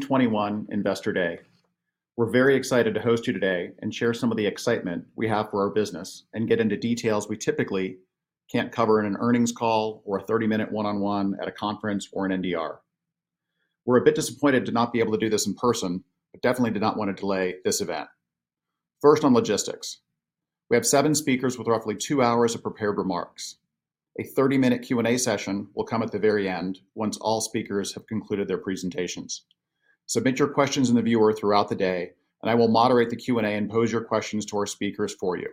21 Investor Day. We're very excited to host you today and share some of the excitement we have for our business and get into details we typically can't cover in an earnings call or a 30-minute one-on-one at a conference or an NDR. We're a bit disappointed to not be able to do this in person, but definitely did not wanna delay this event. First, on logistics. We have seven speakers with roughly two hours of prepared remarks. A 30-minute Q&A session will come at the very end once all speakers have concluded their presentations. Submit your questions in the viewer throughout the day. I will moderate the Q&A and pose your questions to our speakers for you.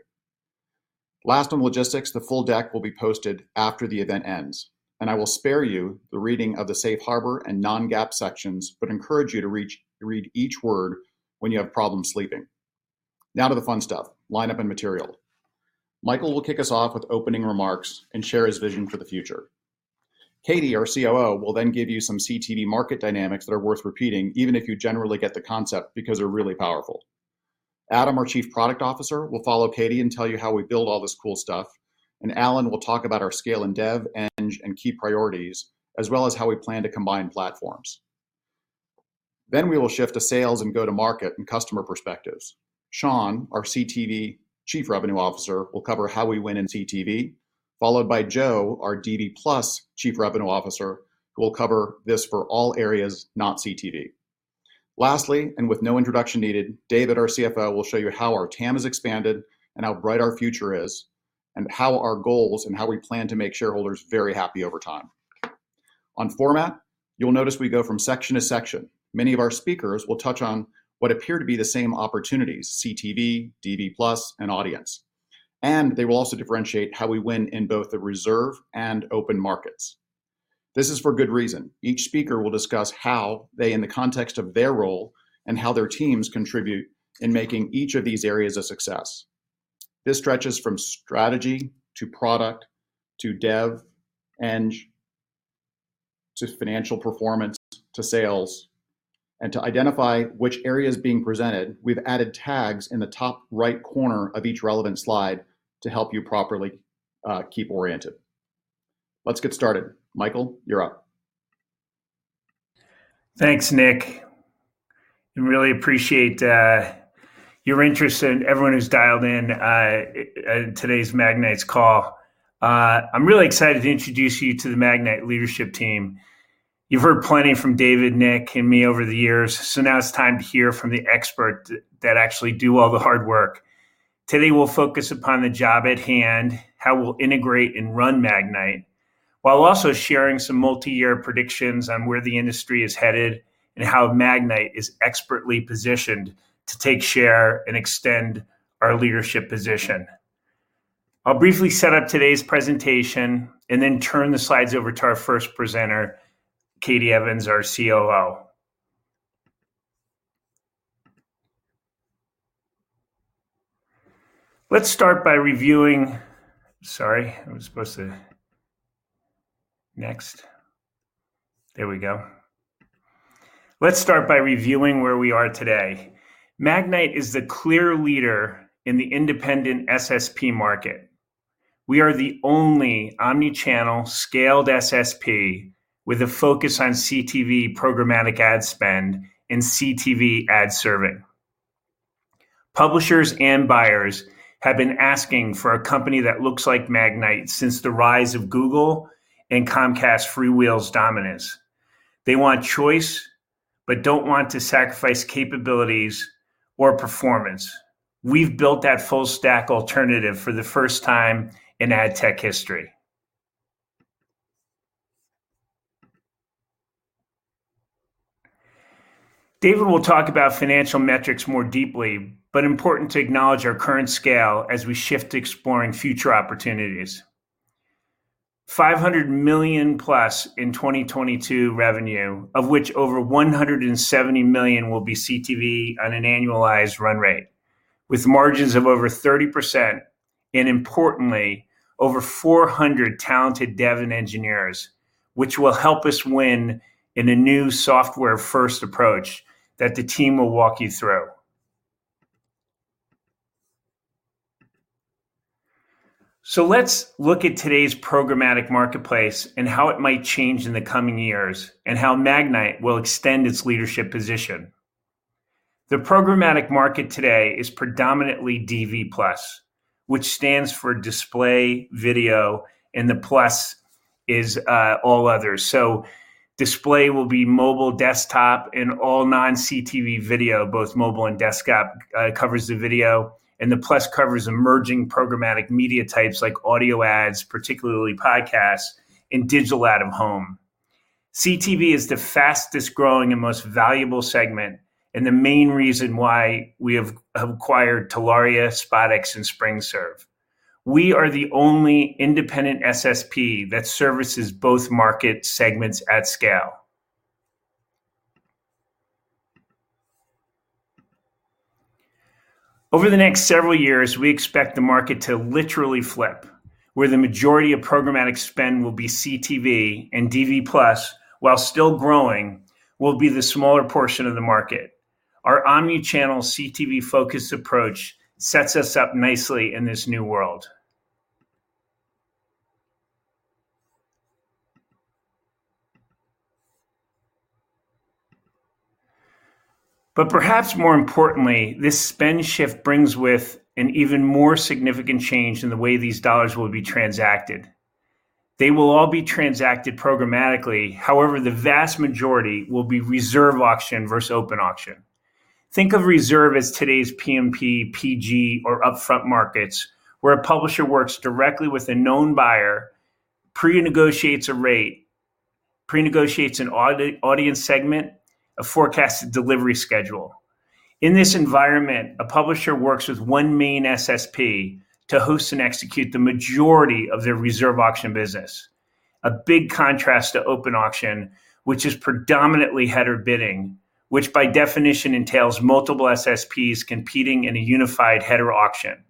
Last on logistics, the full deck will be posted after the event ends. I will spare you the reading of the safe harbor and non-GAAP sections, but encourage you to read each word when you have problems sleeping. Now to the fun stuff, lineup and material. Michael will kick us off with opening remarks and share his vision for the future. Katie, our COO, will then give you some CTV market dynamics that are worth repeating, even if you generally get the concept, because they're really powerful. Adam, our Chief Product Officer, will follow Katie and tell you how we build all this cool stuff, and Allen will talk about our scale and dev eng and key priorities, as well as how we plan to combine platforms. We will shift to sales and go-to-market and customer perspectives. Sean, our CTV Chief Revenue Officer, will cover how we win in CTV, followed by Joe, our DV+ Chief Revenue Officer, who will cover this for all areas not CTV. Lastly, and with no introduction needed, David, our CFO, will show you how our TAM has expanded and how bright our future is, and how our goals and how we plan to make shareholders very happy over time. On format, you'll notice we go from section to section. Many of our speakers will touch on what appear to be the same opportunities, CTV, DV+, and audience, and they will also differentiate how we win in both the reserve and open markets. This is for good reason. Each speaker will discuss how they, in the context of their role, and how their teams contribute in making each of these areas a success. This stretches from strategy to product to dev eng to financial performance to sales. To identify which area is being presented, we've added tags in the top right corner of each relevant slide to help you properly keep oriented. Let's get started. Michael, you're up. Thanks, Nick, and really appreciate your interest and everyone who's dialed in today's Magnite's call. I'm really excited to introduce you to the Magnite leadership team. You've heard plenty from David, Nick, and me over the years, so now it's time to hear from the expert that actually do all the hard work. Today we'll focus upon the job at hand, how we'll integrate and run Magnite, while also sharing some multi-year predictions on where the industry is headed and how Magnite is expertly positioned to take share and extend our leadership position. I'll briefly set up today's presentation and then turn the slides over to our first presenter, Katie Evans, our COO. Let's start by reviewing where we are today. Magnite is the clear leader in the independent SSP market. We are the only omni-channel scaled SSP with a focus on CTV programmatic ad spend and CTV ad serving. Publishers and buyers have been asking for a company that looks like Magnite since the rise of Google and Comcast FreeWheel's dominance. They want choice, don't want to sacrifice capabilities or performance. We've built that full stack alternative for the first time in ad tech history. David will talk about financial metrics more deeply, important to acknowledge our current scale as we shift to exploring future opportunities. $500 million+ in 2022 revenue, of which over $170 million will be CTV on an annualized run rate, with margins of over 30%, and importantly, over 400 talented dev and engineers, which will help us win in a new software-first approach that the team will walk you through. Let's look at today's programmatic marketplace and how it might change in the coming years, and how Magnite will extend its leadership position. The programmatic market today is predominantly DV+, which stands for display, video, and the plus is all others. Display will be mobile, desktop, and all non-CTV video. Both mobile and desktop covers the video, and the plus covers emerging programmatic media types like audio ads, particularly podcasts, and digital out-of-home. CTV is the fastest-growing and most valuable segment, and the main reason why we have acquired Telaria, SpotX, and SpringServe. We are the only independent SSP that services both market segments at scale. Over the next several years, we expect the market to literally flip, where the majority of programmatic spend will be CTV, and DV+, while still growing, will be the smaller portion of the market. Our omni-channel CTV-focused approach sets us up nicely in this new world. Perhaps more importantly, this spend shift brings with an even more significant change in the way these dollars will be transacted. They will all be transacted programmatically, however, the vast majority will be reserve auction versus open auction. Think of reserve as today's PMP, PG, or upfront markets, where a publisher works directly with a known buyer, pre-negotiates a rate, pre-negotiates an audience segment, a forecasted delivery schedule. In this environment, a publisher works with one main SSP to host and execute the majority of their reserve auction business. A big contrast to open auction, which is predominantly header bidding, which by definition entails multiple SSPs competing in a unified header auction.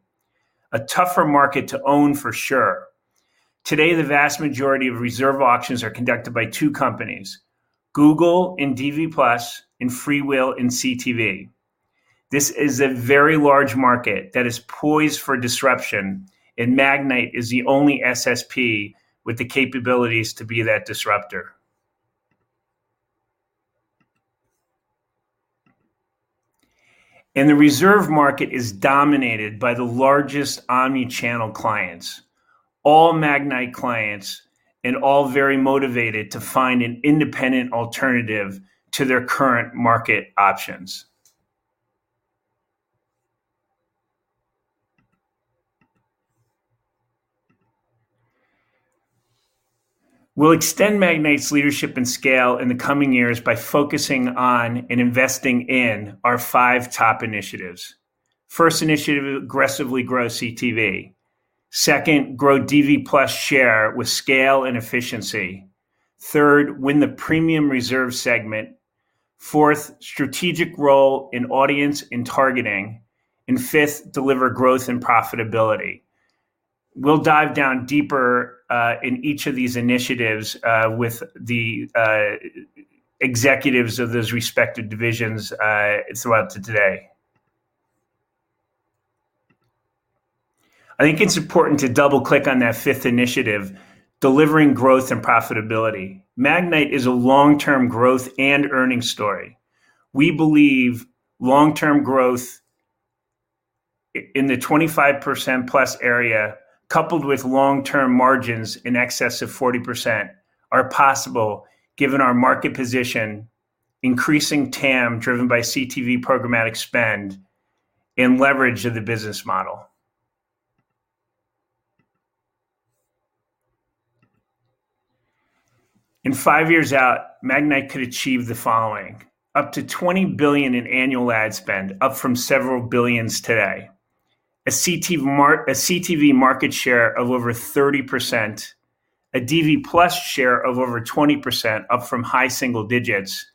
A tougher market to own for sure. Today, the vast majority of reserve auctions are conducted by two companies, Google in DV+ and FreeWheel in CTV. This is a very large market that is poised for disruption. Magnite is the only SSP with the capabilities to be that disruptor. The reserve market is dominated by the largest omni-channel clients, all Magnite clients, and all very motivated to find an independent alternative to their current market options. We'll extend Magnite's leadership and scale in the coming years by focusing on and investing in our five top initiatives. First initiative, aggressively grow CTV. Second, grow DV+ share with scale and efficiency. Third, win the premium reserve segment. Fourth, strategic role in audience and targeting. Fifth, deliver growth and profitability. We'll dive down deeper in each of these initiatives with the executives of those respective divisions throughout today. I think it's important to double-click on that fifth initiative, delivering growth and profitability. Magnite is a long-term growth and earning story. We believe long-term growth in the 25%+ area, coupled with long-term margins in excess of 40% are possible given our market position, increasing TAM driven by CTV programmatic spend, and leverage of the business model. In five years out, Magnite could achieve the following: up to $20 billion in annual ad spend, up from several billions today. A CTV market share of over 30%, a DV+ share of over 20%, up from high single digits,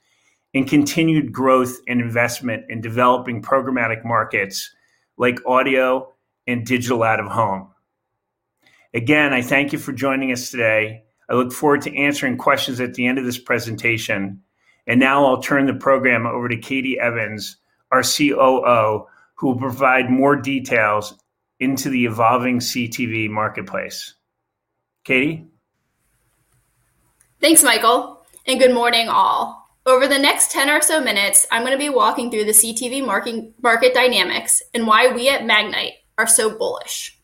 and continued growth and investment in developing programmatic markets like audio and digital out of home. Again, I thank you for joining us today. I look forward to answering questions at the end of this presentation. Now I'll turn the program over to Katie Evans, our COO, who will provide more details into the evolving CTV marketplace. Katie? Thanks, Michael. Good morning all. Over the next 10 or so minutes, I'm gonna be walking through the CTV market dynamics and why we at Magnite are so bullish.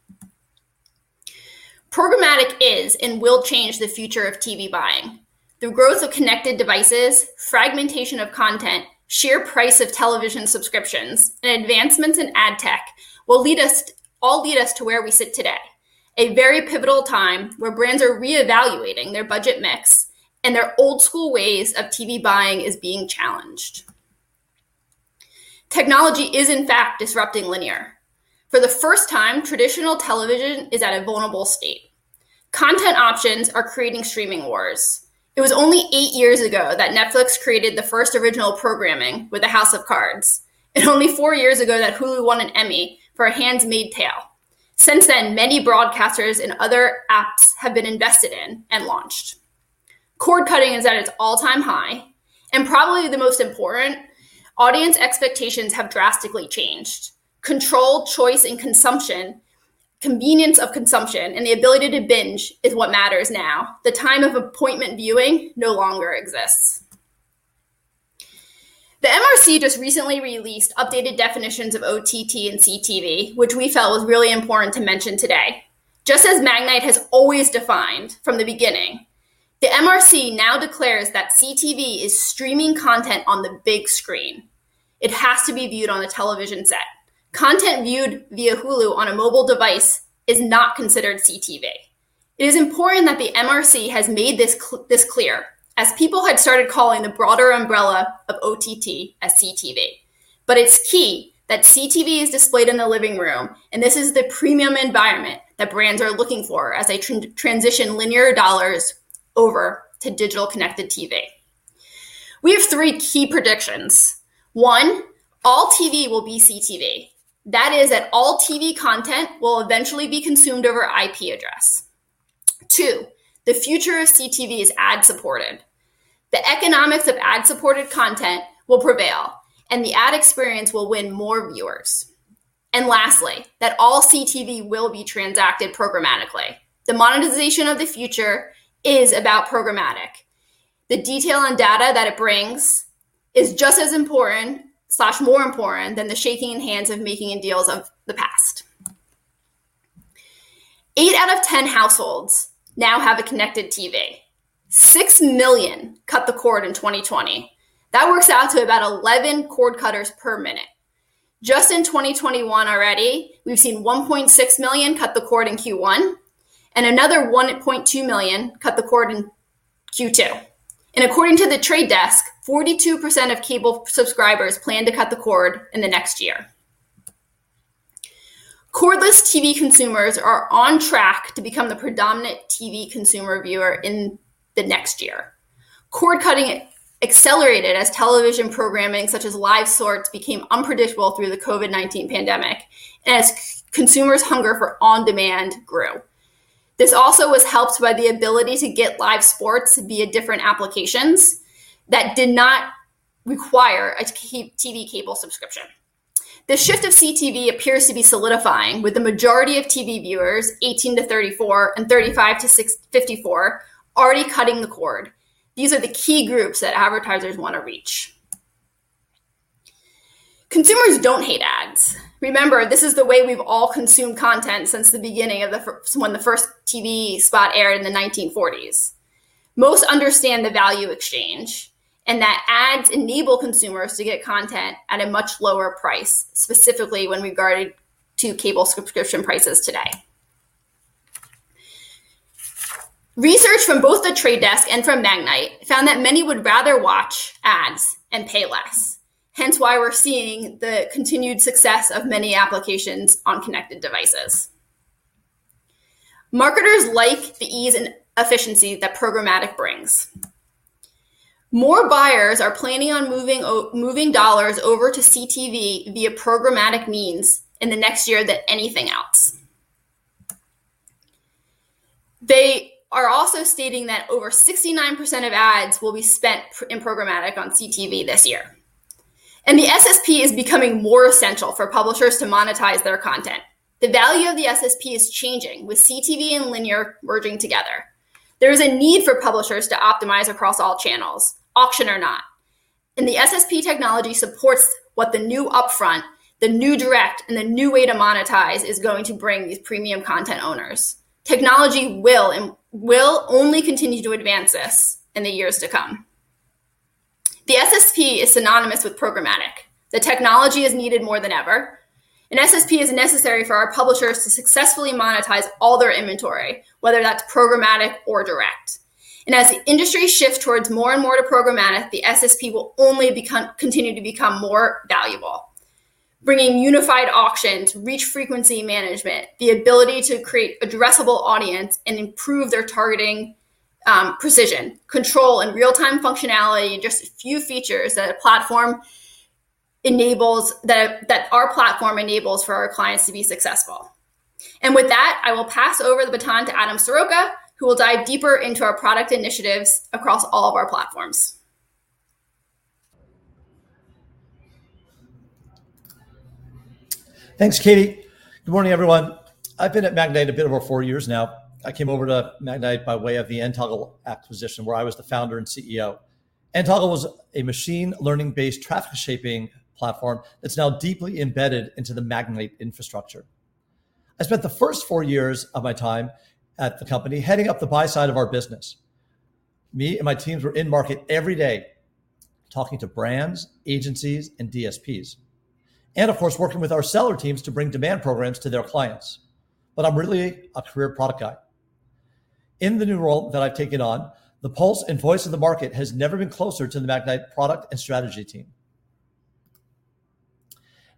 Programmatic is and will change the future of TV buying. The growth of connected devices, fragmentation of content, sheer price of television subscriptions, and advancements in ad tech will all lead us to where we sit today. A very pivotal time where brands are reevaluating their budget mix, and their old school ways of TV buying is being challenged. Technology is in fact disrupting linear. For the first time, traditional television is at a vulnerable state. Content options are creating streaming wars. It was only eight years ago that Netflix created the first original programming with House of Cards, and only four years ago that Hulu won an Emmy for The Handmaid's Tale. Since then, many broadcasters and other apps have been invested in and launched. Cord cutting is at its all-time high, and probably the most important, audience expectations have drastically changed. Control, choice, and consumption, convenience of consumption, and the ability to binge is what matters now. The time of appointment viewing no longer exists. The MRC just recently released updated definitions of OTT and CTV, which we felt was really important to mention today. Just as Magnite has always defined from the beginning, the MRC now declares that CTV is streaming content on the big screen. It has to be viewed on a television set. Content viewed via Hulu on a mobile device is not considered CTV. It is important that the MRC has made this clear, as people had started calling the broader umbrella of OTT as CTV. It's key that CTV is displayed in the living room, and this is the premium environment that brands are looking for as they transition linear dollars over to digital connected TV. We have three key predictions. One, all TV will be CTV. That is that all TV content will eventually be consumed over IP address. two, the future of CTV is ad-supported. The economics of ad-supported content will prevail, and the ad experience will win more viewers. Lastly, that all CTV will be transacted programmatically. The monetization of the future is about programmatic. The detail and data that it brings is just as important/more important than the shaking hands of making deals of the past. Eight out of 10 households now have a connected TV. 6 million cut the cord in 2020. That works out to about 11 cord-cutters per minute. Just in 2021 already, we've seen 1.6 million cut the cord in Q1, and another 1.2 million cut the cord in Q2. According to The Trade Desk, 42% of cable subscribers plan to cut the cord in the next year. Cordless TV consumers are on track to become the predominant TV consumer viewer in the next year. Cord-cutting accelerated as television programming, such as live sports, became unpredictable through the COVID-19 pandemic as consumers' hunger for on-demand grew. This also was helped by the ability to get live sports via different applications that did not require a CTV cable subscription. The shift of CTV appears to be solidifying with the majority of TV viewers 18-34 and 35-54 already cutting the cord. These are the key groups that advertisers wanna reach. Consumers don't hate ads. Remember, this is the way we've all consumed content since the beginning of when the first TV spot aired in the 1940s. Most understand the value exchange, and that ads enable consumers to get content at a much lower price, specifically when regarding to cable subscription prices today. Research from both The Trade Desk and from Magnite found that many would rather watch ads and pay less, hence why we're seeing the continued success of many applications on connected devices. Marketers like the ease and efficiency that programmatic brings. More buyers are planning on moving dollars over to CTV via programmatic means in the next year than anything else. They are also stating that over 69% of ads will be spent in programmatic on CTV this year. The SSP is becoming more essential for publishers to monetize their content. The value of the SSP is changing with CTV and linear merging together. There is a need for publishers to optimize across all channels, auction or not. The SSP technology supports what the new upfront, the new direct, and the new way to monetize is going to bring these premium content owners. Technology will and will only continue to advance this in the years to come. The SSP is synonymous with programmatic. The technology is needed more than ever. An SSP is necessary for our publishers to successfully monetize all their inventory, whether that's programmatic or direct. As the industry shifts towards more and more to programmatic, the SSP will only continue to become more valuable. Bringing unified auctions, reach frequency management, the ability to create addressable audience and improve their targeting, precision, control and real-time functionality are just a few features that our platform enables for our clients to be successful. With that, I will pass over the baton to Adam Soroca, who will dive deeper into our product initiatives across all of our platforms. Thanks, Katie. Good morning, everyone. I've been at Magnite a bit over four years now. I came over to Magnite by way of the nToggle acquisition, where I was the Founder and CEO. nToggle was a machine learning-based traffic shaping platform that's now deeply embedded into the Magnite infrastructure. I spent the first four years of my time at the company heading up the buy side of our business. Me and my teams were in market every day talking to brands, agencies, and DSPs, and of course, working with our seller teams to bring demand programs to their clients. I'm really a career product guy. In the new role that I've taken on, the pulse and voice of the market has never been closer to the Magnite product and strategy team.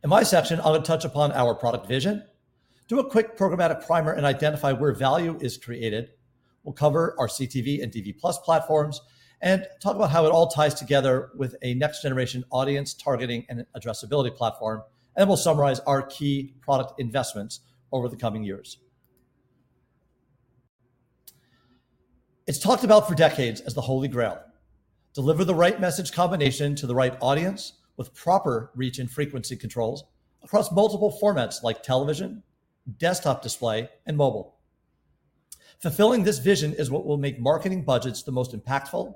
In my section, I'm going to touch upon our product vision, do a quick programmatic primer and identify where value is created. We'll cover our CTV and DV+ platforms and talk about how it all ties together with a next-generation audience targeting and addressability platform. We'll summarize our key product investments over the coming years. It's talked about for decades as the Holy Grail. Deliver the right message combination to the right audience with proper reach and frequency controls across multiple formats like television, desktop display, and mobile. Fulfilling this vision is what will make marketing budgets the most impactful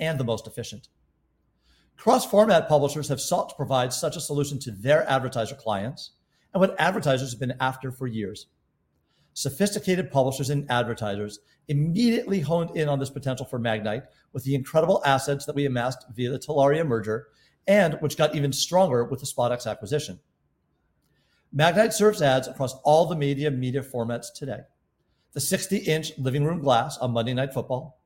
and the most efficient. Cross-format publishers have sought to provide such a solution to their advertiser clients and what advertisers have been after for years. Sophisticated publishers and advertisers immediately honed in on this potential for Magnite with the incredible assets that we amassed via the Telaria merger and which got even stronger with the SpotX acquisition. Magnite serves ads across all the media formats today. The 60-inch living room glass on Monday Night Football,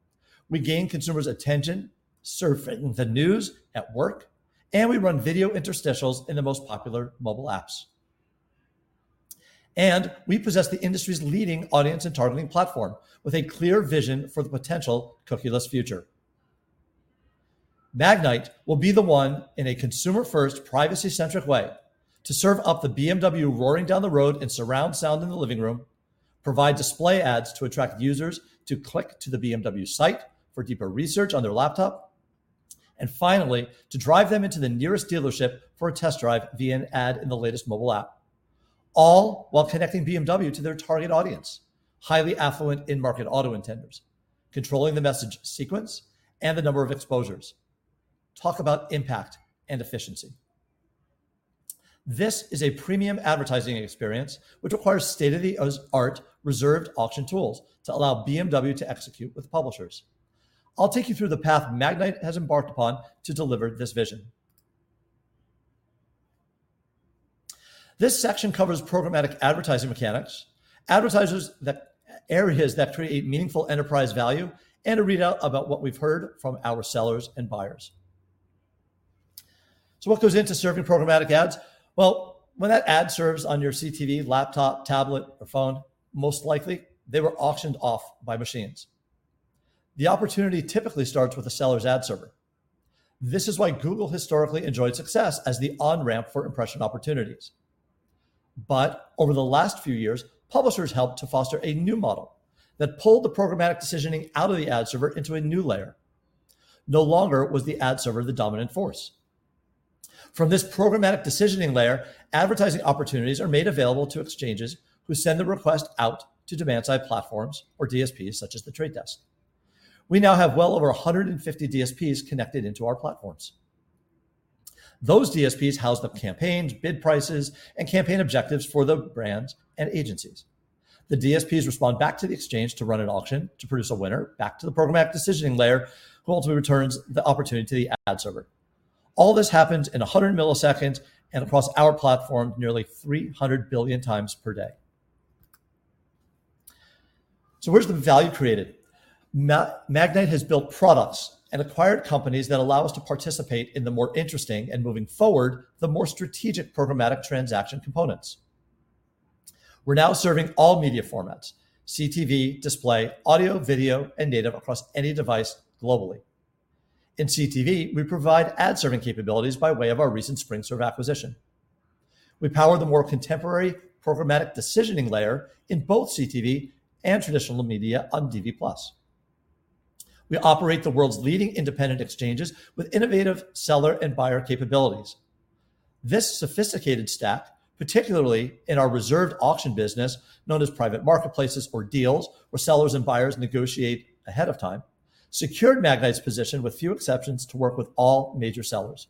we gain consumers' attention surfing the news at work, and we run video interstitials in the most popular mobile apps. We possess the industry's leading audience and targeting platform with a clear vision for the potential cookieless future. Magnite will be the one in a consumer-first, privacy-centric way to serve up the BMW roaring down the road in surround sound in the living room. Provide display ads to attract users to click to the BMW site for deeper research on their laptop, and finally, to drive them into the nearest dealership for a test drive via an ad in the latest mobile app, all while connecting BMW to their target audience, highly affluent in-market auto intenders, controlling the message sequence and the number of exposures. Talk about impact and efficiency. This is a premium advertising experience which requires state-of-the-art reserved auction tools to allow BMW to execute with publishers. I'll take you through the path Magnite has embarked upon to deliver this vision. This section covers programmatic advertising mechanics, areas that create meaningful enterprise value, and a readout about what we've heard from our sellers and buyers. What goes into serving programmatic ads? Well, when that ad serves on your CTV, laptop, tablet, or phone, most likely they were auctioned off by machines. The opportunity typically starts with a seller's ad server. This is why Google historically enjoyed success as the on-ramp for impression opportunities. Over the last few years, publishers helped to foster a new model that pulled the programmatic decisioning out of the ad server into a new layer. No longer was the ad server the dominant force. From this programmatic decisioning layer, advertising opportunities are made available to exchanges who send the request out to demand-side platforms or DSPs such as The Trade Desk. We now have well over 150 DSPs connected into our platforms. Those DSPs house the campaigns, bid prices, and campaign objectives for the brands and agencies. The DSPs respond back to the exchange to run an auction to produce a winner back to the programmatic decisioning layer, who ultimately returns the opportunity to the ad server. All this happens in 100 ms and across our platform nearly 300 billion x per day. Where's the value created? Magnite has built products and acquired companies that allow us to participate in the more interesting and moving forward, the more strategic programmatic transaction components. We're now serving all media formats, CTV, display, audio, video, and native across any device globally. In CTV, we provide ad-serving capabilities by way of our recent SpringServe acquisition. We power the more contemporary programmatic decisioning layer in both CTV and traditional media on DV+. We operate the world's leading independent exchanges with innovative seller and buyer capabilities. This sophisticated stack, particularly in our reserved auction business known as private marketplaces or deals, where sellers and buyers negotiate ahead of time, secured Magnite's position with few exceptions to work with all major sellers.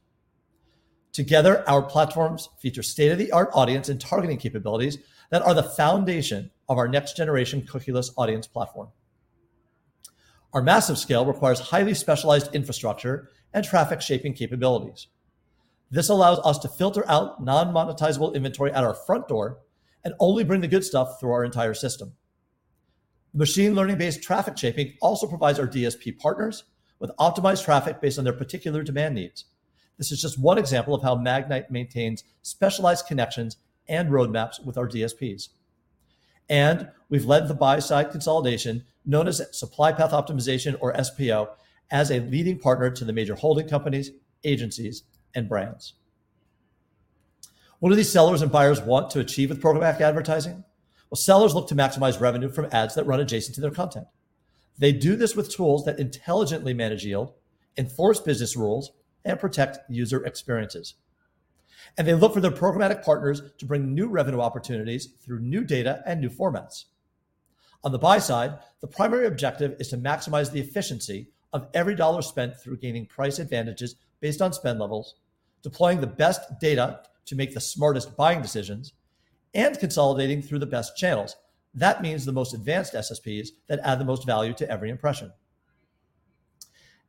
Together, our platforms feature state-of-the-art audience and targeting capabilities that are the foundation of our next-generation cookieless audience platform. Our massive scale requires highly specialized infrastructure and traffic-shaping capabilities. This allows us to filter out non-monetizable inventory at our front door and only bring the good stuff through our entire system. Machine learning-based traffic shaping also provides our DSP partners with optimized traffic based on their particular demand needs. This is just one example of how Magnite maintains specialized connections and roadmaps with our DSPs. We've led the buy side consolidation known as Supply Path Optimization or SPO as a leading partner to the major holding companies, agencies, and brands. What do these sellers and buyers want to achieve with programmatic advertising? Sellers look to maximize revenue from ads that run adjacent to their content. They do this with tools that intelligently manage yield, enforce business rules, and protect user experiences. They look for their programmatic partners to bring new revenue opportunities through new data and new formats. On the buy side, the primary objective is to maximize the efficiency of every dollar spent through gaining price advantages based on spend levels, deploying the best data to make the smartest buying decisions, and consolidating through the best channels. Means the most advanced SSPs that add the most value to every impression.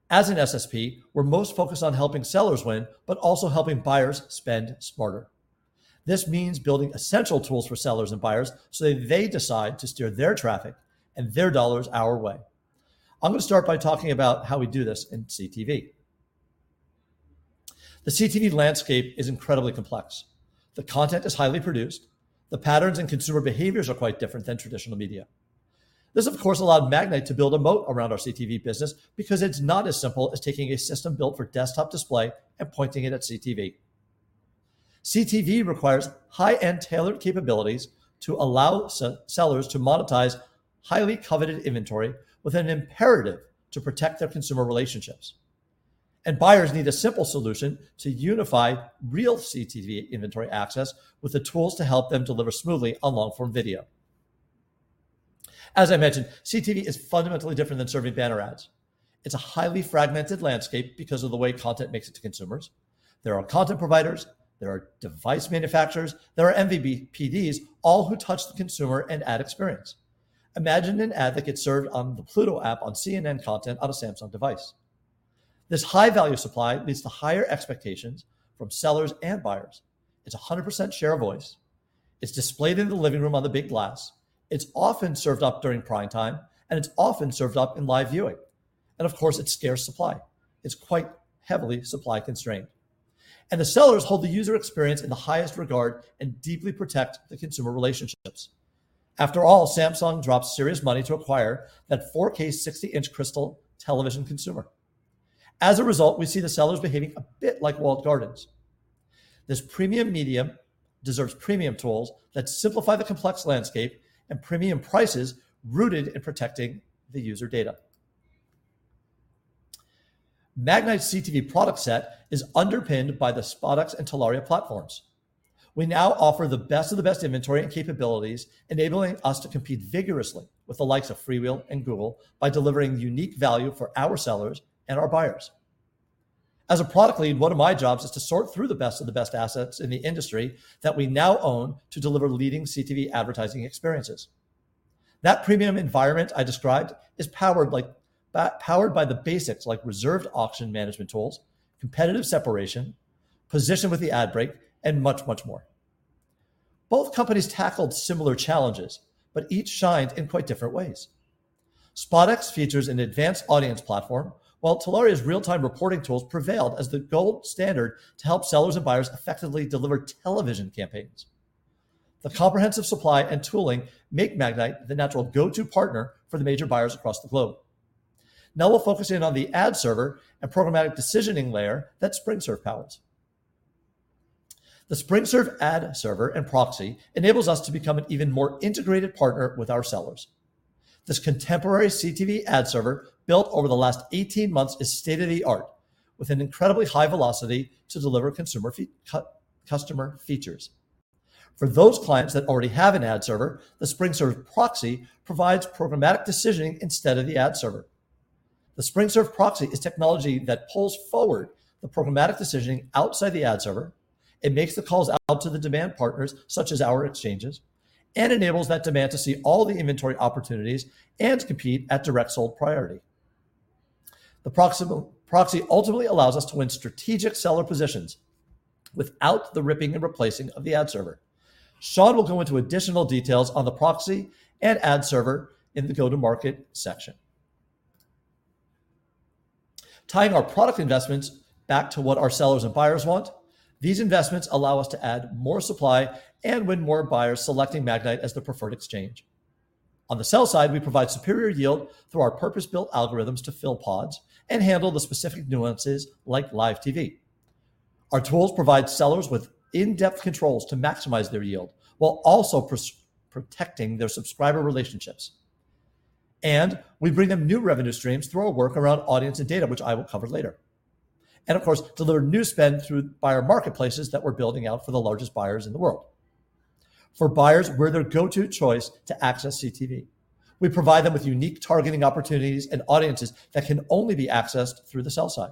As an SSP, we're most focused on helping sellers win, but also helping buyers spend smarter. This means building essential tools for sellers and buyers so that they decide to steer their traffic and their dollars our way. I'm gonna start by talking about how we do this in CTV. The CTV landscape is incredibly complex. The content is highly produced. The patterns and consumer behaviors are quite different than traditional media. This, of course, allowed Magnite to build a moat around our CTV business because it's not as simple as taking a system built for desktop display and pointing it at CTV. CTV requires high-end tailored capabilities to allow sellers to monetize highly coveted inventory with an imperative to protect their consumer relationships. Buyers need a simple solution to unify real CTV inventory access with the tools to help them deliver smoothly on long-form video. As I mentioned, CTV is fundamentally different than serving banner ads. It's a highly fragmented landscape because of the way content makes it to consumers. There are content providers, there are device manufacturers, there are MVPDs, all who touch the consumer and ad experience. Imagine an ad that gets served on the Pluto app on CNN content on a Samsung device. This high-value supply leads to higher expectations from sellers and buyers. It's 100% share of voice. It's displayed in the living room on the big glass. It's often served up during prime time, and it's often served up in live viewing. Of course, it's scarce supply. It's quite heavily supply-constrained. The sellers hold the user experience in the highest regard and deeply protect the consumer relationships. After all, Samsung dropped serious money to acquire that 4K 60-inch crystal television consumer. As a result, we see the sellers behaving a bit like walled gardens. This premium medium deserves premium tools that simplify the complex landscape and premium prices rooted in protecting the user data. Magnite's CTV product set is underpinned by the SpotX and Telaria platforms. We now offer the best of the best inventory and capabilities, enabling us to compete vigorously with the likes of FreeWheel and Google by delivering unique value for our sellers and our buyers. As a product lead, one of my jobs is to sort through the best of the best assets in the industry that we now own to deliver leading CTV advertising experiences. That premium environment I described is powered by the basics like reserved auction management tools, competitive separation, position with the ad break, and much, much more. Both companies tackled similar challenges, but each shined in quite different ways. SpotX features an advanced audience platform, while Telaria's real-time reporting tools prevailed as the gold standard to help sellers and buyers effectively deliver television campaigns. The comprehensive supply and tooling make Magnite the natural go-to partner for the major buyers across the globe. Now we'll focus in on the ad server and programmatic decisioning layer that SpringServe powers. The SpringServe ad server and proxy enables us to become an even more integrated partner with our sellers. This contemporary CTV ad server built over the last 18 months is state-of-the-art, with an incredibly high velocity to deliver customer features. For those clients that already have an ad server, the SpringServe proxy provides programmatic decisioning instead of the ad server. The SpringServe proxy is technology that pulls forward the programmatic decisioning outside the ad server. It makes the calls out to the demand partners, such as our exchanges, and enables that demand to see all the inventory opportunities and compete at direct sold priority. The proxy ultimately allows us to win strategic seller positions without the ripping and replacing of the ad server. Sean will go into additional details on the proxy and ad server in the go-to-market section. Tying our product investments back to what our sellers and buyers want, these investments allow us to add more supply and win more buyers selecting Magnite as the preferred exchange. On the sell side, we provide superior yield through our purpose-built algorithms to fill pods and handle the specific nuances like live TV. Our tools provide sellers with in-depth controls to maximize their yield while also protecting their subscriber relationships. We bring them new revenue streams through our work around audience and data, which I will cover later. Of course, deliver new spend through buyer marketplaces that we're building out for the largest buyers in the world. For buyers, we're their go-to choice to access CTV. We provide them with unique targeting opportunities and audiences that can only be accessed through the sell side.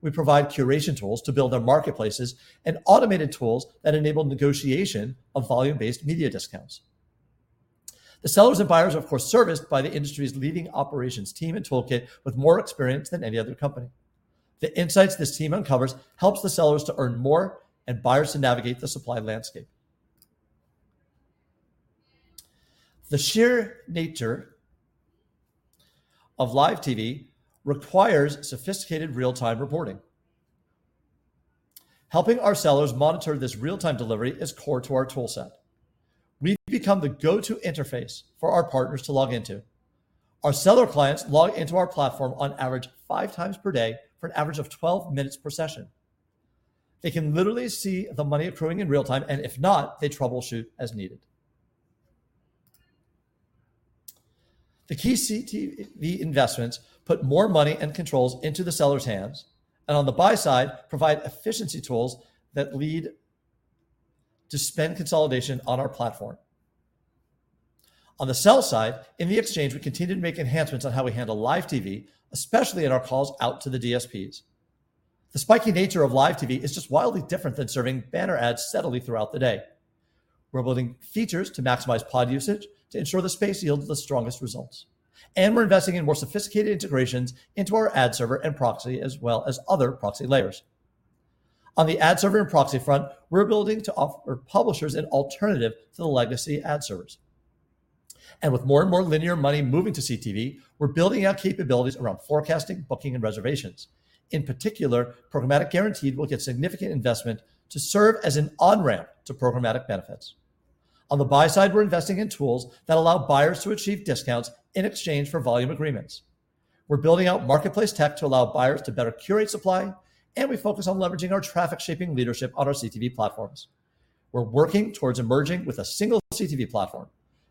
We provide curation tools to build their marketplaces and automated tools that enable negotiation of volume-based media discounts. The sellers and buyers, of course, serviced by the industry's leading operations team and toolkit with more experience than any other company. The insights this team uncovers helps the sellers to earn more and buyers to navigate the supply landscape. The sheer nature of live TV requires sophisticated real-time reporting. Helping our sellers monitor this real-time delivery is core to our tool set. We've become the go-to interface for our partners to log into. Our seller clients log into our platform on average 5x per day for an average of 12 minutes per session. They can literally see the money accruing in real time, and if not, they troubleshoot as needed. The key CTV investments put more money and controls into the sellers' hands, and on the buy side, provide efficiency tools that lead to spend consolidation on our platform. On the sell side, in the exchange, we continue to make enhancements on how we handle live TV, especially in our calls out to the DSPs. The spiky nature of live TV is just wildly different than serving banner ads steadily throughout the day. We're building features to maximize pod usage to ensure the space yields the strongest results, and we're investing in more sophisticated integrations into our ad server and proxy, as well as other proxy layers. On the ad server and proxy front, we're building to offer publishers an alternative to the legacy ad servers. With more and more linear money moving to CTV, we're building out capabilities around forecasting, booking, and reservations. In particular, programmatic guaranteed will get significant investment to serve as an on-ramp to programmatic benefits. On the buy side, we're investing in tools that allow buyers to achieve discounts in exchange for volume agreements. We're building out marketplace tech to allow buyers to better curate supply, and we focus on leveraging our traffic-shaping leadership on our CTV platforms. We're working towards emerging with a single CTV platform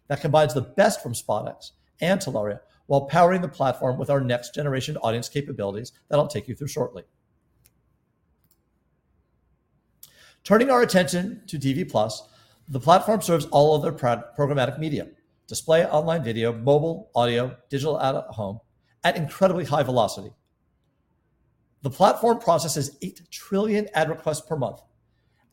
that combines the best from SpotX and Telaria while powering the platform with our next-generation audience capabilities that I'll take you through shortly. Turning our attention to DV+, the platform serves all other programmatic media, display, online video, mobile, audio, digital-out-of-home at incredibly high velocity. The platform processes 8 trillion ad requests per month.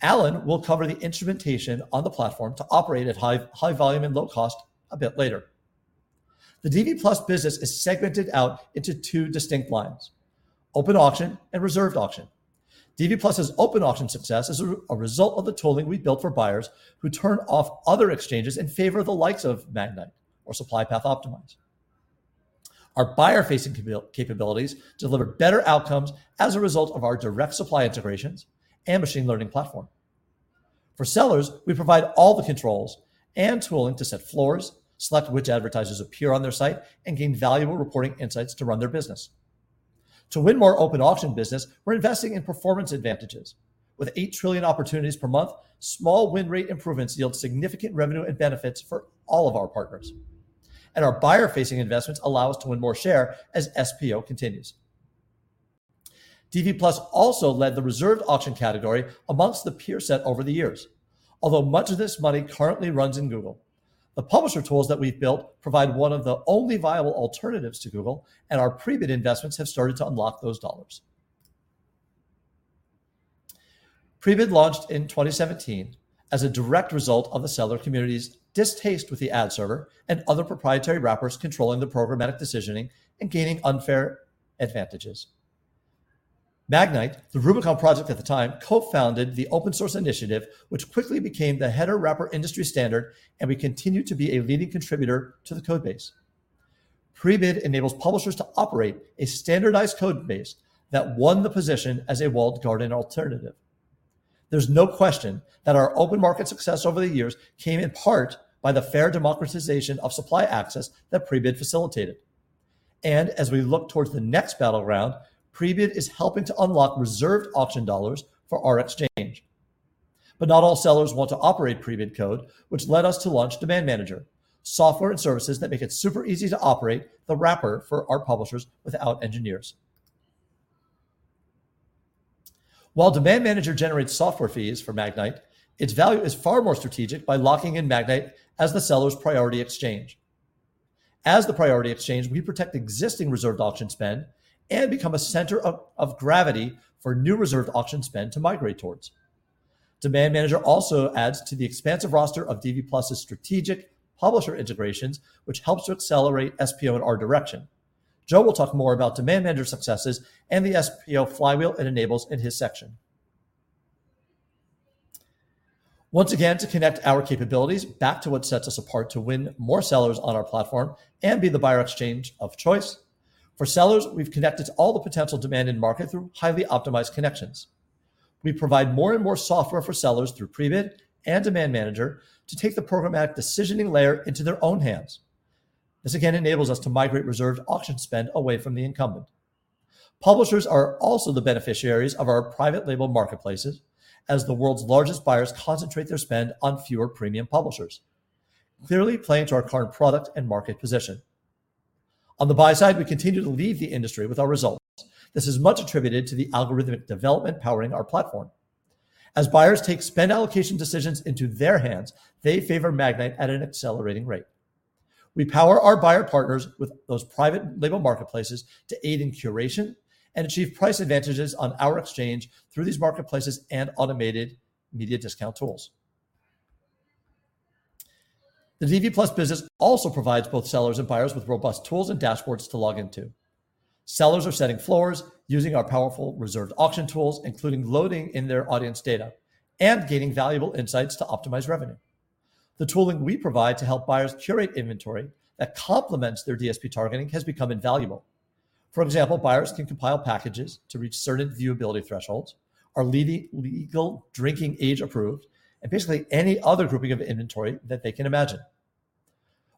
Allen will cover the instrumentation on the platform to operate at high volume and low cost a bit later. The DV+ business is segmented out into two distinct lines, open auction and reserved auction. DV+'s open auction success is a result of the tooling we've built for buyers who turn off other exchanges in favor of the likes of Magnite or supply path optimize. Our buyer-facing capabilities deliver better outcomes as a result of our direct supply integrations and machine learning platform. For sellers, we provide all the controls and tooling to set floors, select which advertisers appear on their site, and gain valuable reporting insights to run their business. To win more open auction business, we're investing in performance advantages. With 8 trillion opportunities per month, small win rate improvements yield significant revenue and benefits for all of our partners. Our buyer-facing investments allow us to win more share as SPO continues. DV+ also led the reserved auction category amongst the peer set over the years. Although much of this money currently runs in Google, the publisher tools that we've built provide one of the only viable alternatives to Google, and our Prebid investments have started to unlock those dollars. Prebid launched in 2017 as a direct result of the seller community's distaste with the ad server and other proprietary wrappers controlling the programmatic decisioning and gaining unfair advantages. Magnite, the Rubicon Project at the time, co-founded the open source initiative, which quickly became the header wrapper industry standard, and we continue to be a leading contributor to the code base. Prebid enables publishers to operate a standardized code base that won the position as a walled garden alternative. There's no question that our open market success over the years came in part by the fair democratization of supply access that Prebid facilitated. As we look towards the next battleground, Prebid is helping to unlock reserved auction dollars for our exchange. Not all sellers want to operate Prebid code, which led us to launch Demand Manager, software and services that make it super easy to operate the wrapper for our publishers without engineers. While Demand Manager generates software fees for Magnite, its value is far more strategic by locking in Magnite as the seller's priority exchange. As the priority exchange, we protect existing reserved auction spend and become a center of gravity for new reserved auction spend to migrate towards. Demand Manager also adds to the expansive roster of DV+'s strategic publisher integrations, which helps to accelerate SPO in our direction. Joe will talk more about Demand Manager successes and the SPO flywheel it enables in his section. Once again, to connect our capabilities back to what sets us apart to win more sellers on our platform and be the buyer exchange of choice, for sellers, we've connected all the potential demand in market through highly optimized connections. We provide more and more software for sellers through Prebid and Demand Manager to take the programmatic decisioning layer into their own hands. This again enables us to migrate reserved auction spend away from the incumbent. Publishers are also the beneficiaries of our private label marketplaces as the world's largest buyers concentrate their spend on fewer premium publishers, clearly playing to our current product and market position. On the buy side, we continue to lead the industry with our results. This is much attributed to the algorithmic development powering our platform. As buyers take spend allocation decisions into their hands, they favor Magnite at an accelerating rate. We power our buyer partners with those private label marketplaces to aid in curation and achieve price advantages on our exchange through these marketplaces and automated media discount tools. The DV+ business also provides both sellers and buyers with robust tools and dashboards to log into. Sellers are setting floors using our powerful reserved auction tools, including loading in their audience data and gaining valuable insights to optimize revenue. The tooling we provide to help buyers curate inventory that complements their DSP targeting has become invaluable. For example, buyers can compile packages to reach certain viewability thresholds, are leading legal drinking age approved, and basically any other grouping of inventory that they can imagine.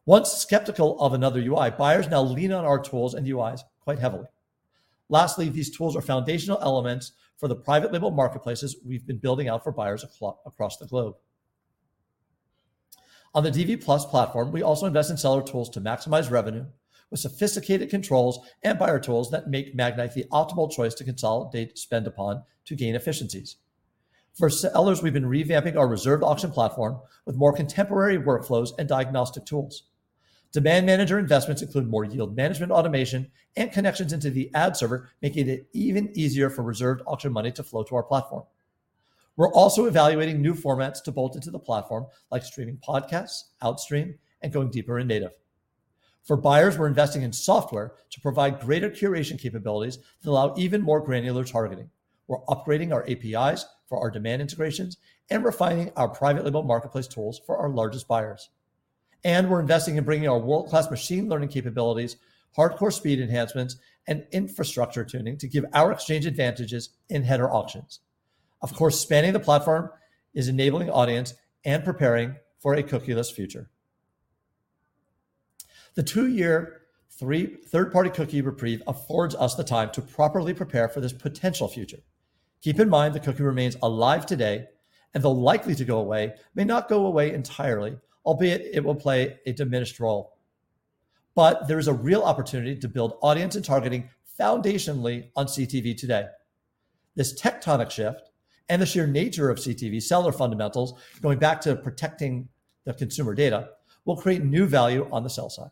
Once skeptical of another UI, buyers now lean on our tools and UIs quite heavily. Lastly, these tools are foundational elements for the private label marketplaces we've been building out for buyers across the globe. On the DV+ platform, we also invest in seller tools to maximize revenue with sophisticated controls and buyer tools that make Magnite the optimal choice to consolidate spend upon to gain efficiencies. For sellers, we've been revamping our reserved auction platform with more contemporary workflows and diagnostic tools. Demand Manager investments include more yield management automation and connections into the ad server, making it even easier for reserved auction money to flow to our platform. We're also evaluating new formats to bolt into the platform, like streaming podcasts, outstream, and going deeper in native. For buyers, we're investing in software to provide greater curation capabilities that allow even more granular targeting. We're upgrading our APIs for our demand integrations and refining our private label marketplace tools for our largest buyers. We're investing in bringing our world-class machine learning capabilities, hardcore speed enhancements, and infrastructure tuning to give our exchange advantages in header auctions. Of course, spanning the platform is enabling audience and preparing for a cookieless future. The two-year third-party cookie reprieve affords us the time to properly prepare for this potential future. Keep in mind, the cookie remains alive today, and though likely to go away, may not go away entirely, albeit it will play a diminished role. There is a real opportunity to build audience and targeting foundationally on CTV today. This tectonic shift and the sheer nature of CTV seller fundamentals, going back to protecting the consumer data, will create new value on the sell side.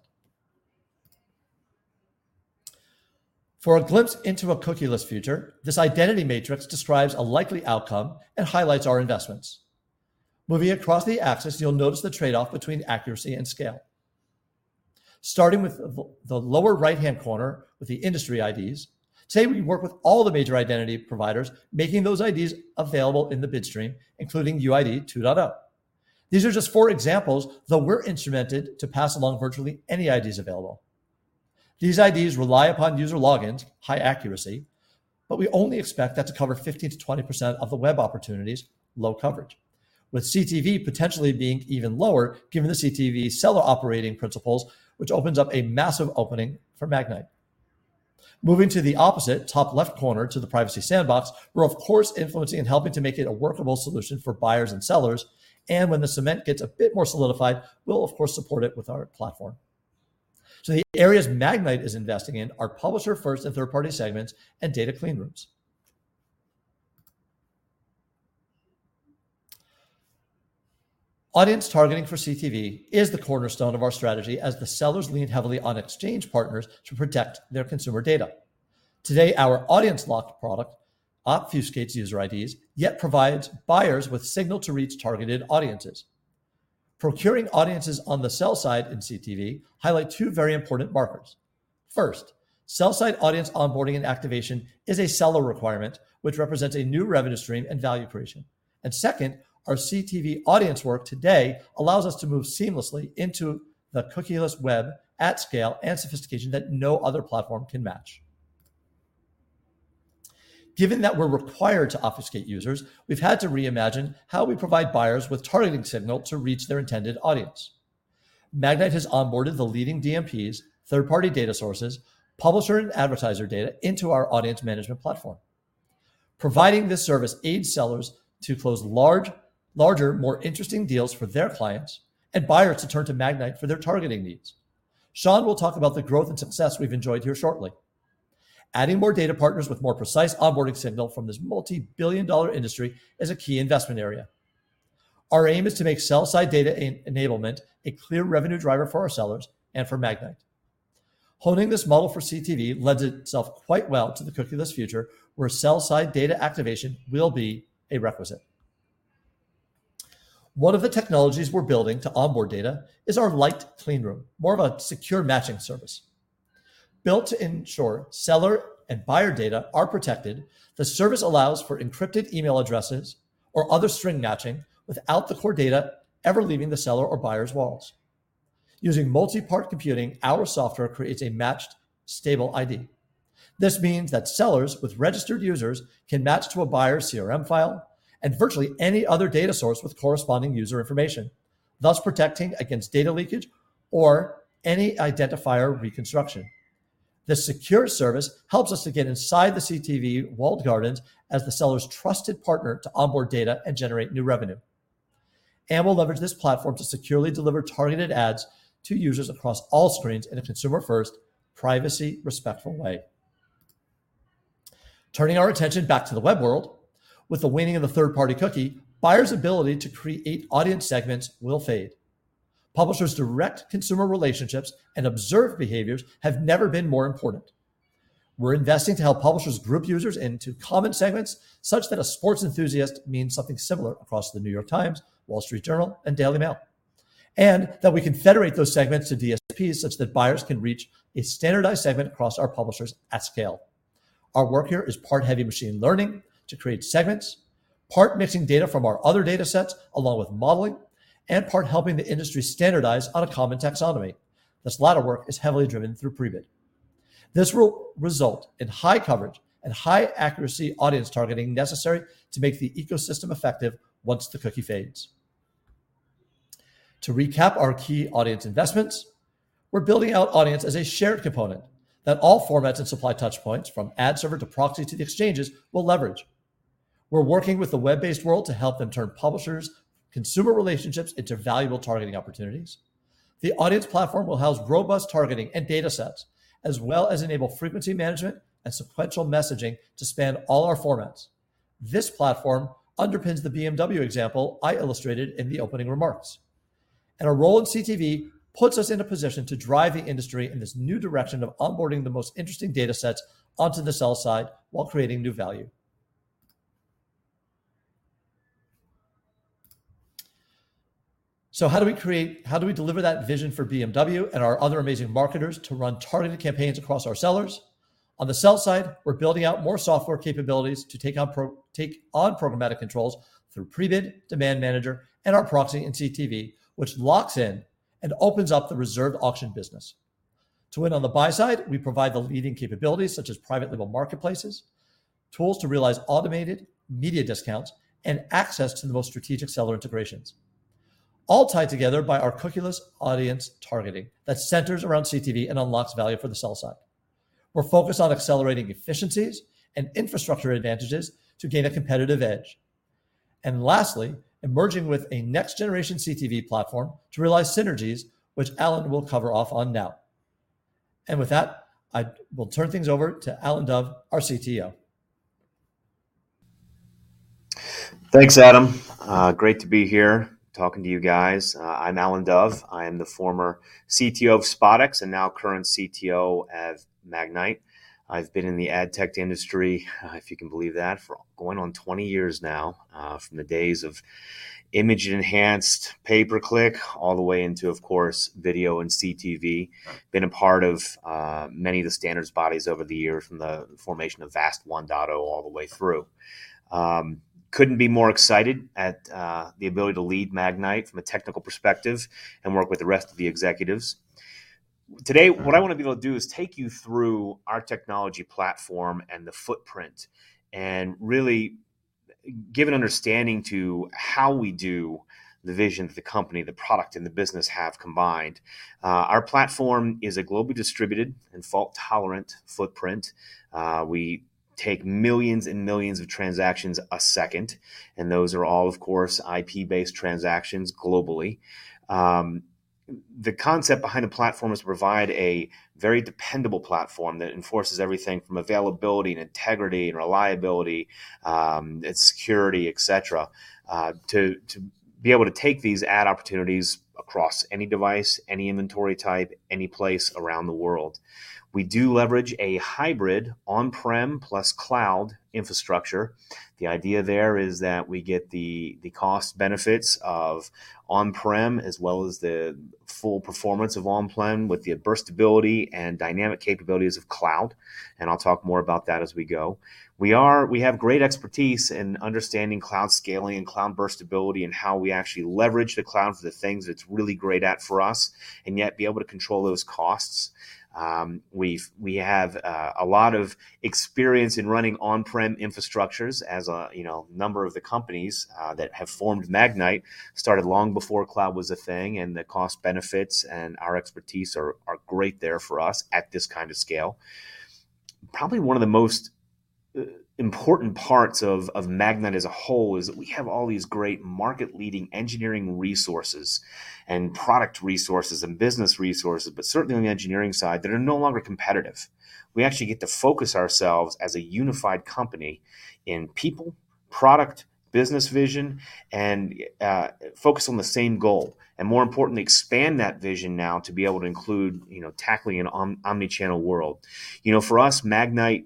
For a glimpse into a cookieless future, this identity matrix describes a likely outcome and highlights our investments. Moving across the axis, you'll notice the trade-off between accuracy and scale. Starting with the lower right-hand corner with the industry IDs, today we work with all the major identity providers, making those IDs available in the bid stream, including UID 2.0. These are just four examples, though we're instrumented to pass along virtually any IDs available. These IDs rely upon user logins, high accuracy, but we only expect that to cover 15%-20% of the web opportunities, low coverage. With CTV potentially being even lower, given the CTV seller operating principles, which opens up a massive opening for Magnite. Moving to the opposite top left corner to the Privacy Sandbox, we're of course influencing and helping to make it a workable solution for buyers and sellers. When the cement gets a bit more solidified, we'll of course support it with our platform. The areas Magnite is investing in are publisher first- and third-party segments and data clean rooms. Audience targeting for CTV is the cornerstone of our strategy as the sellers lean heavily on exchange partners to protect their consumer data. Today, our Audience Lock product obfuscates user IDs, yet provides buyers with signal to reach targeted audiences. Procuring audiences on the sell side in CTV highlight two very important markers. First, sell-side audience onboarding and activation is a seller requirement, which represents a new revenue stream and value creation. Second, our CTV audience work today allows us to move seamlessly into the cookieless web at scale and sophistication that no other platform can match. Given that we're required to obfuscate users, we've had to reimagine how we provide buyers with targeting signal to reach their intended audience. Magnite has onboarded the leading DMPs, third-party data sources, publisher and advertiser data into our audience management platform. Providing this service aids sellers to close larger, more interesting deals for their clients and buyers to turn to Magnite for their targeting needs. Sean will talk about the growth and success we've enjoyed here shortly. Adding more data partners with more precise onboarding signal from this multi-billion dollar industry is a key investment area. Our aim is to make sell-side data enablement a clear revenue driver for our sellers and for Magnite. Honing this model for CTV lends itself quite well to the cookieless future, where sell-side data activation will be a requisite. One of the technologies we're building to onboard data is our light clean room, more of a secure matching service. Built to ensure seller and buyer data are protected, the service allows for encrypted email addresses or other string matching without the core data ever leaving the seller or buyer's walls. Using multi-party computing, our software creates a matched stable ID. This means that sellers with registered users can match to a buyer CRM file and virtually any other data source with corresponding user information, thus protecting against data leakage or any identifier reconstruction. This secure service helps us to get inside the CTV walled gardens as the seller's trusted partner to onboard data and generate new revenue. We'll leverage this platform to securely deliver targeted ads to users across all screens in a consumer-first, privacy-respectful way. Turning our attention back to the web world, with the waning of the third-party cookie, buyer's ability to create audience segments will fade. Publishers' direct consumer relationships and observed behaviors have never been more important. We're investing to help publishers group users into common segments, such that a sports enthusiast means something similar across The New York Times, The Wall Street Journal, and Daily Mail. That we can federate those segments to DSPs such that buyers can reach a standardized segment across our publishers at scale. Our work here is part heavy machine learning to create segments, part mixing data from our other datasets along with modeling, and part helping the industry standardize on a common taxonomy. This latter work is heavily driven through Prebid. This will result in high coverage and high accuracy audience targeting necessary to make the ecosystem effective once the cookie fades. To recap our key audience investments, we're building out audience as a shared component that all formats and supply touch points from ad server to proxy to the exchanges will leverage. We're working with the web-based world to help them turn publishers' consumer relationships into valuable targeting opportunities. The audience platform will house robust targeting and datasets, as well as enable frequency management and sequential messaging to span all our formats. This platform underpins the BMW example I illustrated in the opening remarks. Our role in CTV puts us in a position to drive the industry in this new direction of onboarding the most interesting datasets onto the sell side while creating new value. How do we deliver that vision for BMW and our other amazing marketers to run targeted campaigns across our sellers? On the sell side, we're building out more software capabilities to take on programmatic controls through Prebid, Demand Manager, and our proxy in CTV, which locks in and opens up the reserve auction business. To win on the buy side, we provide the leading capabilities such as private label marketplaces, tools to realize automated media discounts, and access to the most strategic seller integrations, all tied together by our cookieless audience targeting that centers around CTV and unlocks value for the sell side. We're focused on accelerating efficiencies and infrastructure advantages to gain a competitive edge. Lastly, emerging with a next-generation CTV platform to realize synergies, which Allen will cover off on now. With that, I will turn things over to Allen Dove, our CTO. Thanks, Adam. Great to be here talking to you guys. I'm Allen Dove. I am the former CTO of SpotX and now current CTO at Magnite. I've been in the ad tech industry, if you can believe that, for going on 20 years now, from the days of image-enhanced pay-per-click all the way into, of course, video and CTV. Been a part of many of the standards bodies over the years, from the formation of VAST 1.0 all the way through. Couldn't be more excited at the ability to lead Magnite from a technical perspective and work with the rest of the executives. Today, what I want to be able to do is take you through our technology platform and the footprint, and really give an understanding to how we do the vision of the company, the product, and the business have combined. Our platform is a globally distributed and fault-tolerant footprint. We take millions and millions of transactions a second, and those are all, of course, IP-based transactions globally. The concept behind the platform is to provide a very dependable platform that enforces everything from availability and integrity and reliability, and security, et cetera, to be able to take these ad opportunities across any device, any inventory type, any place around the world. We do leverage a hybrid on-prem plus cloud infrastructure. The idea there is that we get the cost benefits of on-prem, as well as the full performance of on-prem with the burstability and dynamic capabilities of cloud, and I'll talk more about that as we go. We have great expertise in understanding cloud scaling and cloud burstability, and how we actually leverage the cloud for the things that it's really great at for us, and yet be able to control those costs. We've, we have a lot of experience in running on-prem infrastructures as a, you know, number of the companies that have formed Magnite started long before cloud was a thing, and the cost benefits and our expertise are great there for us at this kind of scale. Probably one of the most important parts of Magnite as a whole is that we have all these great market-leading engineering resources and product resources and business resources, but certainly on the engineering side that are no longer competitive. We actually get to focus ourselves as a unified company in people, product, business vision, and focus on the same goal, and more importantly, expand that vision now to be able to include, you know, tackling an omni-channel world. You know, for us, Magnite,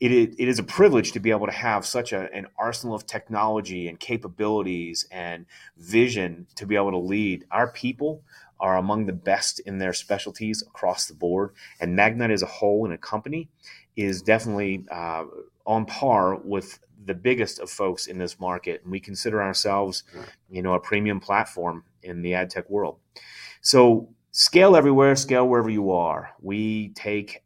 it is a privilege to be able to have such an arsenal of technology and capabilities and vision to be able to lead. Our people are among the best in their specialties across the board, and Magnite as a whole and a company is definitely on par with the biggest of folks in this market, and we consider ourselves, you know, a premium platform in the ad tech world. So scale everywhere, scale wherever you are. We take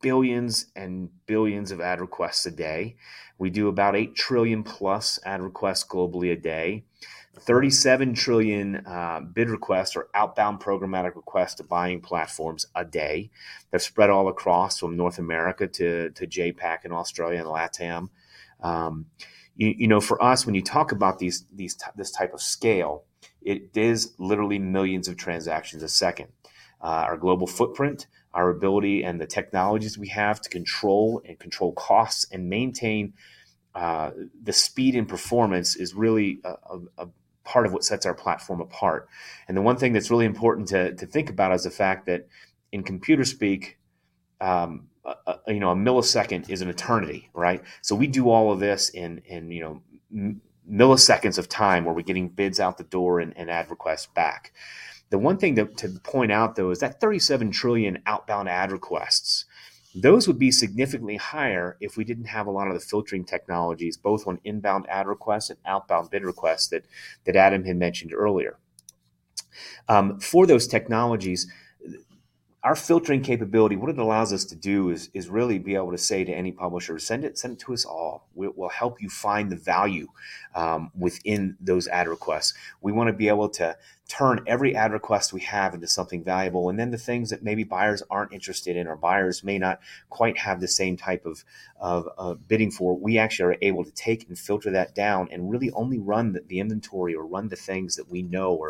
billions and billions of ad requests a day. We do about 8 trillion-plus ad requests globally a day, 37 trillion bid requests or outbound programmatic requests to buying platforms a day that spread all across from North America to APAC and Australia and LATAM. You know, for us, when you talk about this type of scale, it is literally millions of transactions a second. Our global footprint, our ability and the technologies we have to control and control costs and maintain the speed and performance is really a part of what sets our platform apart. The one thing that's really important to think about is the fact that in computer speak, you know, a millisecond is an eternity, right? We do all of this in, you know, milliseconds of time, where we're getting bids out the door and ad requests back. The one thing that to point out, though, is that 37 trillion outbound ad requests, those would be significantly higher if we didn't have a lot of the filtering technologies, both on inbound ad requests and outbound bid requests that Adam had mentioned earlier. For those technologies, our filtering capability, what it allows us to do is really be able to say to any publisher, "Send it, send it to us all. We'll help you find the value within those ad requests. We wanna be able to turn every ad request we have into something valuable. Then the things that maybe buyers aren't interested in or buyers may not quite have the same type of bidding for. We actually are able to take and filter that down and really only run the inventory or run the things that we know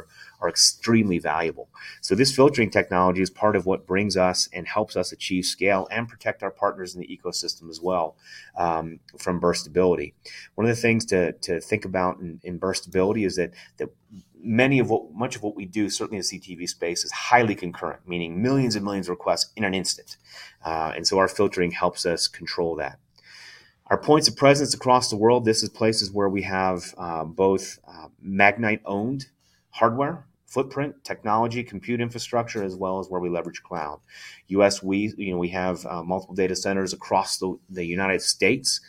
are extremely valuable. This filtering technology is part of what brings us and helps us achieve scale and protect our partners in the ecosystem as well from burstability. One of the things to think about in burstability is that much of what we do, certainly in the CTV space, is highly concurrent, meaning millions and millions of requests in an instant. Our filtering helps us control that. Our points of presence across the world, this is places where we have, both, Magnite-owned hardware, footprint, technology, compute infrastructure, as well as where we leverage cloud. U.S., we, you know, we have multiple data centers across the United States,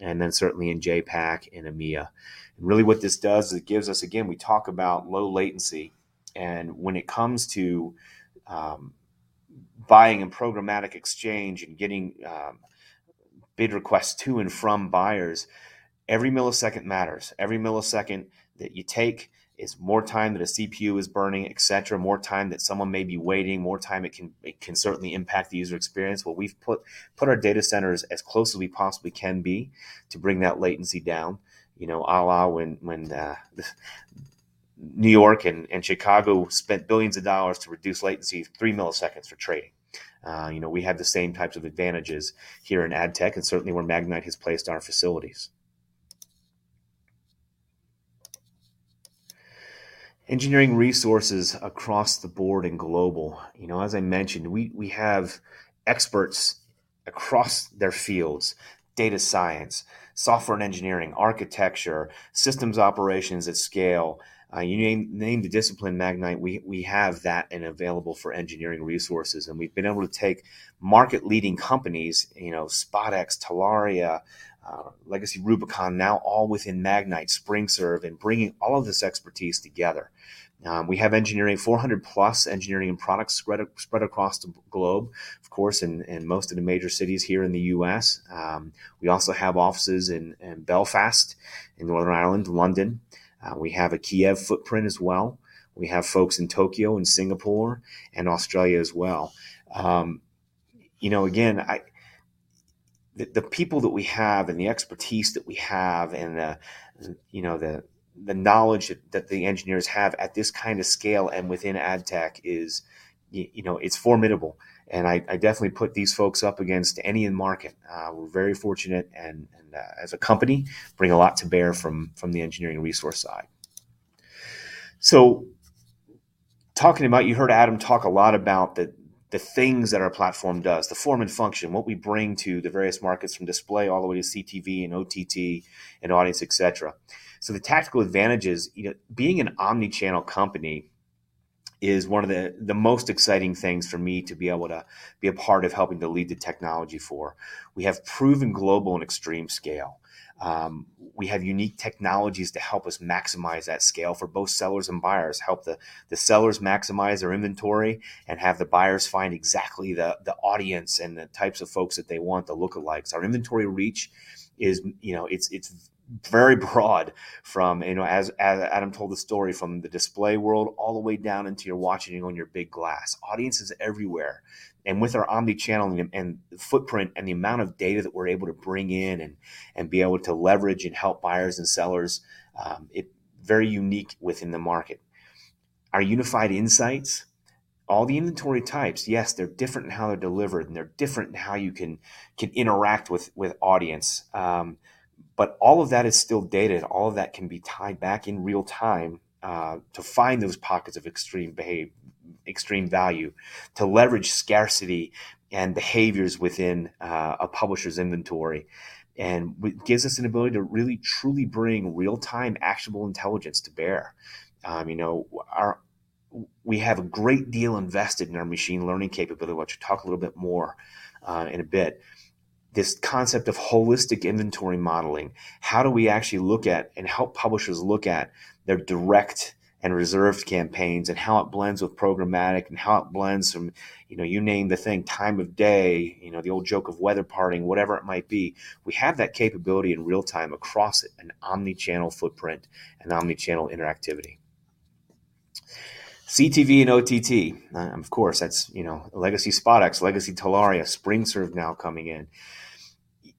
certainly in APAC and EMEA. Really what this does is it gives us, again, we talk about low latency, when it comes to buying and programmatic exchange and getting bid requests to and from buyers, every millisecond matters. Every millisecond that you take is more time that a CPU is burning, et cetera, more time that someone may be waiting, more time it can certainly impact the user experience. Well, we've put our data centers as close as we possibly can be to bring that latency down. You know, a la when New York and Chicago spent billions of dollars to reduce latency 3 ms for trading. You know, we have the same types of advantages here in ad tech, and certainly where Magnite has placed our facilities. Engineering resources across the board and global. You know, as I mentioned, we have experts across their fields, data science, software and engineering, architecture, systems operations at scale. You name the discipline, Magnite, we have that and available for engineering resources, and we've been able to take market-leading companies, you know, SpotX, Telaria, legacy Rubicon, now all within Magnite, SpringServe, and bringing all of this expertise together. We have engineering, 400+ engineering and products spread across the globe, of course, in most of the major cities here in the U.S. We also have offices in Belfast in Northern Ireland, London. We have a Kyiv footprint as well. We have folks in Tokyo, and Singapore, and Australia as well. You know, again, the people that we have and the expertise that we have and the, you know, the knowledge that the engineers have at this kind of scale and within ad tech is you know, it's formidable. I definitely put these folks up against any in-market. We're very fortunate and, as a company bring a lot to bear from the engineering resource side. Talking about, you heard Adam Soroca talk a lot about the things that our platform does, the form and function, what we bring to the various markets from display all the way to CTV and OTT and audience, et cetera. The tactical advantages, you know, being an omni-channel company is one of the most exciting things for me to be able to be a part of helping to lead the technology for. We have proven global and extreme scale. We have unique technologies to help us maximize that scale for both sellers and buyers, help the sellers maximize their inventory, and have the buyers find exactly the audience and the types of folks that they want, the lookalikes. Our inventory reach is, you know, it's very broad from, you know, as Adam told the story, from the display world all the way down into your watching on your big glass. Audience is everywhere. With our omni-channel and footprint and the amount of data that we're able to bring in and be able to leverage and help buyers and sellers, it very unique within the market. Our unified insights, all the inventory types, yes, they're different in how they're delivered, and they're different in how you can interact with audience. All of that is still data, and all of that can be tied back in real time to find those pockets of extreme value, to leverage scarcity and behaviors within a publisher's inventory and gives us an ability to really truly bring real-time actionable intelligence to bear. You know, we have a great deal invested in our machine learning capability, which I'll talk a little bit more in a bit. This concept of holistic inventory modeling, how do we actually look at and help publishers look at their direct and reserved campaigns and how it blends with programmatic and how it blends from, you know, you name the thing, time of day, you know, the old joke of weather parting, whatever it might be. We have that capability in real time across an omni-channel footprint, an omni-channel interactivity. CTV and OTT, of course, that's, you know, legacy SpotX, legacy Telaria, SpringServe now coming in.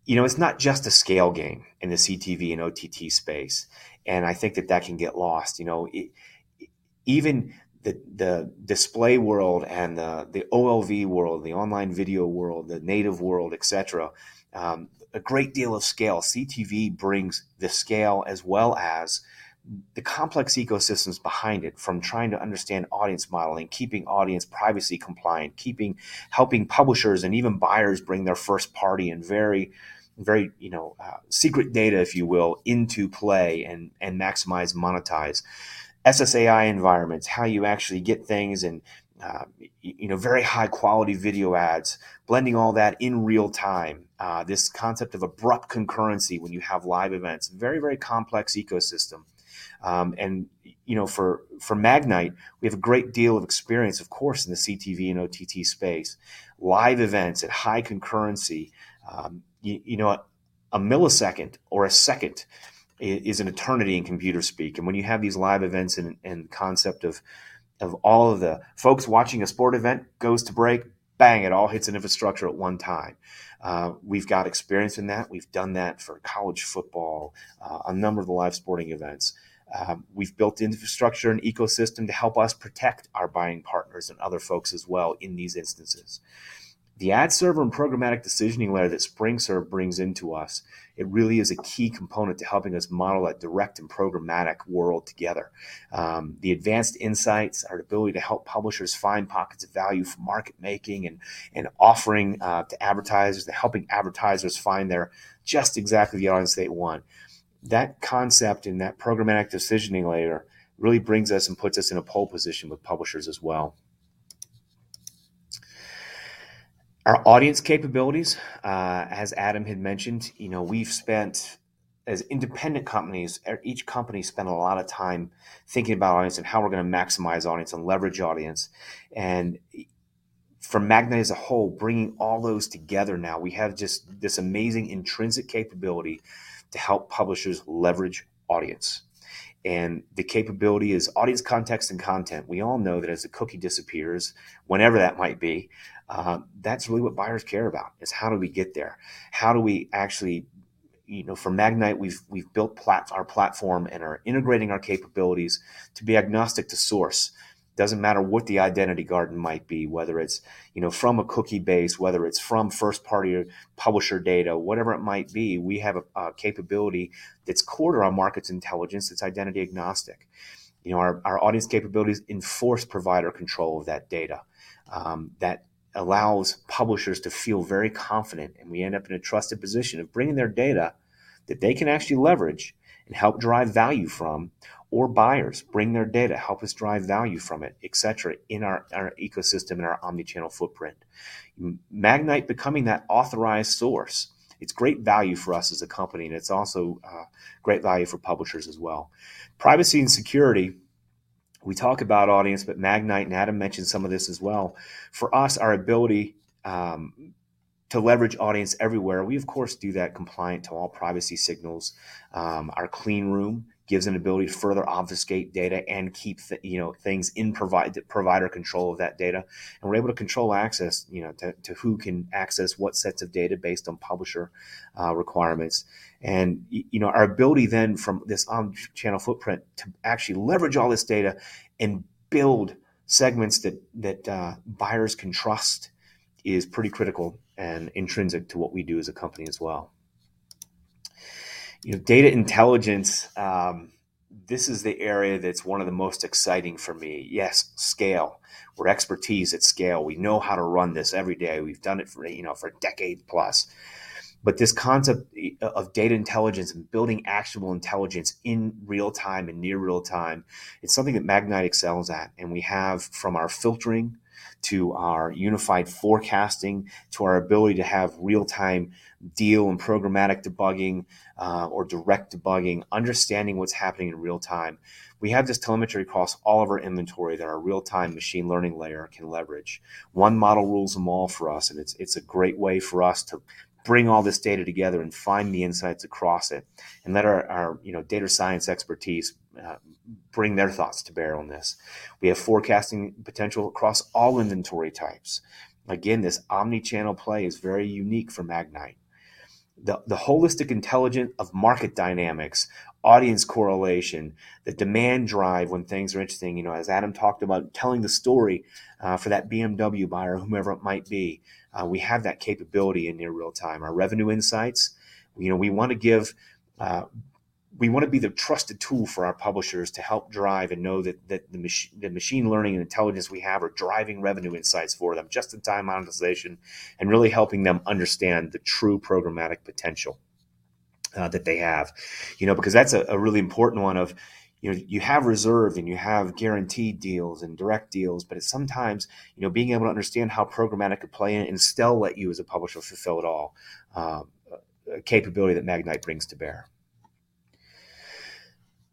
You know, it's not just a scale game in the CTV and OTT space, and I think that that can get lost. You know, even the display world and the OLV world, the online video world, the native world, et cetera, a great deal of scale. CTV brings the scale as well as the complex ecosystems behind it from trying to understand audience modeling, keeping audience privacy compliant, helping publishers and even buyers bring their first party and very, very, you know, secret data, if you will, into play and maximize, monetize. SSAI environments, how you actually get things and, you know, very high-quality video ads, blending all that in real time. This concept of abrupt concurrency when you have live events, very complex ecosystem. You know, for Magnite, we have a great deal of experience, of course, in the CTV and OTT space. Live events at high concurrency, you know, a millisecond or a second is an eternity in computer speak. When you have these live events and concept of all of the folks watching a sport event, goes to break, bang, it all hits an infrastructure at 1 time. We've got experience in that. We've done that for college football, a number of live sporting events. We've built infrastructure and ecosystem to help us protect our buying partners and other folks as well in these instances. The ad server and programmatic decisioning layer that SpringServe brings into us, it really is a key component to helping us model that direct and programmatic world together. The advanced insights, our ability to help publishers find pockets of value for market making and offering to advertisers, to helping advertisers find their just exactly the audience they want. That concept and that programmatic decisioning layer really brings us and puts us in a pole position with publishers as well. Our audience capabilities, as Adam had mentioned, you know, we've spent as independent companies, each company spent a lot of time thinking about audience and how we're gonna maximize audience and leverage audience. And for Magnite as a whole, bringing all those together now, we have just this amazing intrinsic capability to help publishers leverage audience. And the capability is audience context and content. We all know that as the cookie disappears, whenever that might be, that's really what buyers care about, is how do we get there? How do we actually? You know, for Magnite, we've built our platform and are integrating our capabilities to be agnostic to source. It doesn't matter what the identity garden might be, whether it's, you know, from a cookie base, whether it's from first-party or publisher data, whatever it might be, we have a capability that's core to our markets intelligence. It's identity agnostic. You know, our audience capabilities enforce provider control of that data, that allows publishers to feel very confident, and we end up in a trusted position of bringing their data that they can actually leverage and help drive value from, or buyers bring their data, help us drive value from it, et cetera, in our ecosystem, in our omni-channel footprint. Magnite becoming that authorized source, it's great value for us as a company, and it's also great value for publishers as well. Privacy and security. We talk about audience, but Magnite and Adam mentioned some of this as well. For us, our ability to leverage audience everywhere, we of course do that compliant to all privacy signals. Our clean room gives an ability to further obfuscate data and keep you know, things in provider control of that data, and we're able to control access, you know, to who can access what sets of data based on publisher requirements. You know, our ability then from this omni-channel footprint to actually leverage all this data and build segments that buyers can trust is pretty critical and intrinsic to what we do as a company as well. You know, data intelligence, this is the area that's one of the most exciting for me. Yes, scale. We're expertise at scale. We know how to run this every day. We've done it for, you know, for a decade plus. This concept of data intelligence and building actionable intelligence in real-time and near real-time, it's something that Magnite excels at, and we have from our filtering to our unified forecasting, to our ability to have real-time deal and programmatic debugging or direct debugging, understanding what's happening in real-time. We have this telemetry across all of our inventory that our real-time machine learning layer can leverage. One model rules them all for us, and it's a great way for us to bring all this data together and find the insights across it and let our, you know, data science expertise bring their thoughts to bear on this. We have forecasting potential across all inventory types. This omni-channel play is very unique for Magnite. The holistic intelligence of market dynamics, audience correlation, the demand drive when things are interesting, you know, as Adam talked about, telling the story for that BMW buyer, whomever it might be, we have that capability in near real-time. Our revenue insights, you know, we wanna be the trusted tool for our publishers to help drive and know that the machine learning and intelligence we have are driving revenue insights for them, just-in-time monetization, and really helping them understand the true programmatic potential that they have. You know, because that's a really important one of, you know, you have reserve and you have guaranteed deals and direct deals, but it's sometimes, you know, being able to understand how programmatic could play in and still let you as a publisher fulfill it all, a capability that Magnite brings to bear.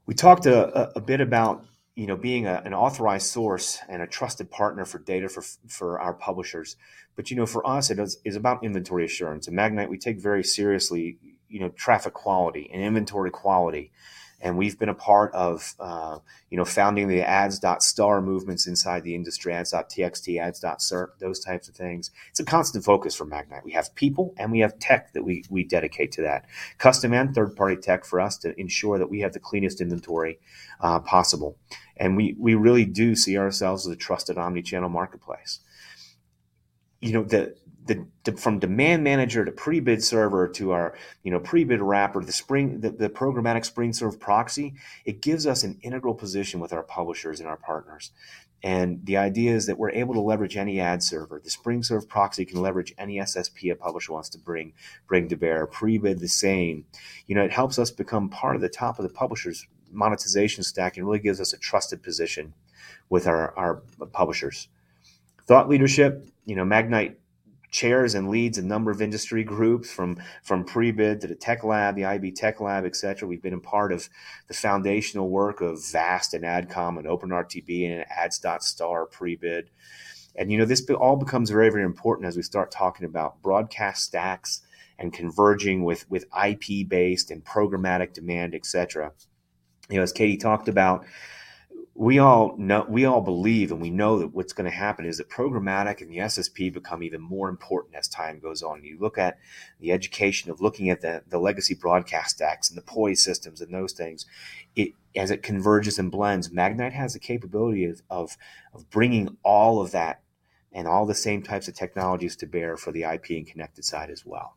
We talked a bit about, you know, being an authorized source and a trusted partner for data for our publishers, but, you know, for us it is, it's about inventory assurance. At Magnite, we take very seriously, you know, traffic quality and inventory quality, and we've been a part of, you know, founding the ads.cert movements inside the industry, ads.txt, ads.cert, those types of things. It's a constant focus for Magnite. We have people and we have tech that we dedicate to that, custom and third-party tech for us to ensure that we have the cleanest inventory possible. We really do see ourselves as a trusted omni-channel marketplace. You know, from Demand Manager to Prebid Server to our, you know, Prebid wrapper, the programmatic SpringServe proxy, it gives us an integral position with our publishers and our partners. The idea is that we're able to leverage any ad server. The SpringServe proxy can leverage any SSP a publisher wants to bring to bear. Prebid the same. You know, it helps us become part of the top of the publisher's monetization stack and really gives us a trusted position with our publishers. Thought leadership, you know, Magnite chairs and leads a number of industry groups from Prebid to the Tech Lab, the IAB Tech Lab, et cetera. We've been a part of the foundational work of VAST and AdCOM and OpenRTB and ads.cert Prebid. You know, this all becomes very, very important as we start talking about broadcast stacks and converging with IP-based and programmatic demand, et cetera. You know, as Katie talked about, we all believe and we know that what's gonna happen is that programmatic and the SSP become even more important as time goes on. You look at the education of looking at the legacy broadcast stacks and the playout systems and those things. As it converges and blends, Magnite has the capability of bringing all of that and all the same types of technologies to bear for the IP and connected side as well.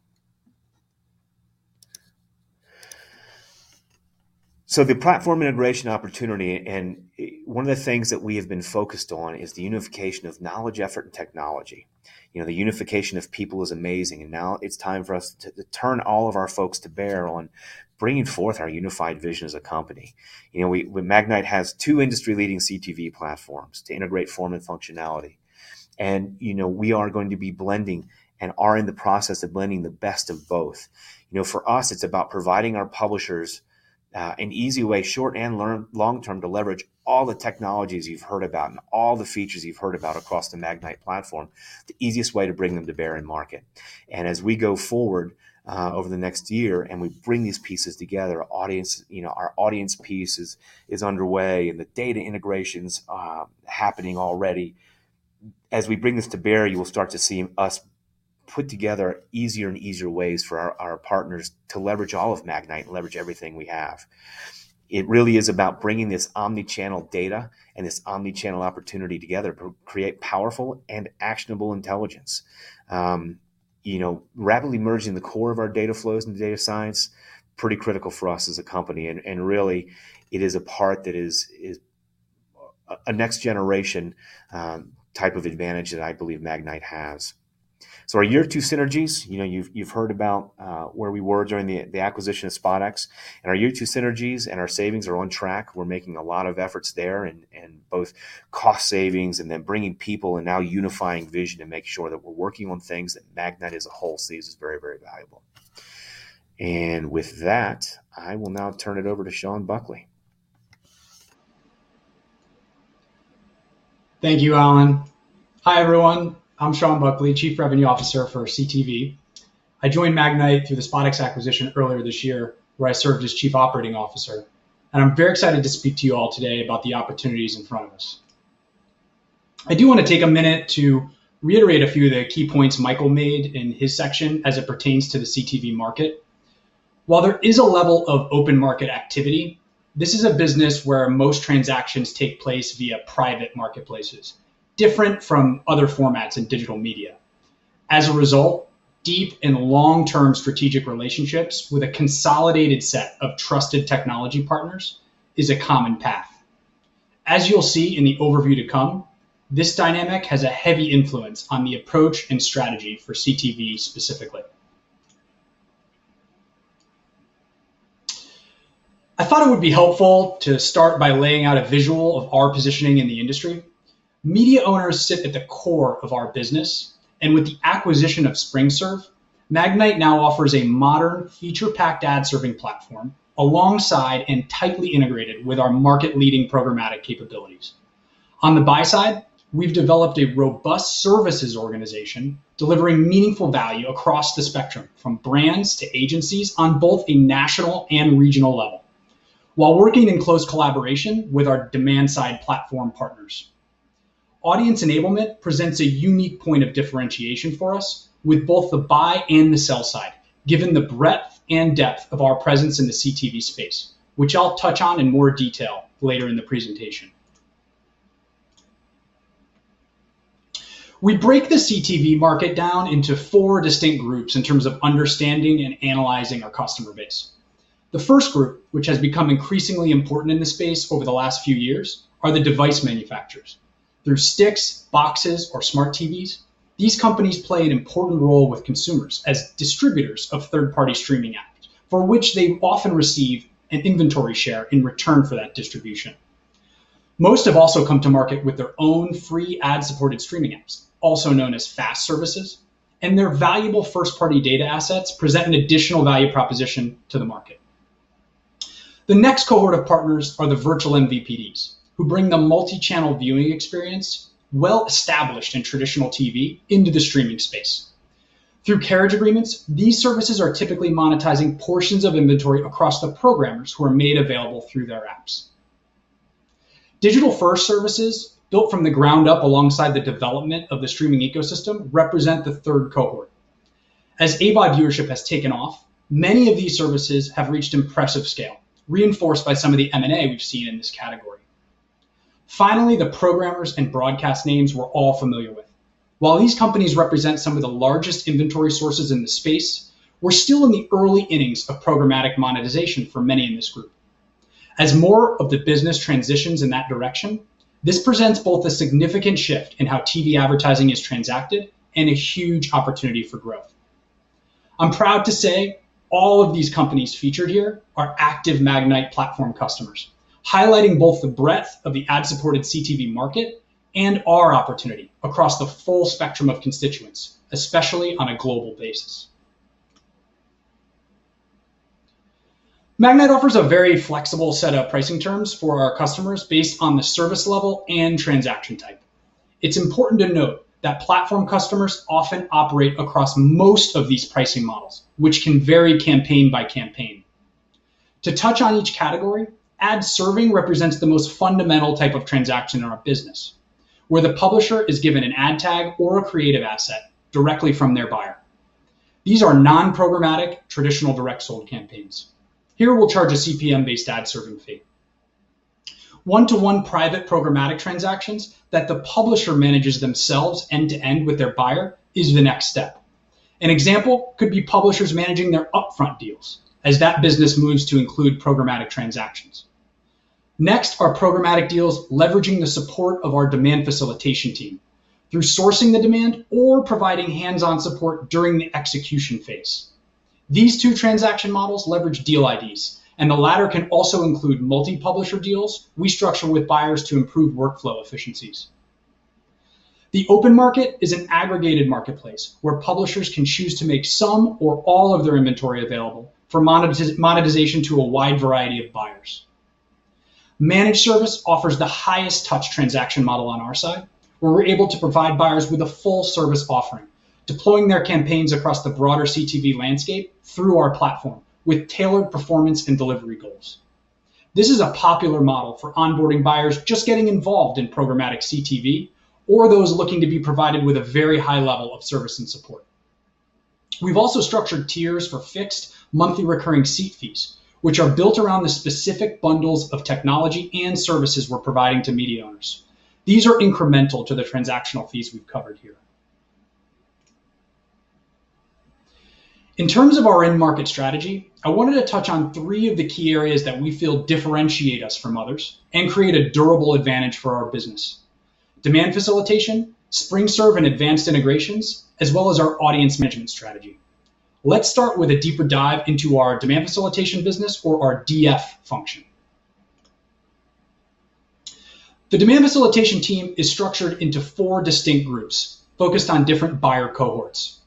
The platform integration opportunity, and one of the things that we have been focused on is the unification of knowledge, effort, and technology. You know, the unification of people is amazing, and now it's time for us to turn all of our folks to bear on bringing forth our unified vision as a company. You know, Magnite has two industry-leading CTV platforms to integrate form and functionality, and, you know, we are going to be blending and are in the process of blending the best of both. You know, for us, it's about providing our publishers an easy way, short and long-term, to leverage all the technologies you've heard about and all the features you've heard about across the Magnite platform, the easiest way to bring them to bear and market. As we go forward, over the next year and we bring these pieces together, audience, you know, our audience piece is underway and the data integration's happening already. As we bring this to bear, you will start to see us put together easier and easier ways for our partners to leverage all of Magnite and leverage everything we have. It really is about bringing this omni-channel data and this omni-channel opportunity together to create powerful and actionable intelligence. You know, rapidly merging the core of our data flows into data science, pretty critical for us as a company, and really it is a part that is a next generation type of advantage that I believe Magnite has. Our year two synergies, you know, you've heard about where we were during the acquisition of SpotX, and our year two synergies and our savings are on track. We're making a lot of efforts there in both cost savings and then bringing people and now unifying vision to make sure that we're working on things that Magnite as a whole sees as very, very valuable. With that, I will now turn it over to Sean Buckley. Thank you, Allen. Hi, everyone. I'm Sean Buckley, Chief Revenue Officer for CTV. I joined Magnite through the SpotX acquisition earlier this year, where I served as Chief Operating Officer, I'm very excited to speak to you all today about the opportunities in front of us. I do wanna take a minute to reiterate a few of the key points Michael made in his section as it pertains to the CTV market. While there is a level of open market activity, this is a business where most transactions take place via private marketplaces, different from other formats in digital media. As a result, deep and long-term strategic relationships with a consolidated set of trusted technology partners is a common path. As you'll see in the overview to come, this dynamic has a heavy influence on the approach and strategy for CTV specifically. I thought it would be helpful to start by laying out a visual of our positioning in the industry. Media owners sit at the core of our business, and with the acquisition of SpringServe, Magnite now offers a modern feature-packed ad-serving platform alongside and tightly integrated with our market-leading programmatic capabilities. On the buy side, we've developed a robust services organization delivering meaningful value across the spectrum, from brands to agencies on both a national and regional level while working in close collaboration with our demand-side platform partners. Audience enablement presents a unique point of differentiation for us with both the buy and the sell side, given the breadth and depth of our presence in the CTV space, which I'll touch on in more detail later in the presentation. We break the CTV market down into four distinct groups in terms of understanding and analyzing our customer base. The first group, which has become increasingly important in this space over the last few years, are the device manufacturers. Through sticks, boxes or smart TVs, these companies play an important role with consumers as distributors of third-party streaming apps, for which they often receive an inventory share in return for that distribution. Most have also come to market with their own free ad-supported streaming apps, also known as FAST services, and their valuable first-party data assets present an additional value proposition to the market. The next cohort of partners are the virtual MVPDs, who bring the multi-channel viewing experience well-established in traditional TV into the streaming space. Through carriage agreements, these services are typically monetizing portions of inventory across the programmers who are made available through their apps. Digital-first services built from the ground up alongside the development of the streaming ecosystem represent the third cohort. As AVOD viewership has taken off, many of these services have reached impressive scale, reinforced by some of the M&A we've seen in this category. Finally, the programmers and broadcast names we're all familiar with. While these companies represent some of the largest inventory sources in the space, we're still in the early innings of programmatic monetization for many in this group. As more of the business transitions in that direction, this presents both a significant shift in how TV advertising is transacted and a huge opportunity for growth. I'm proud to say all of these companies featured here are active Magnite platform customers, highlighting both the breadth of the ad-supported CTV market and our opportunity across the full spectrum of constituents, especially on a global basis. Magnite offers a very flexible set of pricing terms for our customers based on the service level and transaction type. It's important to note that platform customers often operate across most of these pricing models, which can vary campaign by campaign. To touch on each category, ad serving represents the most fundamental type of transaction in our business, where the publisher is given an ad tag or a creative asset directly from their buyer. These are non-programmatic, traditional direct sold campaigns. Here, we'll charge a CPM-based ad serving fee. One-to-one private programmatic transactions that the publisher manages themselves end to end with their buyer is the next step. An example could be publishers managing their upfront deals as that business moves to include programmatic transactions. Next are programmatic deals leveraging the support of our demand facilitation team through sourcing the demand or providing hands-on support during the execution phase. These two transaction models leverage deal IDs, and the latter can also include multi-publisher deals we structure with buyers to improve workflow efficiencies. The open market is an aggregated marketplace where publishers can choose to make some or all of their inventory available for monetization to a wide variety of buyers. Managed service offers the highest touch transaction model on our side, where we're able to provide buyers with a full service offering, deploying their campaigns across the broader CTV landscape through our platform with tailored performance and delivery goals. This is a popular model for onboarding buyers just getting involved in programmatic CTV or those looking to be provided with a very high level of service and support. We've also structured tiers for fixed monthly recurring seat fees, which are built around the specific bundles of technology and services we're providing to media owners. These are incremental to the transactional fees we've covered here. In terms of our end market strategy, I wanted to touch on three of the key areas that we feel differentiate us from others and create a durable advantage for our business: demand facilitation, SpringServe and advanced integrations, as well as our audience management strategy. Let's start with a deeper dive into our demand facilitation business or our DF function. The demand facilitation team is structured into four distinct groups focused on different buyer cohorts.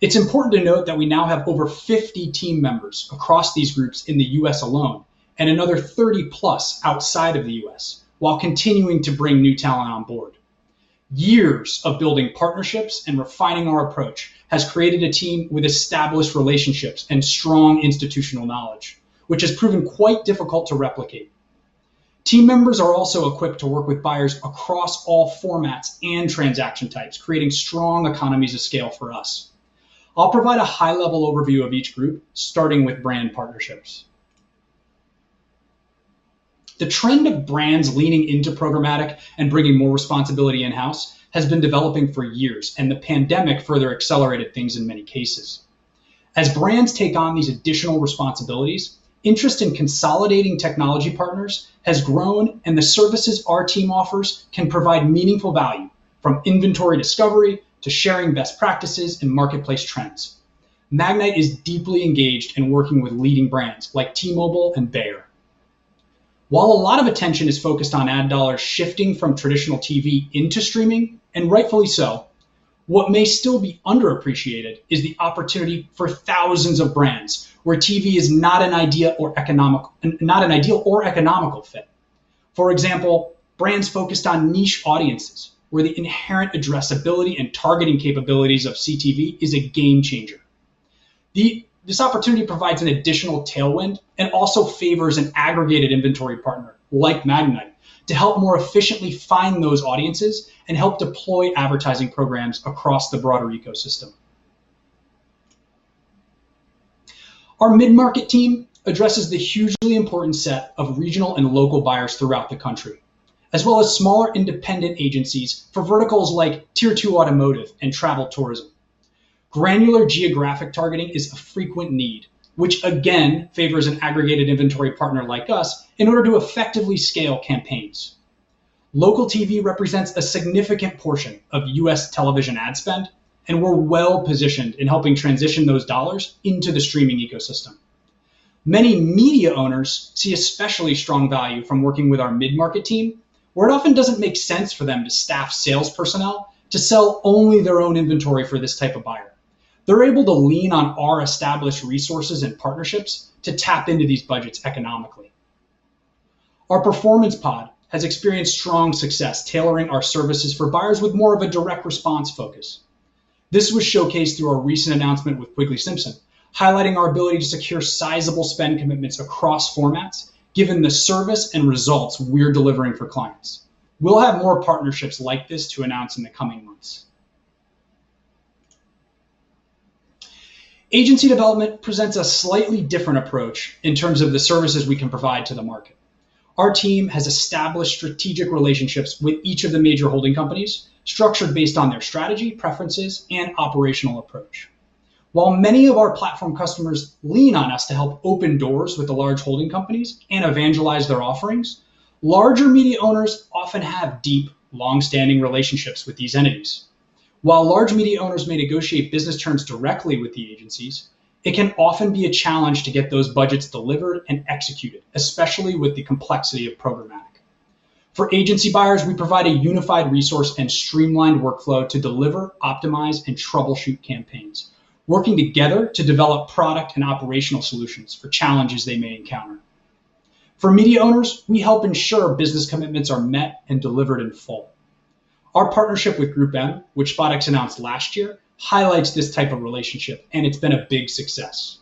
It's important to note that we now have over 50 team members across these groups in the U.S. alone, and another 30+ outside of the U.S., while continuing to bring new talent on board. Years of building partnerships and refining our approach has created a team with established relationships and strong institutional knowledge, which has proven quite difficult to replicate. Team members are also equipped to work with buyers across all formats and transaction types, creating strong economies of scale for us. I'll provide a high-level overview of each group, starting with brand partnerships. The trend of brands leaning into programmatic and bringing more responsibility in-house has been developing for years, and the pandemic further accelerated things in many cases. As brands take on these additional responsibilities, interest in consolidating technology partners has grown, and the services our team offers can provide meaningful value, from inventory discovery to sharing best practices and marketplace trends. Magnite is deeply engaged in working with leading brands like T-Mobile and Bayer. A lot of attention is focused on ad dollars shifting from traditional TV into streaming, and rightfully so, what may still be underappreciated is the opportunity for thousands of brands where TV is not an ideal or economical fit. For example, brands focused on niche audiences, where the inherent addressability and targeting capabilities of CTV is a game-changer. This opportunity provides an additional tailwind and also favors an aggregated inventory partner, like Magnite, to help more efficiently find those audiences and help deploy advertising programs across the broader ecosystem. Our mid-market team addresses the hugely important set of regional and local buyers throughout the country, as well as smaller independent agencies for verticals like tier 2 automotive and travel tourism. Granular geographic targeting is a frequent need, which again favors an aggregated inventory partner like us in order to effectively scale campaigns. Local TV represents a significant portion of U.S. television ad spend, and we're well-positioned in helping transition those dollars into the streaming ecosystem. Many media owners see especially strong value from working with our mid-market team, where it often doesn't make sense for them to staff sales personnel to sell only their own inventory for this type of buyer. They're able to lean on our established resources and partnerships to tap into these budgets economically. Our performance pod has experienced strong success tailoring our services for buyers with more of a direct response focus. This was showcased through our recent announcement with Quigley-Simpson, highlighting our ability to secure sizable spend commitments across formats given the service and results we're delivering for clients. We'll have more partnerships like this to announce in the coming months. Agency development presents a slightly different approach in terms of the services we can provide to the market. Our team has established strategic relationships with each of the major holding companies, structured based on their strategy, preferences, and operational approach. While many of our platform customers lean on us to help open doors with the large holding companies and evangelize their offerings, larger media owners often have deep, long-standing relationships with these entities. While large media owners may negotiate business terms directly with the agencies, it can often be a challenge to get those budgets delivered and executed, especially with the complexity of programmatic. For agency buyers, we provide a unified resource and streamlined workflow to deliver, optimize, and troubleshoot campaigns, working together to develop product and operational solutions for challenges they may encounter. For media owners, we help ensure business commitments are met and delivered in full. Our partnership with GroupM, which SpotX announced last year, highlights this type of relationship, and it's been a big success.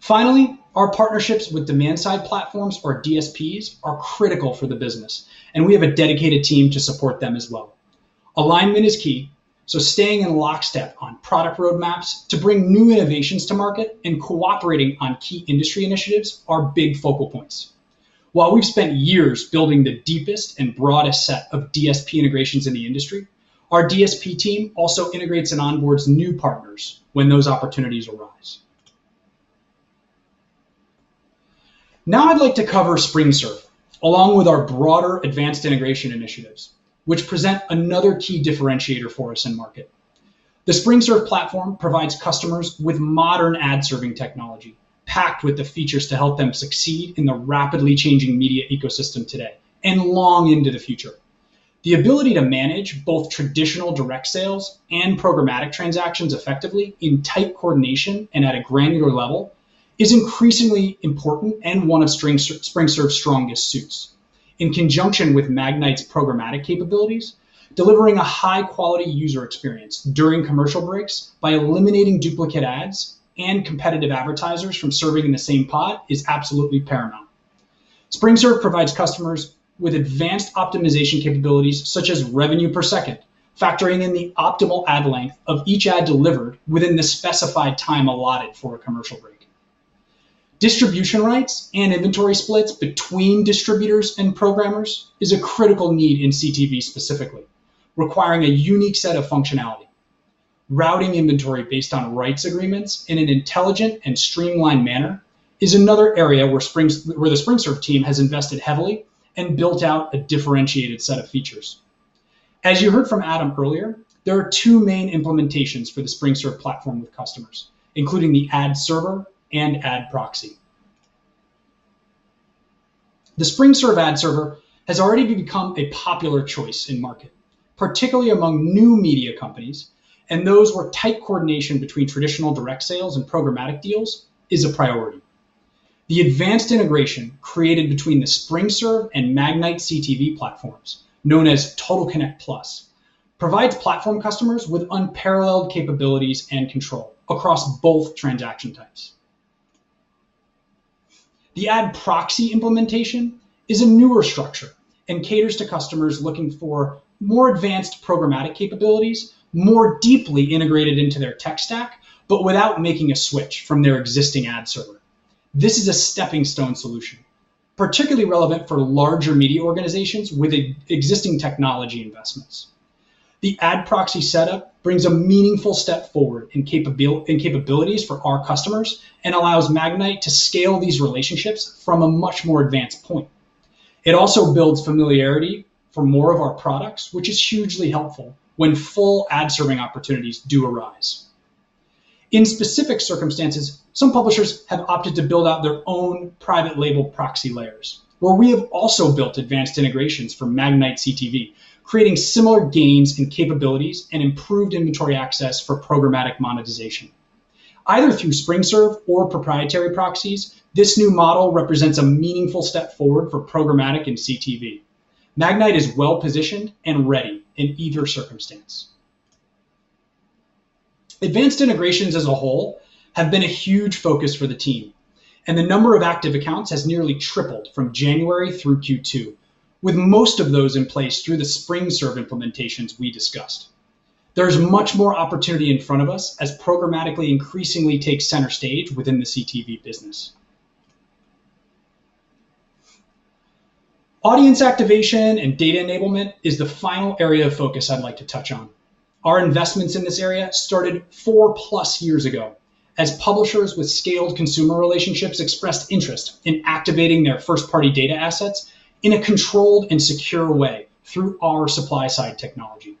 Finally, our partnerships with demand-side platforms, or DSPs, are critical for the business, and we have a dedicated team to support them as well. Alignment is key, so staying in lockstep on product roadmaps to bring new innovations to market and cooperating on key industry initiatives are big focal points. While we've spent years building the deepest and broadest set of DSP integrations in the industry, our DSP team also integrates and onboards new partners when those opportunities arise. Now I'd like to cover SpringServe, along with our broader advanced integration initiatives, which present another key differentiator for us in market. The SpringServe platform provides customers with modern ad-serving technology packed with the features to help them succeed in the rapidly changing media ecosystem today and long into the future. The ability to manage both traditional direct sales and programmatic transactions effectively in tight coordination and at a granular level is increasingly important and one of SpringServe's strongest suits. In conjunction with Magnite's programmatic capabilities, delivering a high-quality user experience during commercial breaks by eliminating duplicate ads and competitive advertisers from serving in the same pod is absolutely paramount. SpringServe provides customers with advanced optimization capabilities such as revenue per second, factoring in the optimal ad length of each ad delivered within the specified time allotted for a commercial break. Distribution rights and inventory splits between distributors and programmers is a critical need in CTV specifically, requiring a unique set of functionality. Routing inventory based on rights agreements in an intelligent and streamlined manner is another area where the SpringServe team has invested heavily and built out a differentiated set of features. As you heard from Adam earlier, there are two main implementations for the SpringServe platform with customers, including the ad server and ad proxy. The SpringServe ad server has already become a popular choice in market, particularly among new media companies and those where tight coordination between traditional direct sales and programmatic deals is a priority. The advanced integration created between the SpringServe and Magnite CTV platforms, known as Total Connect Plus, provides platform customers with unparalleled capabilities and control across both transaction types. The ad proxy implementation is a newer structure and caters to customers looking for more advanced programmatic capabilities, more deeply integrated into their tech stack, but without making a switch from their existing ad server. This is a stepping stone solution, particularly relevant for larger media organizations with pre-existing technology investments. The ad proxy setup brings a meaningful step forward in capabilities for our customers, and allows Magnite to scale these relationships from a much more advanced point. It also builds familiarity for more of our products, which is hugely helpful when full ad serving opportunities do arise. In specific circumstances, some publishers have opted to build out their own private label proxy layers, where we have also built advanced integrations for Magnite CTV, creating similar gains in capabilities and improved inventory access for programmatic monetization. Either through SpringServe or proprietary proxies, this new model represents a meaningful step forward for programmatic and CTV. Magnite is well-positioned and ready in either circumstance. Advanced integrations as a whole have been a huge focus for the team, and the number of active accounts has nearly tripled from January through Q2, with most of those in place through the SpringServe implementations we discussed. There is much more opportunity in front of us as programmatically increasingly takes center stage within the CTV business. Audience activation and data enablement is the final area of focus I'd like to touch on. Our investments in this area started 4+ years ago as publishers with scaled consumer relationships expressed interest in activating their first-party data assets in a controlled and secure way through our supply-side technology.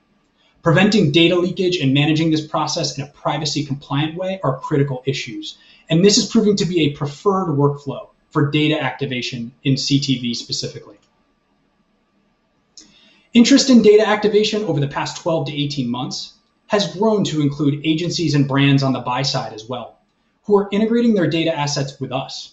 Preventing data leakage and managing this process in a privacy-compliant way are critical issues, and this is proving to be a preferred workflow for data activation in CTV specifically. Interest in data activation over the past 12 -18 months has grown to include agencies and brands on the buy side as well, who are integrating their data assets with us.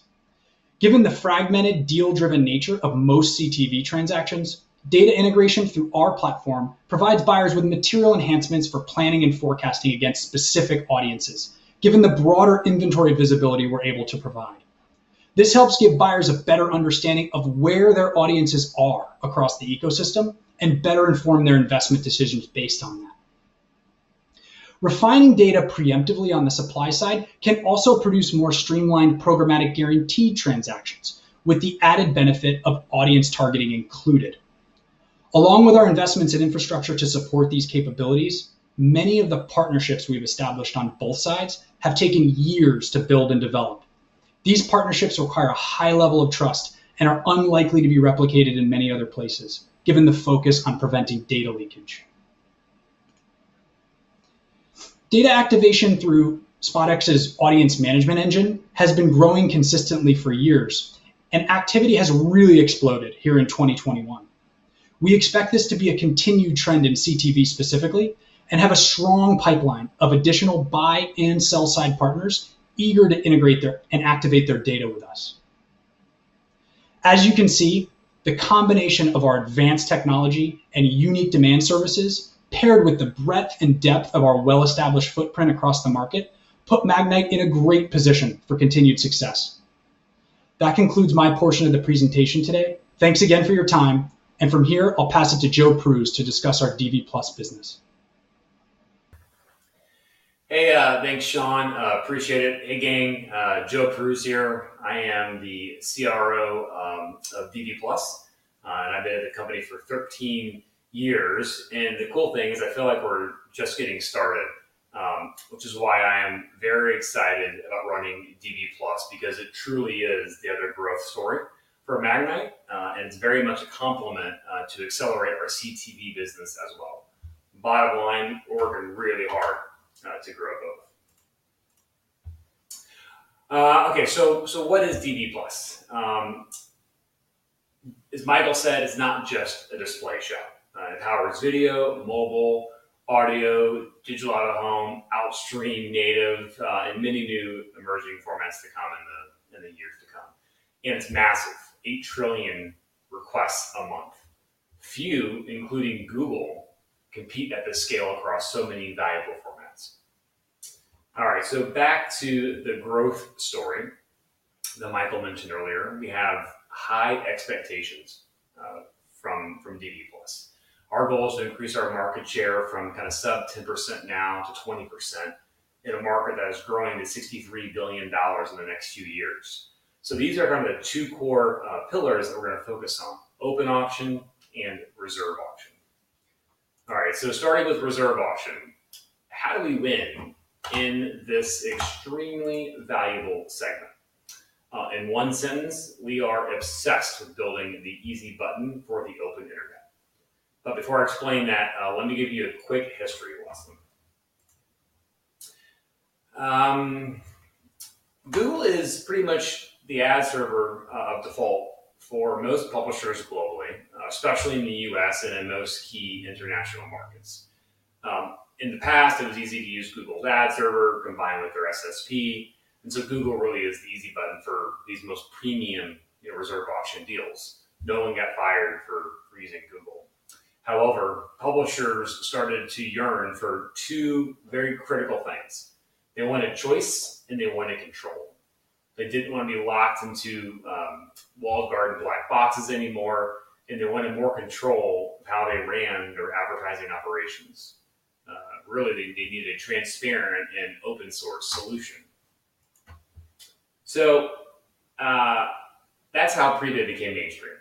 Given the fragmented deal-driven nature of most CTV transactions, data integration through our platform provides buyers with material enhancements for planning and forecasting against specific audiences, given the broader inventory visibility we're able to provide. This helps give buyers a better understanding of where their audiences are across the ecosystem and better inform their investment decisions based on that. Refining data preemptively on the supply side can also produce more streamlined programmatic guaranteed transactions with the added benefit of audience targeting included. Along with our investments in infrastructure to support these capabilities, many of the partnerships we've established on both sides have taken years to build and develop. These partnerships require a high level of trust and are unlikely to be replicated in many other places, given the focus on preventing data leakage. Data activation through SpotX's Audience Management Engine has been growing consistently for years, and activity has really exploded here in 2021. We expect this to be a continued trend in CTV specifically, and have a strong pipeline of additional buy and sell-side partners eager to integrate and activate their data with us. As you can see, the combination of our advanced technology and unique demand services, paired with the breadth and depth of our well-established footprint across the market, put Magnite in a great position for continued success. That concludes my portion of the presentation today. Thanks again for your time. From here, I'll pass it to Joe Prusz to discuss our DV+ business. Hey, thanks, Sean. Appreciate it. Hey, gang. Joe Prusz here. I am the CRO of DV+, and I've been at the company for 13 years. The cool thing is I feel like we're just getting started, which is why I am very excited about running DV+ because it truly is the other growth story for Magnite, and it's very much a complement to accelerate our CTV business as well. Bottom line, we're working really hard to grow both. Okay, what is DV+? As Michael said, it's not just a display shop. It powers video, mobile, audio, digital out-of-home, out-stream, native, and many new emerging formats to come in the years to come, and it's massive, 8 trillion requests a month. Few, including Google, compete at this scale across so many valuable formats. All right, back to the growth story that Michael Barrett mentioned earlier. We have high expectations from DV+. Our goal is to increase our market share from kind of sub 10% now to 20% in a market that is growing to $63 billion in the next few years. These are kind of the two core pillars that we're going to focus on, open auction and reserve auction. All right, starting with reserve auction. How do we win in this extremely valuable segment? In one sentence, we are obsessed with building the easy button for the open internet. Before I explain that, let me give you a quick history lesson. Google is pretty much the ad server of default for most publishers globally, especially in the U.S. and in most key international markets. In the past, it was easy to use Google's ad server combined with their SSP, Google really is the easy button for these most premium, you know, reserve auction deals. No one got fired for using Google. However, publishers started to yearn for two very critical things. They wanted choice and they wanted control. They didn't wanna be locked into walled garden black boxes anymore, and they wanted more control of how they ran their advertising operations. Really, they needed a transparent and open source solution. That's how Prebid became mainstream.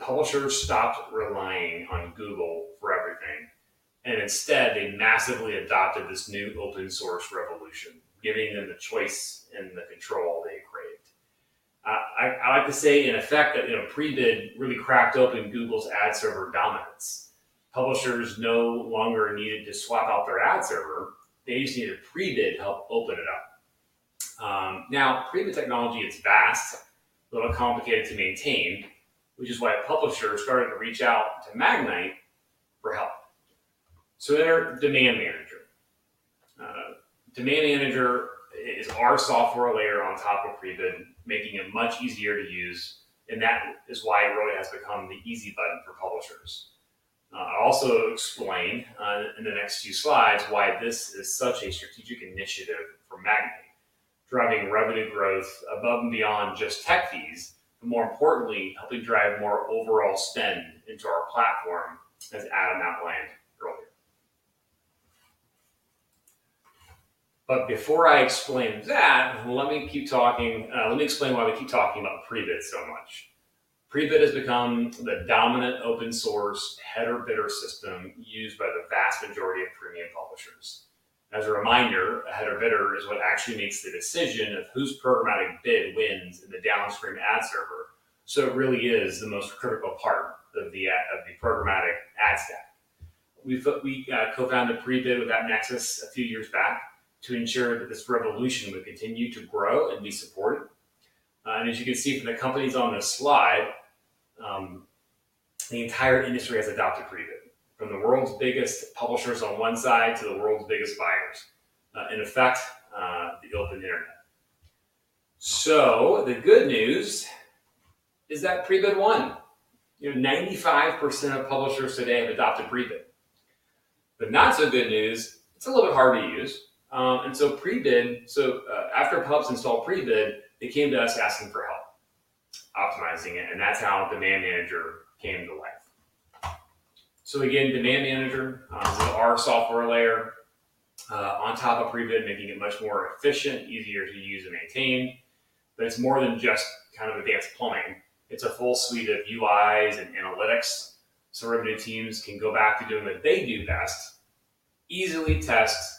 Publishers stopped relying on Google for everything, they massively adopted this new open source revolution, giving them the choice and the control they craved. I like to say in effect that, you know, Prebid really cracked open Google's ad server dominance. Publishers no longer needed to swap out their ad server. They just needed Prebid to help open it up. Now Prebid technology, it's vast, a little complicated to maintain, which is why publishers started to reach out to Magnite for help. Their Demand Manager. Demand Manager is our software layer on top of Prebid, making it much easier to use, and that is why it really has become the easy button for publishers. I'll also explain in the next few slides why this is such a strategic initiative for Magnite, driving revenue growth above and beyond just tech fees, but more importantly, helping drive more overall spend into our platform as Adam outlined earlier. Before I explain that, let me explain why we keep talking about Prebid so much. Prebid has become the dominant open source header bidder system used by the vast majority of premium publishers. As a reminder, a header bidder is what actually makes the decision of whose programmatic bid wins in the downstream ad server, it really is the most critical part of the programmatic ad stack. We co-founded Prebid with AppNexus a few years back to ensure that this revolution would continue to grow and be supported. As you can see from the companies on this slide, the entire industry has adopted Prebid, from the world's biggest publishers on one side to the world's biggest buyers. In effect, the open internet. The good news is that Prebid won. You know, 95% of publishers today have adopted Prebid. The not so good news, it's a little bit hard to use. After pubs installed Prebid, they came to us asking for help optimizing it, and that's how Demand Manager came to life. Again, Demand Manager, our software layer on top of Prebid, making it much more efficient, easier to use and maintain, but it's more than just kind of advanced plumbing. It's a full suite of UIs and analytics so revenue teams can go back to doing what they do best, easily test,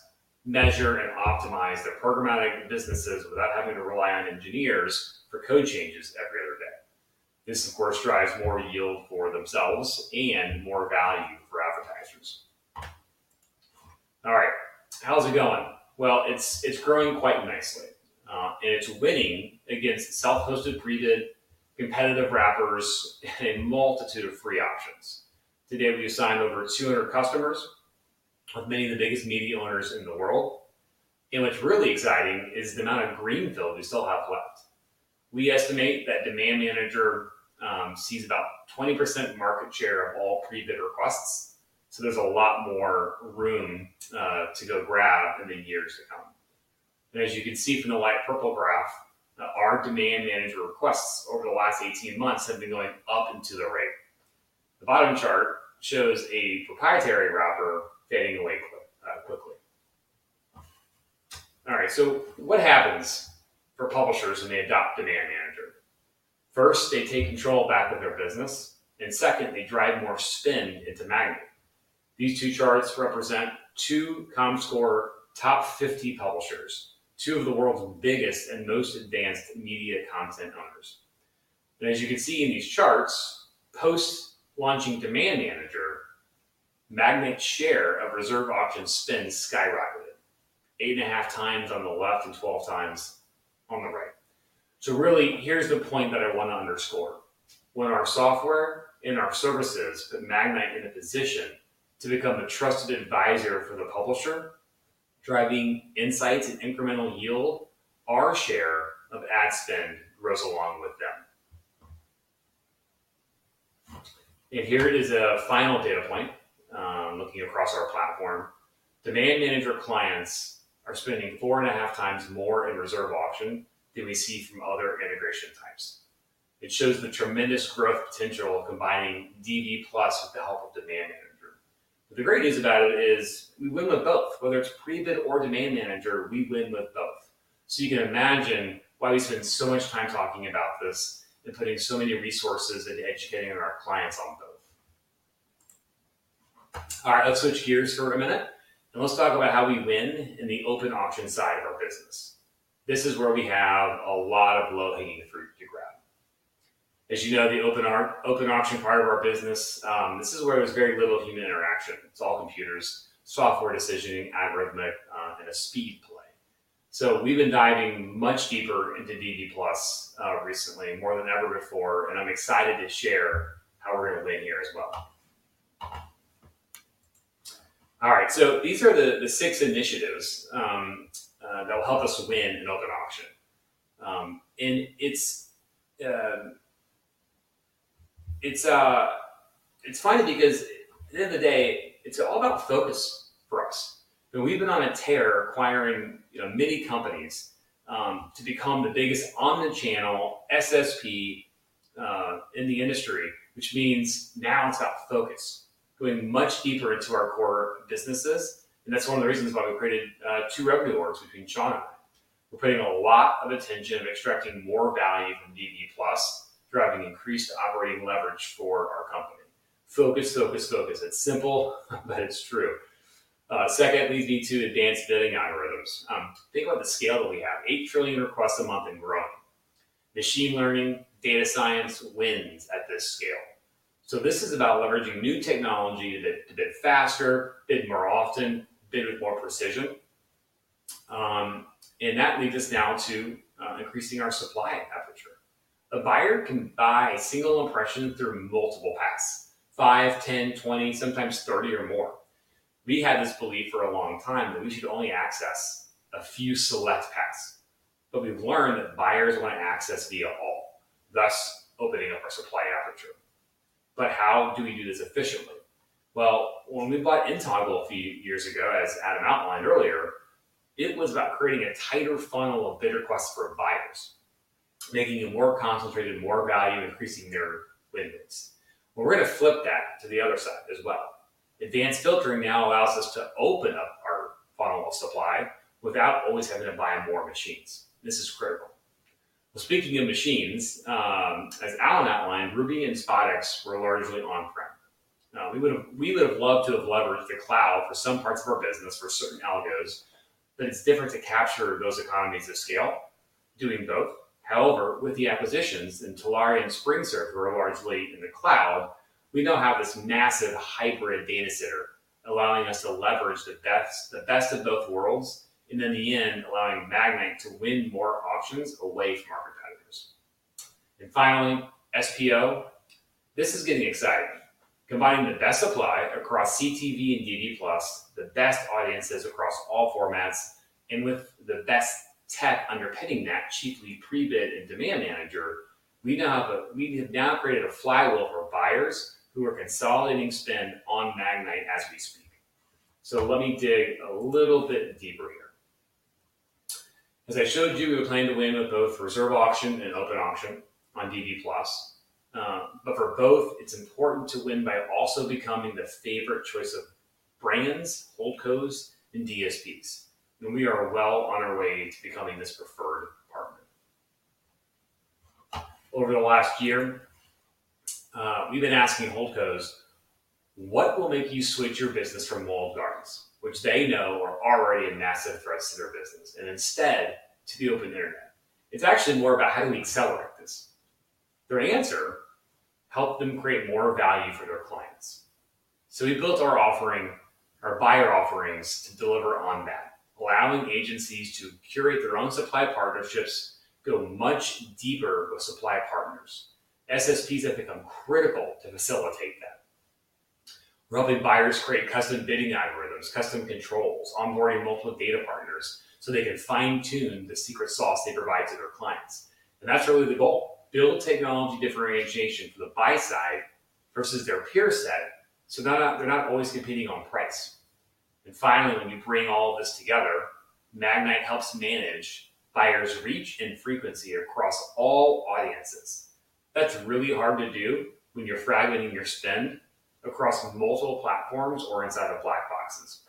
measure, and optimize their programmatic businesses without having to rely on engineers for code changes every other day. This, of course, drives more yield for themselves and more value for advertisers. All right, how's it going? Well, it's growing quite nicely, and it's winning against self-hosted Prebid, competitive wrappers, and a multitude of free options. To date, we've signed over 200 customers with many of the biggest media owners in the world. What's really exciting is the amount of greenfield we still have left. We estimate that Demand Manager sees about 20% market share of all Prebid requests, so there's a lot more room to go grab in the years to come. As you can see from the light purple graph, our Demand Manager requests over the last 18 months have been going up and to the right. The bottom chart shows a proprietary wrapper fading away quickly. All right, what happens for publishers when they adopt Demand Manager? First, they take control back of their business, and second, they drive more spin into Magnite. These two charts represent two Comscore top 50 publishers, two of the world's biggest and most advanced media content owners. As you can see in these charts, post-launching Demand Manager, Magnite's share of reserve auction spend skyrocketed, 8.5x on the left and 12x on the right. Really, here's the point that I wanna underscore. When our software and our services put Magnite in a position to become a trusted advisor for the publisher, driving insights and incremental yield, our share of ad spend grows along with them. Here is a final data point, looking across our platform. Demand Manager clients are spending 4.5x more in reserve auction than we see from other integration types. The great news about it is we win with both. Whether it's Prebid or Demand Manager, we win with both. You can imagine why we spend so much time talking about this and putting so many resources into educating our clients on both. Let's switch gears for a minute, and let's talk about how we win in the open auction side of our business. This is where we have a lot of low-hanging fruit to grab. As you know, the open auction part of our business, this is where there's very little human interaction. It's all computers, software decisioning, algorithmic, and a speed play. We've been diving much deeper into DV+ recently, more than ever before, and I'm excited to share how we're gonna win here as well. These are the 6 initiatives that will help us win in open auction. It's funny because at the end of the day, it's all about focus for us. You know, we've been on a tear acquiring, you know, many companies to become the biggest omni-channel SSP in the industry, which means now it's about focus, going much deeper into our core businesses, that's one of the reasons why we created two revenue orgs between Sean and I. We're putting a lot of attention of extracting more value from DV+, driving increased operating leverage for our company. Focus, focus. It's simple, it's true. Second leads me to advanced bidding algorithms. Think about the scale that we have, 8 trillion requests a month and growing. Machine learning, data science wins at this scale. This is about leveraging new technology to bid faster, bid more often, bid with more precision. That leads us now to increasing our supply aperture. A buyer can buy a single impression through multiple paths, 5, 10, 20, sometimes 30 or more. We had this belief for a long time that we should only access a few select paths, we've learned that buyers wanna access via all, thus opening up our supply aperture. How do we do this efficiently? Well, when we bought nToggle a few years ago, as Adam Soroca outlined earlier, it was about creating a tighter funnel of bid requests for buyers, making it more concentrated, more value, increasing their win rates. Well, we're gonna flip that to the other side as well. Advanced filtering now allows us to open up our funnel of supply without always having to buy more machines. This is critical. Well, speaking of machines, as Allen outlined, Rubicon and SpotX were largely on-prem. We would have loved to have leveraged the cloud for some parts of our business for certain algos, but it's different to capture those economies of scale doing both. With the acquisitions, Telaria and SpringServe were largely in the cloud, we now have this massive hybrid data center allowing us to leverage the best of both worlds, and in the end, allowing Magnite to win more auctions away from our competitors. Finally, SPO. This is getting exciting. Combining the best supply across CTV and DV+, the best audiences across all formats, and with the best tech underpinning that, chiefly Prebid and Demand Manager, we have now created a flywheel for buyers who are consolidating spend on Magnite as we speak. Let me dig a little bit deeper here. As I showed you, we plan to win with both reserve auction and open auction on DV+. For both, it's important to win by also becoming the favorite choice of brands, holdcos, and DSPs. We are well on our way to becoming this preferred partner. Over the last year, we've been asking holdcos, "What will make you switch your business from walled gardens?" Which they know are already a massive threat to their business, and instead to the open internet. It's actually more about how do we accelerate this. Their answer, help them create more value for their clients. We built our offering, our buyer offerings to deliver on that, allowing agencies to curate their own supply partnerships, go much deeper with supply partners. SSPs have become critical to facilitate that. We're helping buyers create custom bidding algorithms, custom controls, onboarding multiple data partners, so they can fine-tune the secret sauce they provide to their clients. That's really the goal, build technology differentiation for the buy side versus their peer set, so they're not always competing on price. Finally, when you bring all this together, Magnite helps manage buyers' reach and frequency across all audiences. That's really hard to do when you're fragmenting your spend across multiple platforms or inside of black boxes.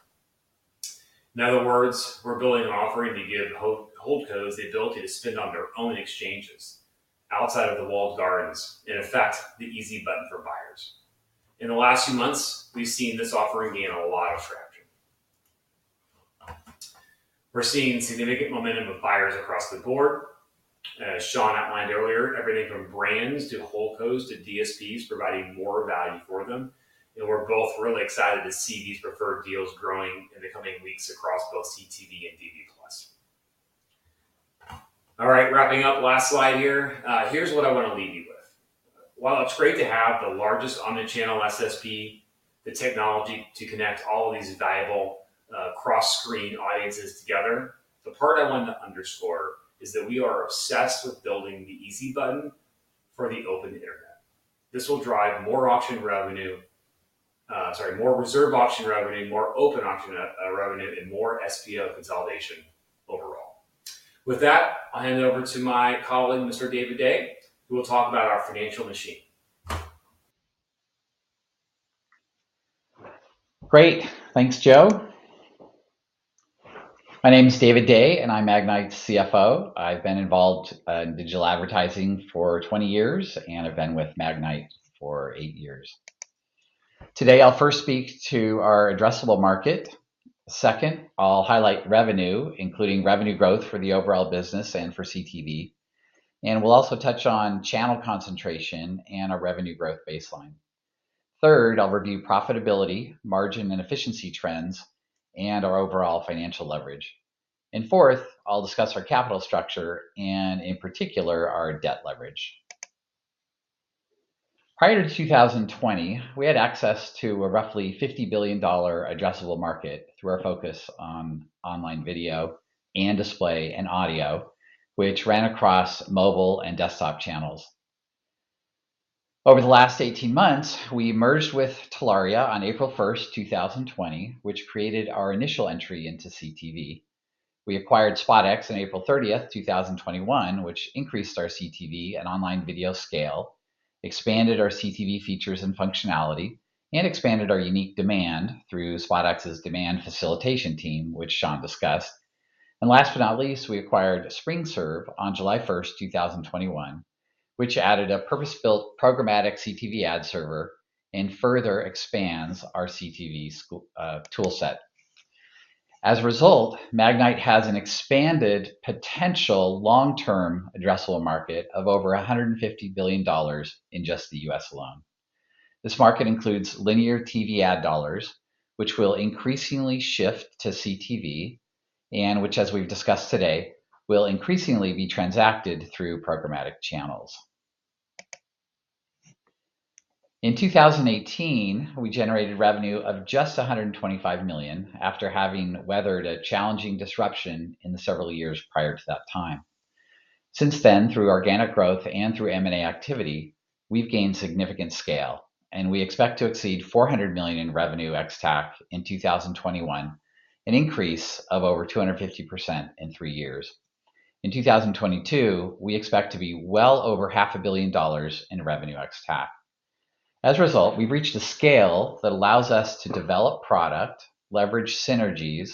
In other words, we're building an offering to give holdcos the ability to spend on their own exchanges outside of the walled gardens. In effect, the easy button for buyers. In the last few months, we've seen this offering gain a lot of traction. We're seeing significant momentum of buyers across the board. As Sean outlined earlier, everything from brands to holdcos to DSPs providing more value for them. We're both really excited to see these preferred deals growing in the coming weeks across both CTV and DV+. All right, wrapping up, last slide here. Here's what I wanna leave you with. While it's great to have the largest omni-channel SSP, the technology to connect all of these valuable cross-screen audiences together, the part I wanna underscore is that we are obsessed with building the easy button for the open internet. This will drive more auction revenue, sorry, more reserve auction revenue, more open auction revenue, and more SPO consolidation overall. With that, I'll hand it over to my colleague, Mr. David Day, who will talk about our financial machine. Great. Thanks, Joe. My name is David Day, and I'm Magnite's CFO. I've been involved in digital advertising for 20 years, and I've been with Magnite for eight years. Today, I'll first speak to our addressable market. Second, I'll highlight revenue, including revenue growth for the overall business and for CTV. We'll also touch on channel concentration and our revenue growth baseline. Third, I'll review profitability, margin, and efficiency trends and our overall financial leverage. Fourth, I'll discuss our capital structure and in particular, our debt leverage. Prior to 2020, we had access to a roughly $50 billion addressable market through our focus on online video and display and audio, which ran across mobile and desktop channels. Over the last 18 months, we merged with Telaria on April first, 2020, which created our initial entry into CTV. We acquired SpotX on April 30, 2021, which increased our CTV and online video scale, expanded our CTV features and functionality, and expanded our unique demand through SpotX's demand facilitation team, which Sean discussed. Last but not least, we acquired SpringServe on July 1, 2021, which added a purpose-built programmatic CTV ad server and further expands our CTV tool set. As a result, Magnite has an expanded potential long-term addressable market of over $150 billion in just the U.S. alone. This market includes linear TV ad dollars, which will increasingly shift to CTV and which, as we've discussed today, will increasingly be transacted through programmatic channels. In 2018, we generated revenue of just $125 million after having weathered a challenging disruption in the several years prior to that time. Since then, through organic growth and through M&A activity, we've gained significant scale, and we expect to exceed $400 million in Revenue ex-TAC in 2021, an increase of over 250% in three years. In 2022, we expect to be well over half a billion dollars in Revenue ex-TAC. As a result, we've reached a scale that allows us to develop product, leverage synergies,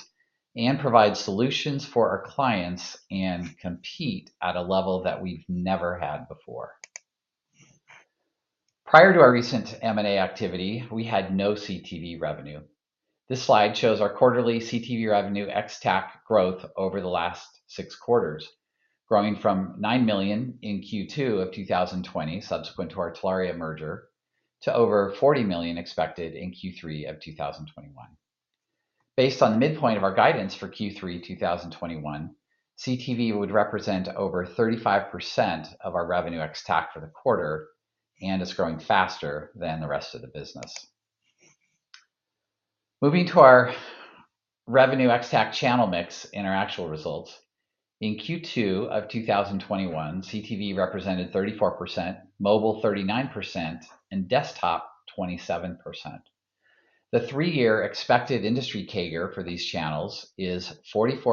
and provide solutions for our clients and compete at a level that we've never had before. Prior to our recent M&A activity, we had no CTV revenue. This slide shows our quarterly CTV Revenue ex-TAC growth over the last six quarters, growing from $9 million in Q2 of 2020, subsequent to our Telaria merger, to over $40 million expected in Q3 of 2021. Based on the midpoint of our guidance for Q3 2021, CTV would represent over 35% of our revenue ex TAC for the quarter and is growing faster than the rest of the business. Moving to our revenue ex TAC channel mix in our actual results. In Q2 2021, CTV represented 34%, mobile 39%, and desktop 27%. The three-year expected industry CAGR for these channels is 44%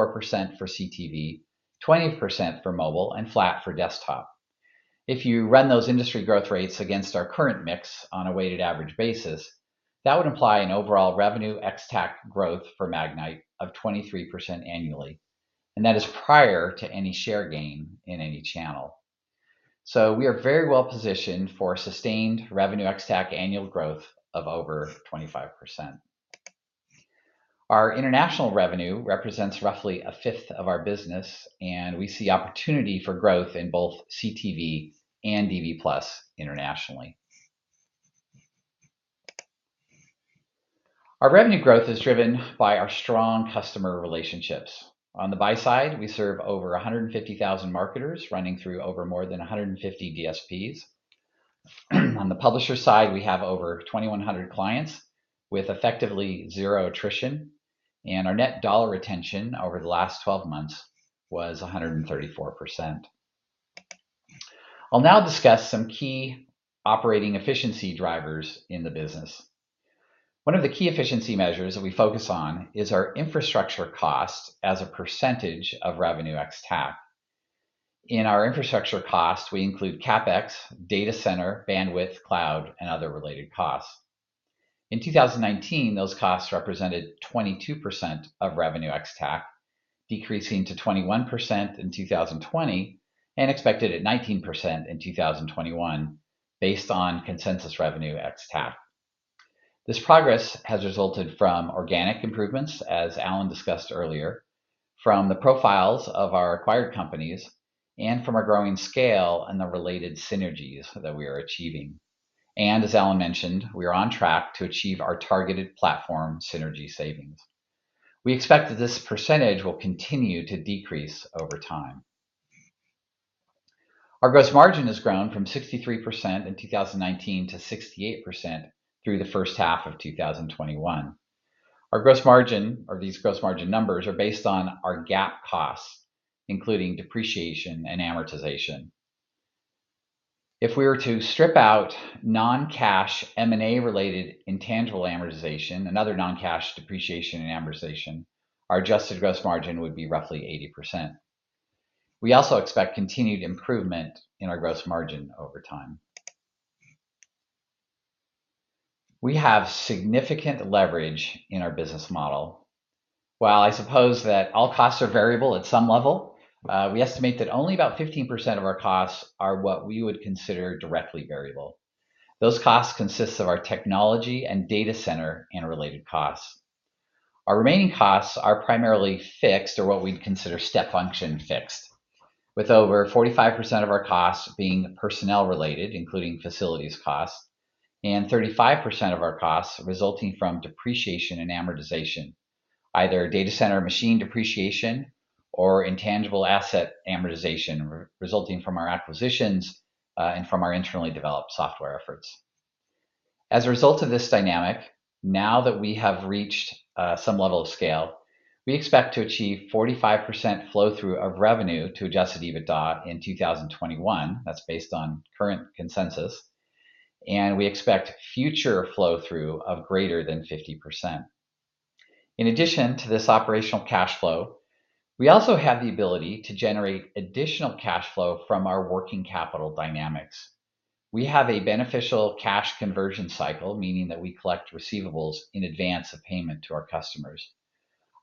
for CTV, 20% for mobile, and flat for desktop. If you run those industry growth rates against our current mix on a weighted average basis, that would imply an overall revenue ex TAC growth for Magnite of 23% annually, and that is prior to any share gain in any channel. We are very well positioned for sustained revenue ex TAC annual growth of over 25%. Our international revenue represents roughly a fifth of our business, and we see opportunity for growth in both CTV and DV+ internationally. Our revenue growth is driven by our strong customer relationships. On the buy side, we serve over 150,000 marketers running through over more than 150 DSPs. On the publisher side, we have over 2,100 clients with effectively zero attrition, and our net dollar retention over the last 12 months was 134%. I'll now discuss some key operating efficiency drivers in the business. One of the key efficiency measures that we focus on is our infrastructure cost as a % of revenue ex-TAC. In our infrastructure cost, we include CapEx, data center, bandwidth, cloud, and other related costs. In 2019, those costs represented 22% of Revenue ex-TAC, decreasing to 21% in 2020, and expected at 19% in 2021 based on consensus Revenue ex-TAC. This progress has resulted from organic improvements, as Allen discussed earlier, from the profiles of our acquired companies and from our growing scale and the related synergies that we are achieving. As Allen mentioned, we are on track to achieve our targeted platform synergy savings. We expect that this percentage will continue to decrease over time. Our gross margin has grown from 63% in 2019 to 68% through the first half of 2021. Our gross margin or these gross margin numbers are based on our GAAP costs, including depreciation and amortization. If we were to strip out non-cash M&A-related intangible amortization and other non-cash depreciation and amortization, our adjusted gross margin would be roughly 80%. We also expect continued improvement in our gross margin over time. We have significant leverage in our business model. While I suppose that all costs are variable at some level, we estimate that only about 15% of our costs are what we would consider directly variable. Those costs consists of our technology and data center and related costs. Our remaining costs are primarily fixed or what we'd consider step function fixed, with over 45% of our costs being personnel-related, including facilities costs, and 35% of our costs resulting from depreciation and amortization, either data center machine depreciation or intangible asset amortization resulting from our acquisitions, and from our internally developed software efforts. As a result of this dynamic, now that we have reached some level of scale, we expect to achieve 45% flow-through of revenue to adjusted EBITDA in 2021. That's based on current consensus, we expect future flow-through of greater than 50%. In addition to this operational cash flow, we also have the ability to generate additional cash flow from our working capital dynamics. We have a beneficial cash conversion cycle, meaning that we collect receivables in advance of payment to our customers.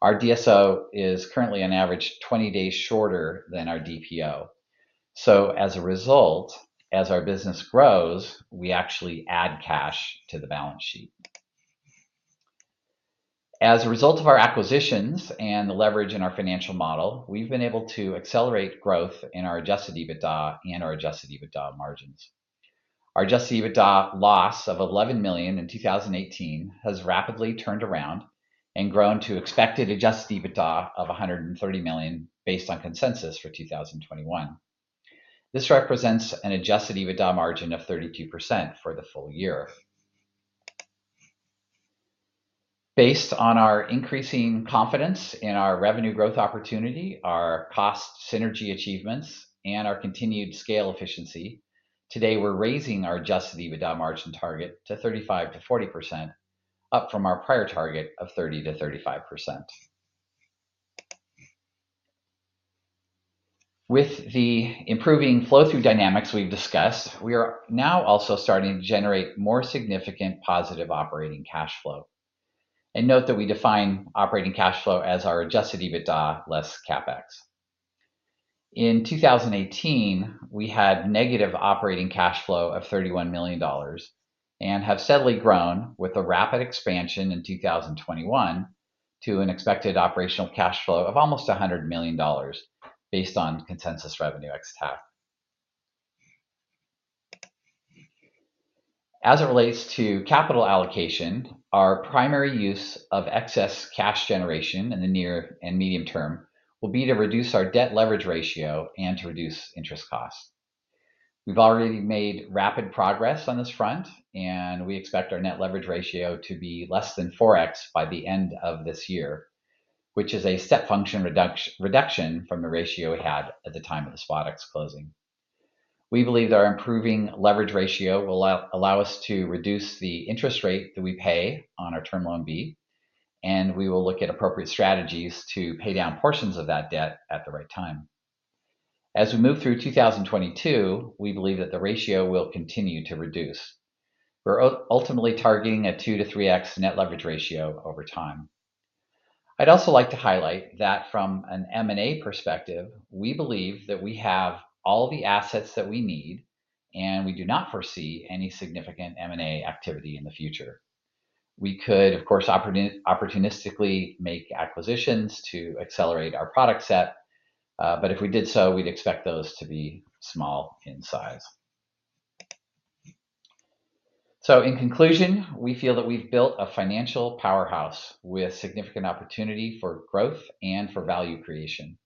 Our DSO is currently on average 20 days shorter than our DPO. As a result, as our business grows, we actually add cash to the balance sheet. As a result of our acquisitions and the leverage in our financial model, we've been able to accelerate growth in our adjusted EBITDA and our adjusted EBITDA margins. Our adjusted EBITDA loss of $11 million in 2018 has rapidly turned around and grown to expected adjusted EBITDA of $130 million based on consensus for 2021. This represents an adjusted EBITDA margin of 32% for the full-year. Based on our increasing confidence in our revenue growth opportunity, our cost synergy achievements, and our continued scale efficiency, today we're raising our adjusted EBITDA margin target to 35%-40%, up from our prior target of 30%-35%. With the improving flow-through dynamics we've discussed, we are now also starting to generate more significant positive operating cash flow. Note that we define operating cash flow as our adjusted EBITDA less CapEx. In 2018, we had negative operating cash flow of $31 million and have steadily grown with a rapid expansion in 2021 to an expected operational cash flow of almost $100 million based on consensus revenue ex-TAC. As it relates to capital allocation, our primary use of excess cash generation in the near and medium term will be to reduce our debt leverage ratio and to reduce interest costs. We've already made rapid progress on this front, and we expect our net leverage ratio to be less than 4x by the end of this year, which is a step function reduction from the ratio we had at the time of the SpotX closing. We believe that our improving leverage ratio will allow us to reduce the interest rate that we pay on our Term Loan B, and we will look at appropriate strategies to pay down portions of that debt at the right time. As we move through 2022, we believe that the ratio will continue to reduce. We're ultimately targeting a 2- 3x net leverage ratio over time. I'd also like to highlight that from an M&A perspective, we believe that we have all the assets that we need, and we do not foresee any significant M&A activity in the future. We could, of course, opportunistically make acquisitions to accelerate our product set, but if we did so, we'd expect those to be small in size. In conclusion, we feel that we've built a financial powerhouse with significant opportunity for growth and for value creation.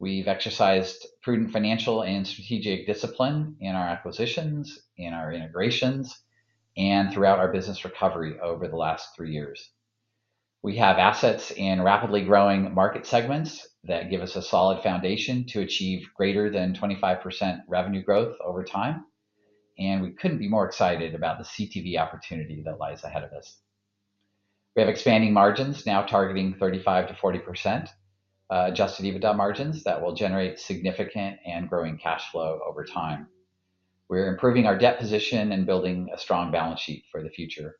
We've exercised prudent financial and strategic discipline in our acquisitions, in our integrations, and throughout our business recovery over the last three years. We have assets in rapidly growing market segments that give us a solid foundation to achieve greater than 25% revenue growth over time, and we couldn't be more excited about the CTV opportunity that lies ahead of us. We have expanding margins now targeting 35%-40% adjusted EBITDA margins that will generate significant and growing cash flow over time. We're improving our debt position and building a strong balance sheet for the future,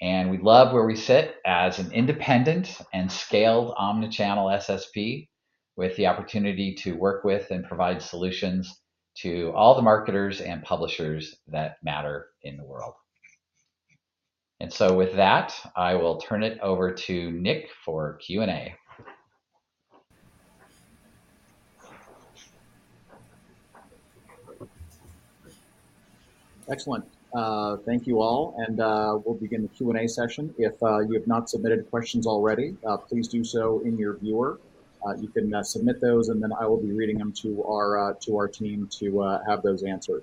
and we love where we sit as an independent and scaled omni-channel SSP with the opportunity to work with and provide solutions to all the marketers and publishers that matter in the world. With that, I will turn it over to Nick for Q&A. Excellent. Thank you all, and we'll begin the Q&A session. If you have not submitted questions already, please do so in your viewer. You can submit those, and then I will be reading them to our team to have those answered.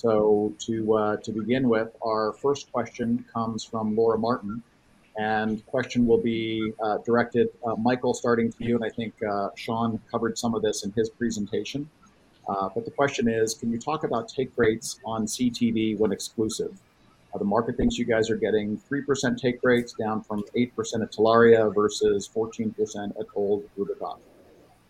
To begin with, our first question comes from Laura Martin. Question will be directed Michael, starting with you. I think Sean covered some of this in his presentation. The question is, can you talk about take rates on CTV when exclusive? The market thinks you guys are getting 3% take rates down from 8% at Telaria versus 14% at old Rubicon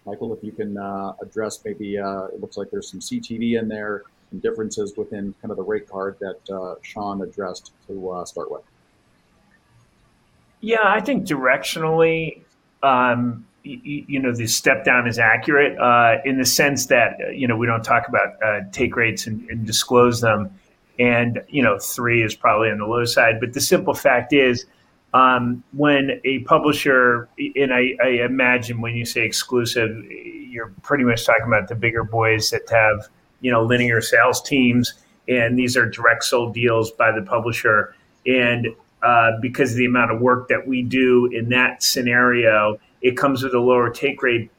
Michael, if you can address maybe it looks like there's some CTV in there and differences within kind of the rate card that Sean addressed to start with. Yeah. I think directionally, you know, the step-down is accurate, in the sense that, you know, we don't talk about take rates and disclose them. You know, three is probably on the low side. The simple fact is, when a publisher, and I imagine when you say exclusive, you're pretty much talking about the bigger boys that have, you know, linear sales teams. These are direct sold deals by the publisher. Because of the amount of work that we do in that scenario, it comes with a lower take rate.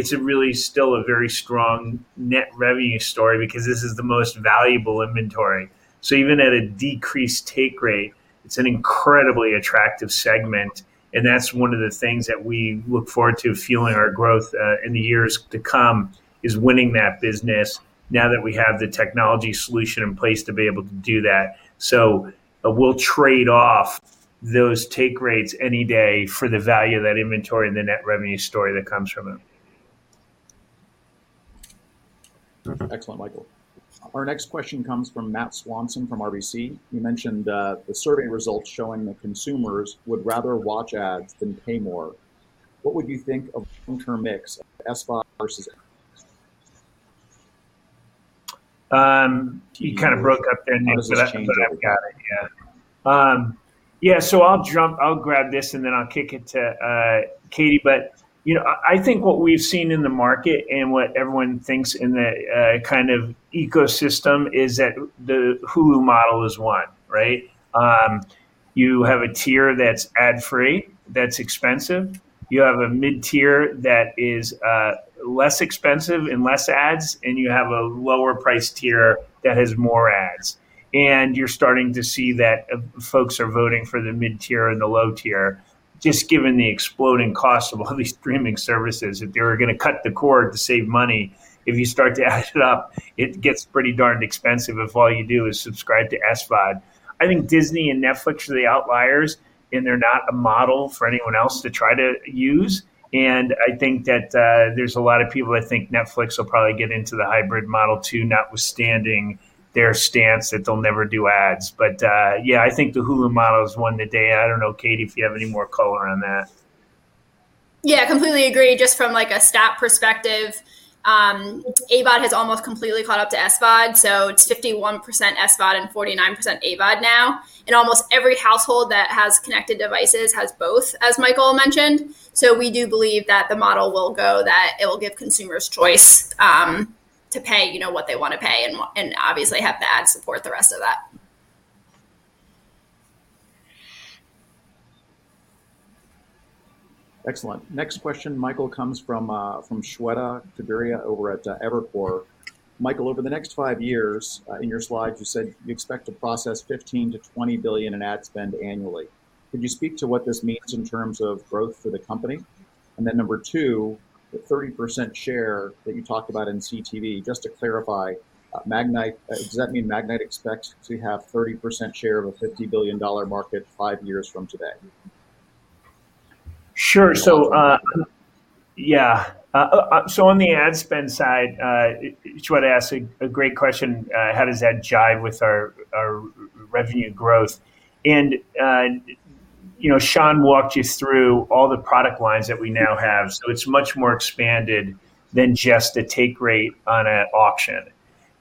It's a really, still a very strong net revenue story because this is the most valuable inventory. Even at a decreased take rate, it's an incredibly attractive segment, and that's one of the things that we look forward to fueling our growth in the years to come, is winning that business now that we have the technology solution in place to be able to do that. We'll trade off those take rates any day for the value of that inventory and the net revenue story that comes from it. Excellent, Michael. Our next question comes from Matthew Swanson from RBC. You mentioned the survey results showing that consumers would rather watch ads than pay more. What would you think of long-term mix of SVOD versus AVOD? You kind of broke up there, Nick. I'll just change that. I got it. Yeah. Yeah, I'll grab this, and then I'll kick it to Katie. You know, I think what we've seen in the market and what everyone thinks in the kind of ecosystem is that the Hulu model is one, right? You have a tier that's ad-free, that's expensive. You have a mid-tier that is less expensive and less ads, and you have a lower priced tier that has more ads. You're starting to see that folks are voting for the mid-tier and the low tier, just given the exploding cost of all these streaming services. If they were gonna cut the cord to save money, if you start to add it up, it gets pretty darn expensive if all you do is subscribe to SVOD. I think Disney and Netflix are the outliers, and they're not a model for anyone else to try to use. I think that, there's a lot of people that think Netflix will probably get into the hybrid model too, notwithstanding their stance that they'll never do ads. Yeah, I think the Hulu model has won the day. I don't know, Katie, if you have any more color on that. Completely agree. Just from like a stat perspective, AVOD has almost completely caught up to SVOD, so it's 51% SVOD and 49% AVOD now. Almost every household that has connected devices has both, as Michael mentioned. We do believe that the model will go, that it will give consumers choice, to pay, you know, what they wanna pay and obviously have the ads support the rest of that. Excellent. Next question, Michael, comes from Shweta Khajuria over at Evercore ISI. Michael, over the next five years, in your slides, you said you expect to process $15 billion- 20 billion in ad spend annually. Could you speak to what this means in terms of growth for the company? Number two, the 30% share that you talked about in CTV, just to clarify, does that mean Magnite expects to have 30% share of a $50 billion market five years from today? Sure. So yeah. On the ad spend side, Shweta asked a great question, how does that jive with our revenue growth. You know, Sean walked you through all the product lines that we now have, so it's much more expanded than just a take rate on a auction.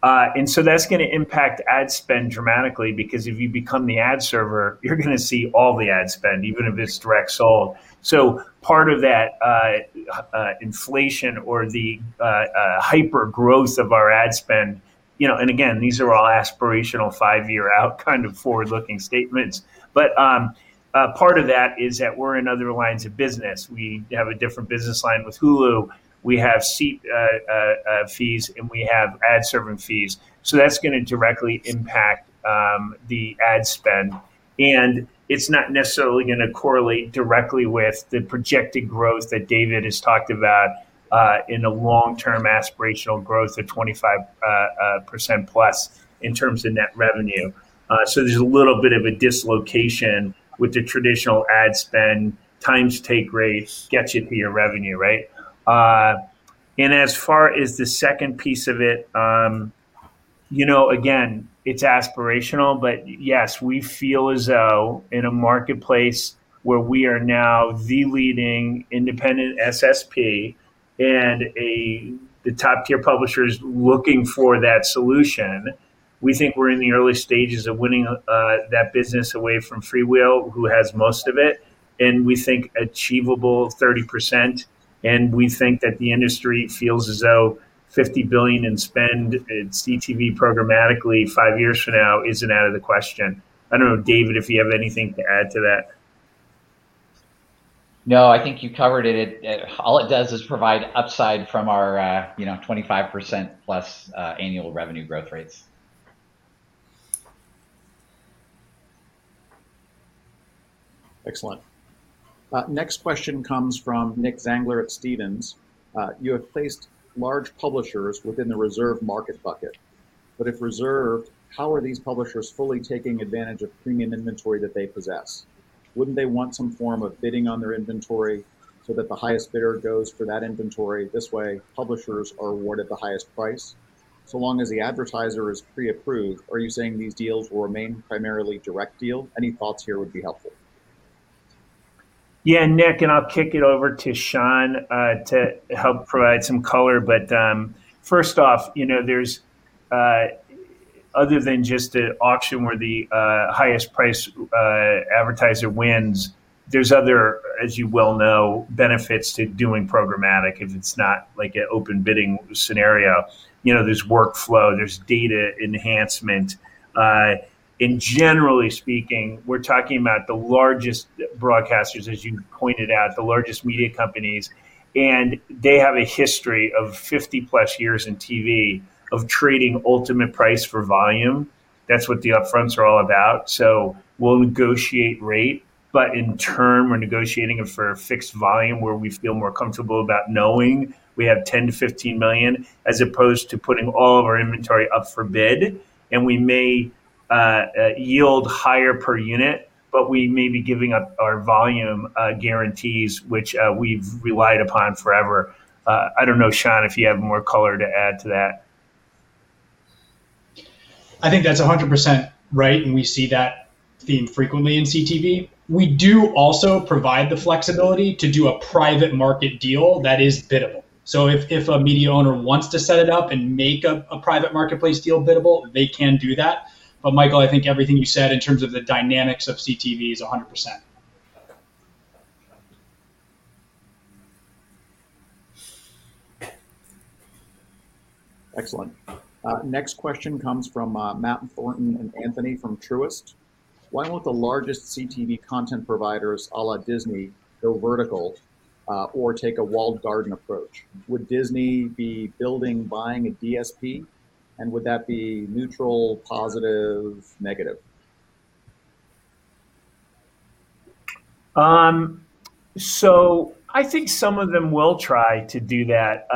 That's gonna impact ad spend dramatically because if you become the ad server, you're gonna see all the ad spend, even if it's direct sold. Part of that inflation or the hyper-growth of our ad spend, you know, and again, these are all aspirational five-year out, kind of forward-looking statements. Part of that is that we're in other lines of business. We have a different business line with Hulu. We have seat fees, and we have ad serving fees. That's gonna directly impact the ad spend. It's not necessarily gonna correlate directly with the projected growth that David has talked about in the long-term aspirational growth of 25%+ in terms of net revenue. There's a little bit of a dislocation with the traditional ad spend. Times take rates gets you to your revenue, right? As far as the second piece of it, you know, again, it's aspirational. Yes, we feel as though in a marketplace where we are now the leading independent SSP and a, the top-tier publishers looking for that solution, we think we're in the early stages of winning that business away from FreeWheel, who has most of it, and we think achievable 30%. We think that the industry feels as though $50 billion in spend in CTV programmatically five years from now isn't out of the question. I don't know, David, if you have anything to add to that. No, I think you covered it. It all it does is provide upside from our, you know, 25%+ annual revenue growth rates. Excellent. Next question comes from Nicholas Zangler at Stephens Inc. You have placed large publishers within the reserve market bucket. If reserved, how are these publishers fully taking advantage of premium inventory that they possess? Wouldn't they want some form of bidding on their inventory so that the highest bidder goes for that inventory? This way, publishers are awarded the highest price. Long as the advertiser is pre-approved, are you saying these deals will remain primarily direct deal? Any thoughts here would be helpful. Yeah, Nick, and I'll kick it over to Sean to help provide some color. First off, you know, there's other than just a auction where the highest priced advertiser wins, there's other, as you well know, benefits to doing programmatic if it's not like an open bidding scenario. You know, there's workflow, there's data enhancement. Generally speaking, we're talking about the largest broadcasters, as you pointed out, the largest media companies, and they have a history of 50+ years in TV of trading ultimate price for volume. That's what the upfronts are all about. We'll negotiate rate, but in turn we're negotiating it for a fixed volume where we feel more comfortable about knowing we have $10 million-$15 million, as opposed to putting all of our inventory up for bid. We may yield higher per unit, but we may be giving up our volume guarantees, which we've relied upon forever. I don't know, Sean, if you have more color to add to that. I think that's 100% right, and we see that theme frequently in CTV. We do also provide the flexibility to do a private market deal that is biddable. If a media owner wants to set it up and make a private marketplace deal biddable, they can do that. Michael, I think everything you said in terms of the dynamics of CTV is 100%. Excellent. Next question comes from Matthew Thornton and Anthony from Truist. Why won't the largest CTV content providers, a la Disney, go vertical or take a walled garden approach? Would Disney be building, buying a DSP? Would that be neutral, positive, negative? I think some of them will try to do that,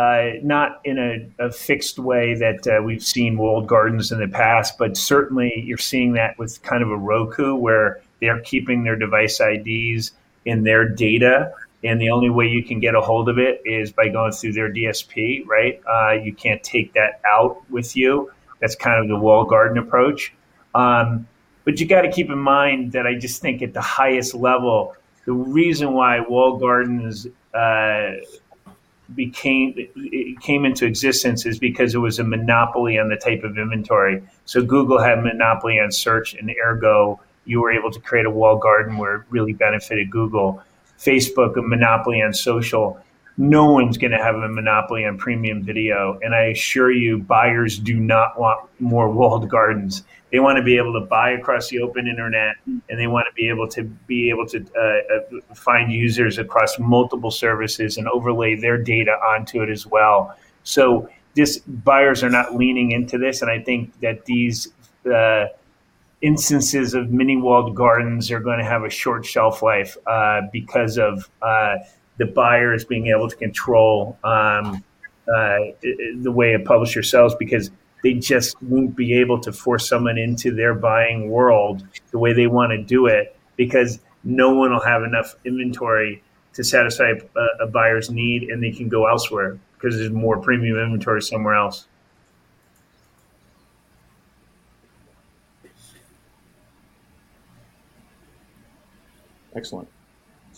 not in a fixed way that we've seen walled gardens in the past, but certainly you're seeing that with kind of a Roku where they are keeping their device IDs in their data, and the only way you can get ahold of it is by going through their DSP, right? You can't take that out with you. That's kind of the walled garden approach. You gotta keep in mind that I just think at the highest level, the reason why walled gardens came into existence is because it was a monopoly on the type of inventory. Google had a monopoly on search, and ergo, you were able to create a walled garden where it really benefited Google. Facebook, a monopoly on social. No one's gonna have a monopoly on premium video, and I assure you, buyers do not want more walled gardens. They wanna be able to find users across multiple services and overlay their data onto it as well. Buyers are not leaning into this, and I think that these instances of mini-walled gardens are gonna have a short shelf life because of the buyers being able to control the way a publisher sells because they just won't be able to force someone into their buying world the way they wanna do it because no one will have enough inventory to satisfy a buyer's need, and they can go elsewhere because there's more premium inventory somewhere else. Excellent.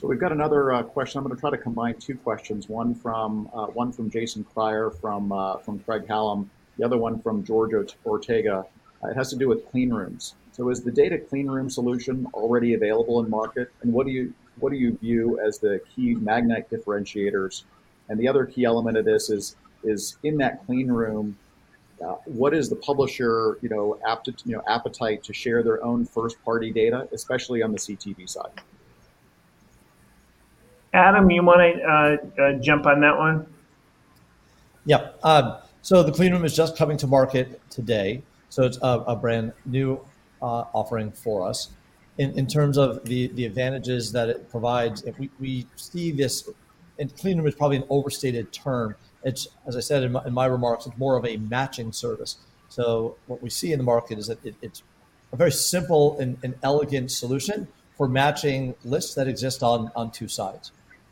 We've got another question. I'm gonna try to combine two questions, one from, one from Jason Kreyer from Craig-Hallum, the other one from Georgia Ortega. It has to do with clean rooms. Is the data clean room solution already available in market? What do you, what do you view as the key Magnite differentiators? The other key element of this is, in that clean room, what is the publisher, you know, appetite to share their own first-party data, especially on the CTV side? Adam, you wanna jump on that one? Yeah. The clean room is just coming to market today, so it's a brand-new offering for us. In terms of the advantages that it provides, we see this. Clean room is probably an overstated term. It's, as I said in my remarks, it's more of a matching service. What we see in the market is that it's a very simple and elegant solution for matching lists that exist on two sides.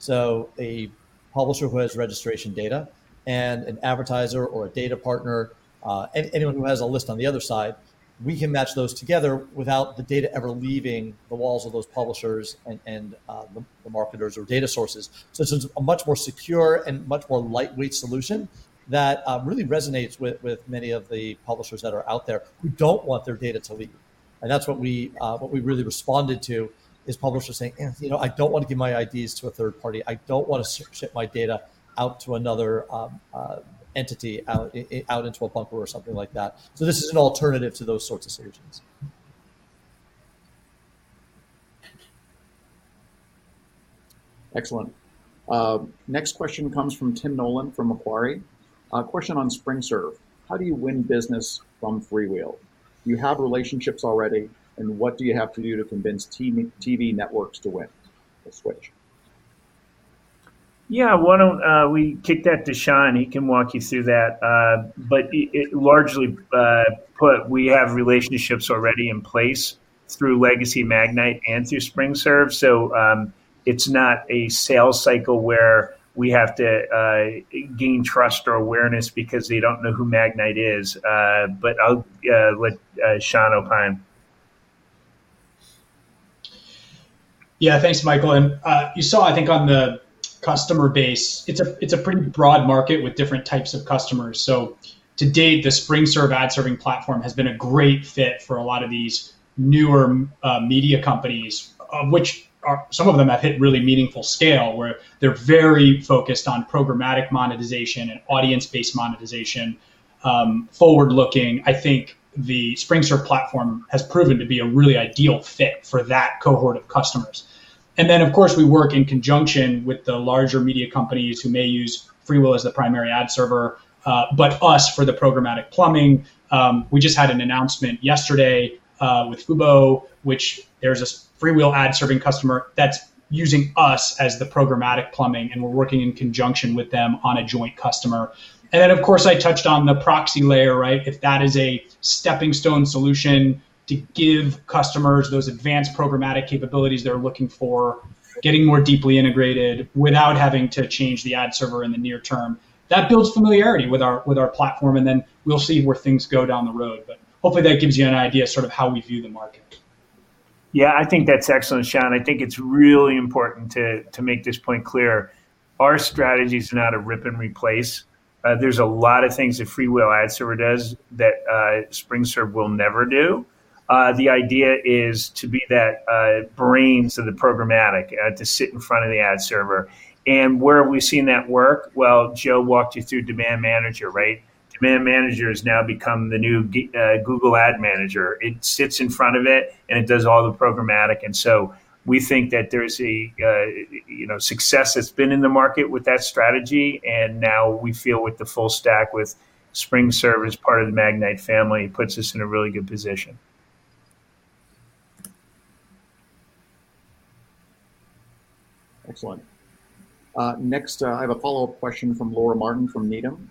A publisher who has registration data and an advertiser or a data partner, anyone who has a list on the other side, we can match those together without the data ever leaving the walls of those publishers and the marketers or data sources. It's a much more secure and much more lightweight solution that really resonates with many of the publishers that are out there who don't want their data to leave. That's what we, what we really responded to, is publishers saying, "You know, I don't want to give my IDs to a third party. I don't want to ship my data out to another entity, out into a bunker or something like that." This is an alternative to those sorts of solutions. Excellent. Next question comes from Tim Nollen from Macquarie. Question on SpringServe. How do you win business from FreeWheel? Do you have relationships already? What do you have to do to convince TV networks to win or switch? Yeah. Why don't we kick that to Sean? He can walk you through that. It largely, we have relationships already in place through legacy Magnite and through SpringServe. It's not a sales cycle where we have to gain trust or awareness because they don't know who Magnite is. I'll let Sean opine. Yeah. Thanks, Michael. You saw, I think on the customer base, it's a pretty broad market with different types of customers. To date, the SpringServe ad serving platform has been a great fit for a lot of these newer media companies, Some of them have hit really meaningful scale, where they're very focused on programmatic monetization and audience-based monetization. Forward-looking, I think the SpringServe platform has proven to be a really ideal fit for that cohort of customers. Of course, we work in conjunction with the larger media companies who may use FreeWheel as the primary ad server, but us for the programmatic plumbing. We just had an announcement yesterday with Fubo, which there's this FreeWheel ad serving customer that's using us as the programmatic plumbing, and we're working in conjunction with them on a joint customer. Of course, I touched on the proxy layer, right? If that is a stepping stone solution to give customers those advanced programmatic capabilities they're looking for, getting more deeply integrated without having to change the ad server in the near-term. That builds familiarity with our platform, we'll see where things go down the road. Hopefully, that gives you an idea sort of how we view the market. Yeah, I think that's excellent, Sean. I think it's really important to make this point clear. Our strategies are not a rip and replace. There's a lot of things that FreeWheel ad server does that SpringServe will never do. The idea is to be that brains of the programmatic to sit in front of the ad server. Where have we seen that work? Well, Joe walked you through Demand Manager, right? Demand Manager has now become the new Google Ad Manager. It sits in front of it, and it does all the programmatic. We think that there's a, you know, success that's been in the market with that strategy, and now we feel with the full stack with SpringServe as part of the Magnite family, puts us in a really good position. Excellent. Next, I have a follow-up question from Laura Martin, from Needham.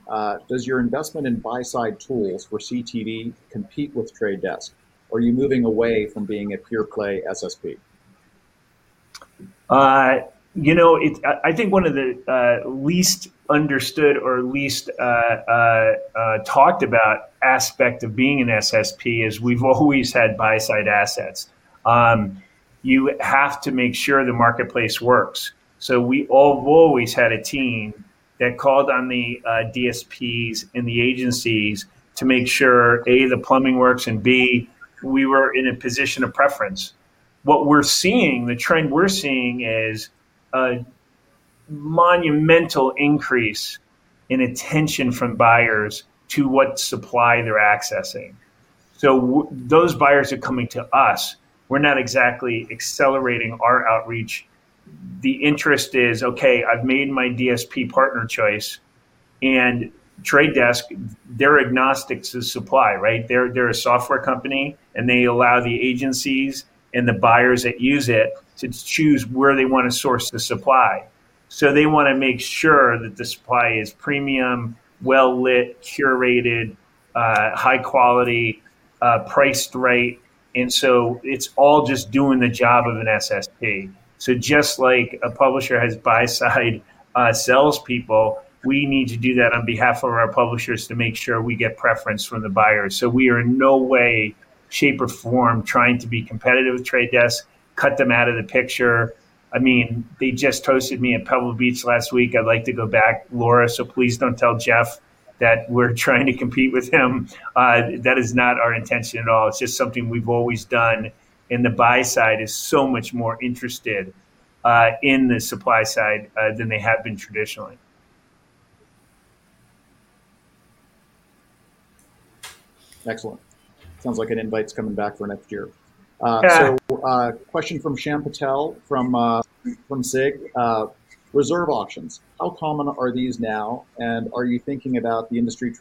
Does your investment in buy-side tools for CTV compete with The Trade Desk, or are you moving away from being a pure play SSP? You know, I think one of the least understood or least talked about aspect of being an SSP is we've always had buy side assets. You have to make sure the marketplace works. We have always had a team that called on the DSPs and the agencies to make sure, A, the plumbing works, and B, we were in a position of preference. What we're seeing, the trend we're seeing is a monumental increase in attention from buyers to what supply they're accessing. Those buyers are coming to us. We're not exactly accelerating our outreach. The interest is, okay, I've made my DSP partner choice, and Trade Desk, they're agnostic to supply, right? They're a software company, and they allow the agencies and the buyers that use it to choose where they wanna source the supply. They want to make sure that the supply is premium, well-lit, curated, high quality, priced right. It's all just doing the job of an SSP. Just like a publisher has buy-side salespeople, we need to do that on behalf of our publishers to make sure we get preference from the buyers. We are in no way, shape, or form trying to be competitive with The Trade Desk, cut them out of the picture. I mean, they just hosted me at Pebble Beach last week. I'd like to go back, Laura, please don't tell Jeff that we're trying to compete with him. That is not our intention at all. It's just something we've always done, and the buy-side is so much more interested in the supply-side than they have been traditionally. Excellent. Sounds like an invite's coming back for next year. Yeah. Question from Shyam Patil from SIG. Reserve auctions, how common are these now, and how are you thinking about the industry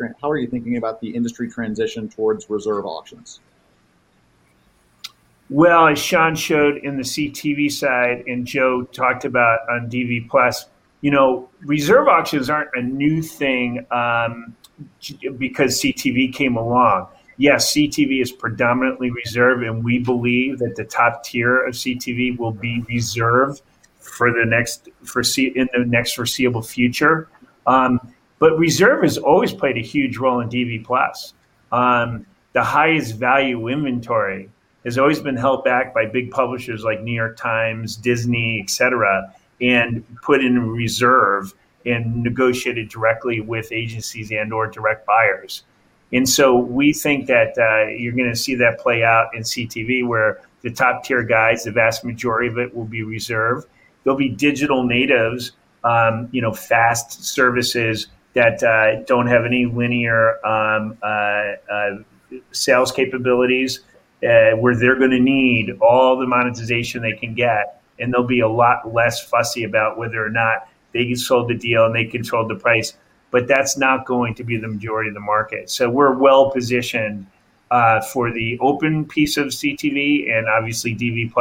transition towards reserve auctions? As Sean showed in the CTV side and Joe talked about on DV+, you know, reserve auctions aren't a new thing because CTV came along. Yes, CTV is predominantly reserve, and we believe that the top tier of CTV will be reserve for the next foreseeable future. Reserve has always played a huge role in DV+. The highest value inventory has always been held back by big publishers like New York Times, Disney, et cetera, and put into reserve and negotiated directly with agencies and/or direct buyers. We think that, you're gonna see that play out in CTV where the top tier guys, the vast majority of it will be reserve. There'll be digital natives, you know, FAST services that don't have any linear sales capabilities, where they're gonna need all the monetization they can get, and they'll be a lot less fussy about whether or not they sold the deal and they controlled the price. That's not going to be the majority of the market. We're well-positioned for the open piece of CTV and obviously DV+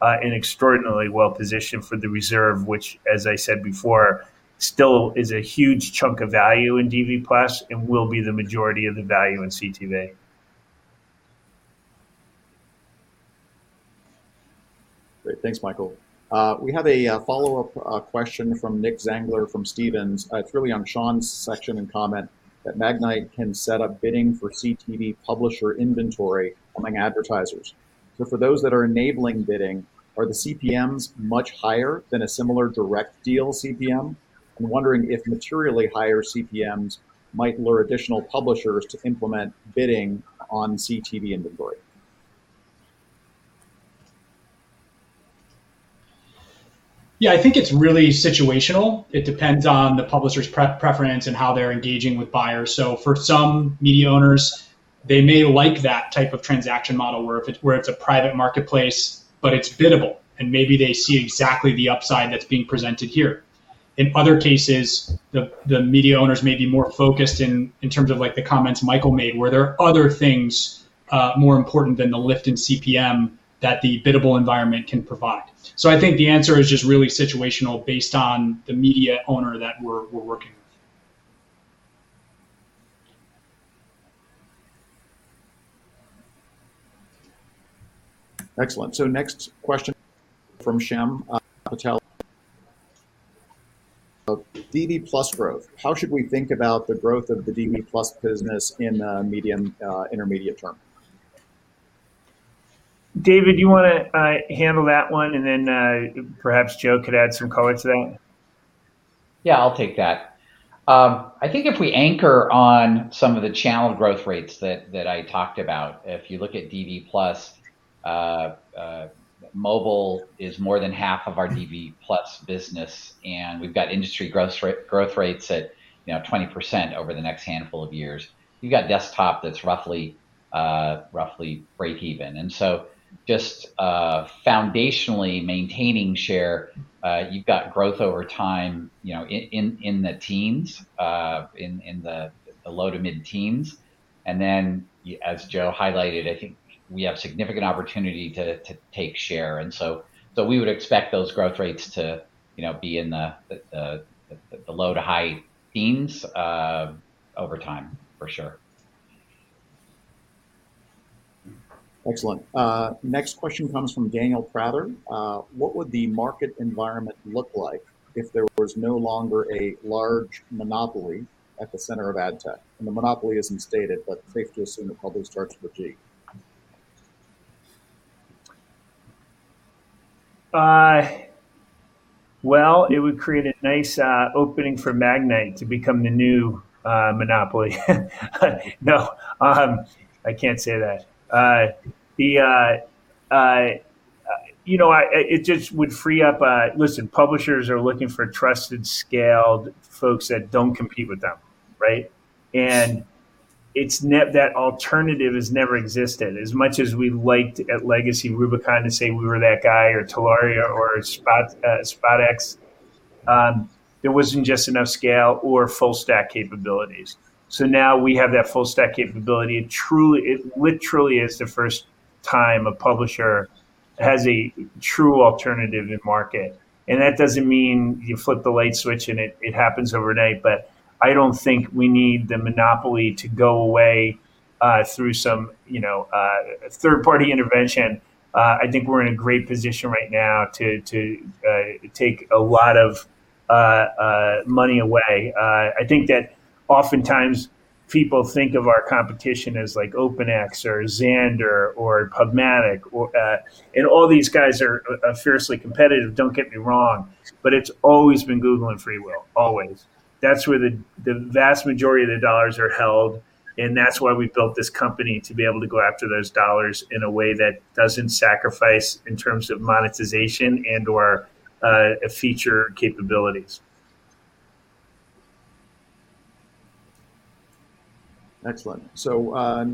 are extraordinarily well-positioned for the reserve, which as I said before, still is a huge chunk of value in DV+ and will be the majority of the value in CTV. Great. Thanks, Michael. We have a follow-up question from Nicholas Zangler from Stephens. It's really on Sean's section and comment that Magnite can set up bidding for CTV publisher inventory among advertisers. For those that are enabling bidding, are the CPMs much higher than a similar direct deal CPM? I'm wondering if materially higher CPMs might lure additional publishers to implement bidding on CTV inventory. I think it's really situational. It depends on the publisher's preference and how they're engaging with buyers. For some media owners, they may like that type of transaction model where it's a private marketplace, but it's biddable, and maybe they see exactly the upside that's being presented here. In other cases, the media owners may be more focused in terms of like the comments Michael made, where there are other things more important than the lift in CPM that the biddable environment can provide. I think the answer is just really situational based on the media owner that we're working with. Excellent. So next question from Shyam Patil. DV+ growth, how should we think about the growth of the DV+ business in medium, intermediate term? David, do you wanna handle that one and then perhaps Joe could add some color to that? Yeah, I'll take that. I think if we anchor on some of the channel growth rates that I talked about, if you look at DV+, mobile is more than half of our DV+ business, and we've got industry growth rates at, you know, 20% over the next handful of years. You've got desktop that's roughly breakeven. Just foundationally maintaining share, you've got growth over time, you know, in the teens, in the low to mid-teens. As Joe highlighted, I think we have significant opportunity to take share. We would expect those growth rates to, you know, be in the low to high teens over time for sure. Excellent. Next question comes from Daniel Prather. What would the market environment look like if there was no longer a large monopoly at the center of ad tech? The monopoly isn't stated, but safe to assume the public starts with G. Well, it would create a nice opening for Magnite to become the new monopoly. No, I can't say that. You know, it just would free up, listen, publishers are looking for trusted, scaled folks that don't compete with them, right? That alternative has never existed. As much as we liked at Legacy Rubicon to say we were that guy or Telaria or SpotX, there wasn't just enough scale or full stack capabilities. Now we have that full stack capability. It truly, it literally is the first time a publisher has a true alternative in market. That doesn't mean you flip the light switch and it happens overnight. I don't think we need the monopoly to go away, through some, you know, third-party intervention. I think we're in a great position right now to take a lot of money away. I think that oftentimes people think of our competition as like OpenX or Xandr or PubMatic or, and all these guys are fiercely competitive, don't get me wrong, but it's always been Google and FreeWheel, always. That's where the vast majority of the dollars are held, and that's why we built this company to be able to go after those dollars in a way that doesn't sacrifice in terms of monetization and/or feature capabilities. Excellent.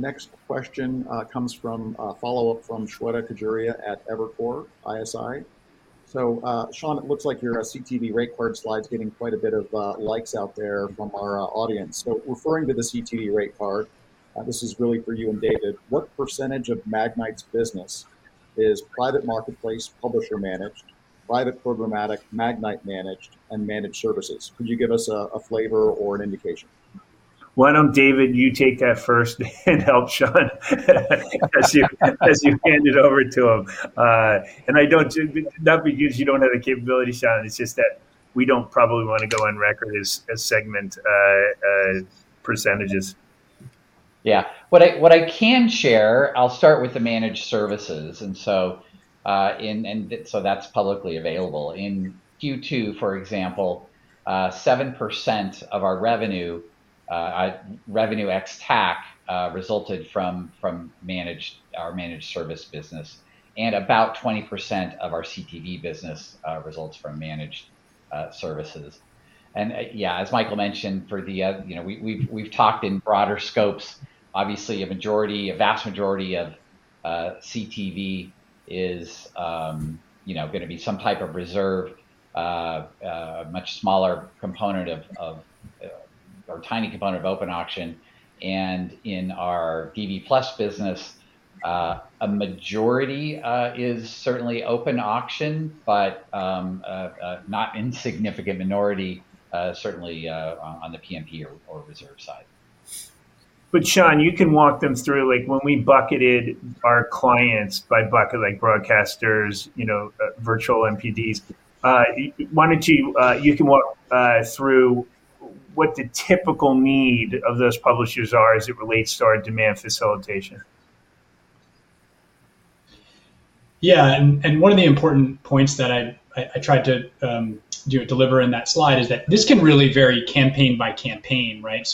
Next question comes from a follow-up from Shweta Khajuria at Evercore ISI. Sean, it looks like your CTV rate card slide's getting quite a bit of likes out there from our audience. Referring to the CTV rate card, this is really for you and David. What percentage of Magnite's business is private marketplace publisher-managed, private programmatic Magnite-managed, and managed services? Could you give us a flavor or an indication? Why don't, David, you take that first and help Sean as you, as you hand it over to him? I don't, not because you don't have the capability, Sean, it's just that we don't probably wanna go on record as segment percentages. Yeah. What I can share, I'll start with the managed services, and so that's publicly available. In Q2, for example, 7% of our revenue, Revenue ex-TAC, resulted from our managed service business, and about 20% of our CTV business results from managed services. Yeah, as Michael mentioned for the, you know, we've talked in broader scopes. CTV is, you know, gonna be some type of reserve, much smaller component of, or tiny component of open auction. In our DV+ business, a majority is certainly open auction, but a not insignificant minority certainly on the PMP or reserve side. Sean, you can walk them through, like, when we bucketed our clients by bucket, like broadcasters, you know, virtual MVPDs, why don't you can walk through what the typical need of those publishers are as it relates to our demand facilitation. Yeah. One of the important points that I tried to deliver in that slide is that this can really vary campaign by campaign, right?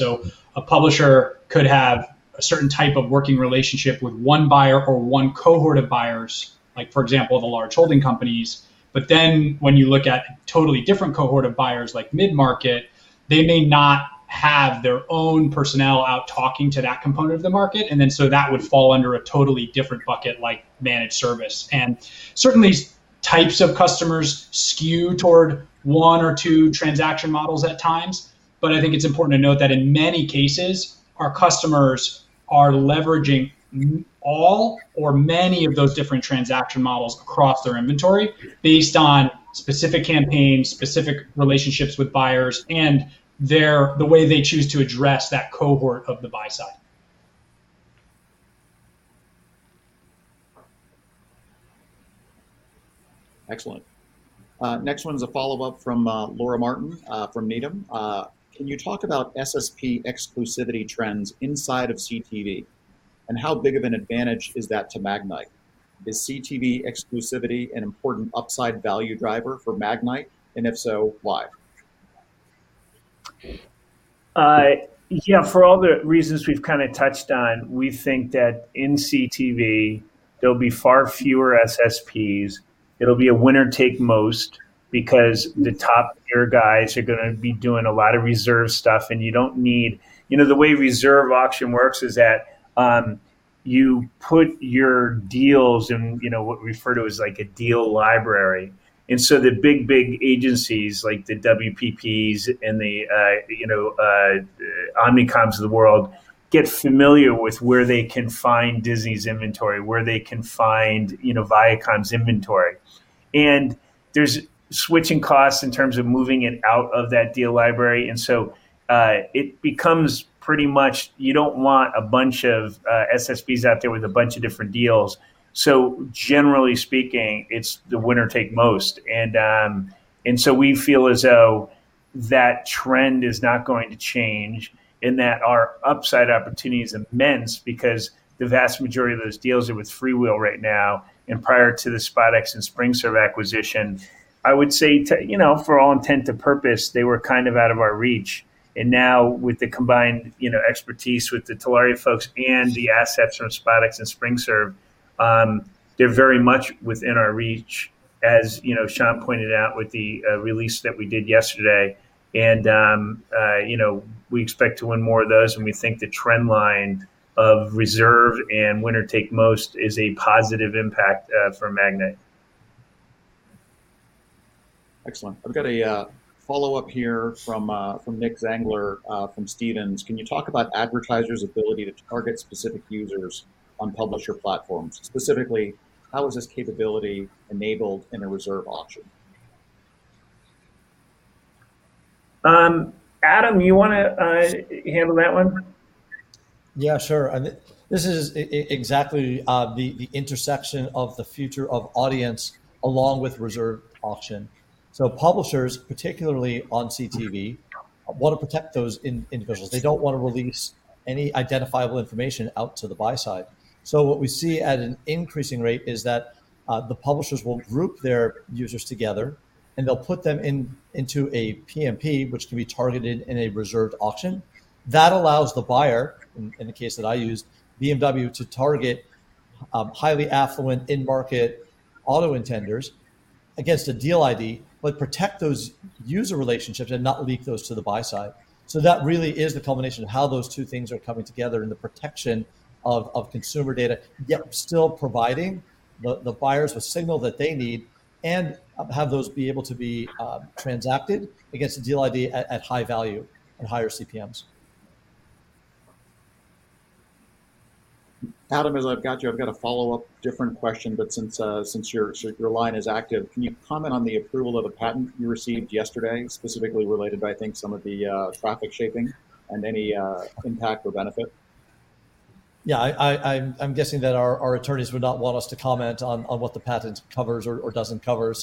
A publisher could have a certain type of working relationship with one buyer or one cohort of buyers, like for example, the large holding companies. When you look at totally different cohort of buyers like mid-market, they may not have their own personnel out talking to that component of the market, that would fall under a totally different bucket, like managed service. Certain of these types of customers skew toward one or two transaction models at times. I think it's important to note that in many cases, our customers are leveraging all or many of those different transaction models across their inventory based on specific campaigns, specific relationships with buyers, and their, the way they choose to address that cohort of the buy side. Excellent. Next one's a follow-up from Laura Martin, from Needham. Can you talk about SSP exclusivity trends inside of CTV, and how big of an advantage is that to Magnite? Is CTV exclusivity an important upside value driver for Magnite? If so, why? Yeah, for all the reasons we've kind of touched on, we think that in CTV there'll be far fewer SSPs. It'll be a winner take most, because the top tier guys are gonna be doing a lot of reserve stuff. You know, the way reserve auction works is that, you put your deals in, you know, what we refer to as like a deal library. The big, big agencies like the WPPs and the, you know, Omnicoms of the world get familiar with where they can find Disney's inventory, where they can find, you know, ViacomCBS's inventory. There's switching costs in terms of moving it out of that deal library. It becomes pretty much you don't want a bunch of SSPs out there with a bunch of different deals. Generally speaking, it's the winner take most. We feel as though that trend is not going to change, in that our upside opportunity is immense because the vast majority of those deals are with FreeWheel right now. Prior to the SpotX and SpringServe acquisition, I would say to, you know, for all intent and purpose, they were kind of out of our reach. Now with the combined, you know, expertise with the Telaria folks and the assets from SpotX and SpringServe, they're very much within our reach, as, you know, Sean pointed out with the release that we did yesterday. You know, we expect to win more of those, and we think the trend line of reserve and winner take most is a positive impact for Magnite. Excellent. I've got a follow-up here from Nick Zangler from Stephens. Can you talk about advertisers' ability to target specific users on publisher platforms? Specifically, how is this capability enabled in a reserve auction? Adam, you wanna handle that one? Yeah, sure. This is exactly the intersection of the future of audience along with reserve auction. Publishers, particularly on CTV, wanna protect those individuals. They don't wanna release any identifiable information out to the buy side. What we see at an increasing rate is that the publishers will group their users together, and they'll put them into a PMP, which can be targeted in a reserved auction. That allows the buyer, in the case that I used, BMW, to target highly affluent in-market auto intenders against a deal ID, but protect those user relationships and not leak those to the buy side. That really is the culmination of how those two things are coming together in the protection of consumer data, yet still providing the buyers with signal that they need, and have those be able to be transacted against the deal ID at high value and higher CPMs. Adam, as I've got you, I've got a follow-up different question, but since your, your line is active, can you comment on the approval of a patent you received yesterday, specifically related to, I think, some of the traffic shaping and any impact or benefit? Yeah. I'm guessing that our attorneys would not want us to comment on what the patent covers or doesn't cover.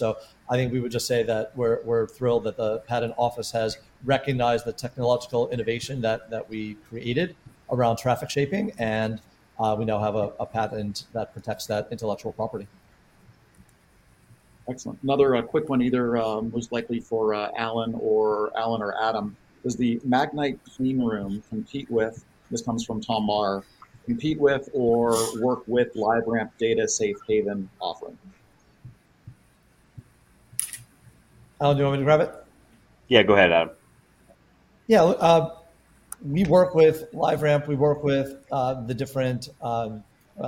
I think we would just say that we're thrilled that the patent office has recognized the technological innovation that we created around traffic shaping and we now have a patent that protects that intellectual property. Excellent. Another quick one, either, most likely for Allen or Adam. Does the Magnite clean room compete with, this comes from Tom Barr, compete with or work with LiveRamp data Safe Haven offering? Allen, do you want me to grab it? Yeah, go ahead, Allen. Yeah. We work with LiveRamp, we work with the different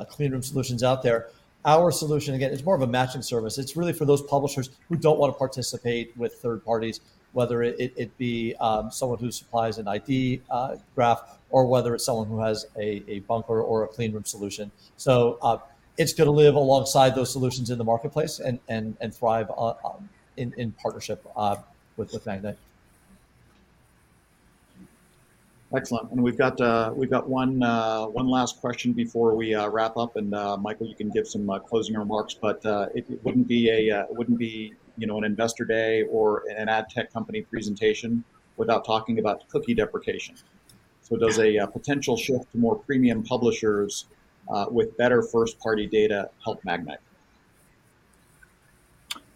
clean room solutions out there. Our solution, again, is more of a matching service. It's really for those publishers who don't wanna participate with third parties, whether it be someone who supplies an ID graph, or whether it's someone who has a bunker or a clean room solution. It's gonna live alongside those solutions in the marketplace and thrive in partnership with Magnite. Excellent. We've got one last question before we wrap up, and Michael, you can give some closing remarks. It wouldn't be, you know, an investor day or an ad tech company presentation without talking about cookie deprecation. Does a potential shift to more premium publishers, with better first-party data help Magnite?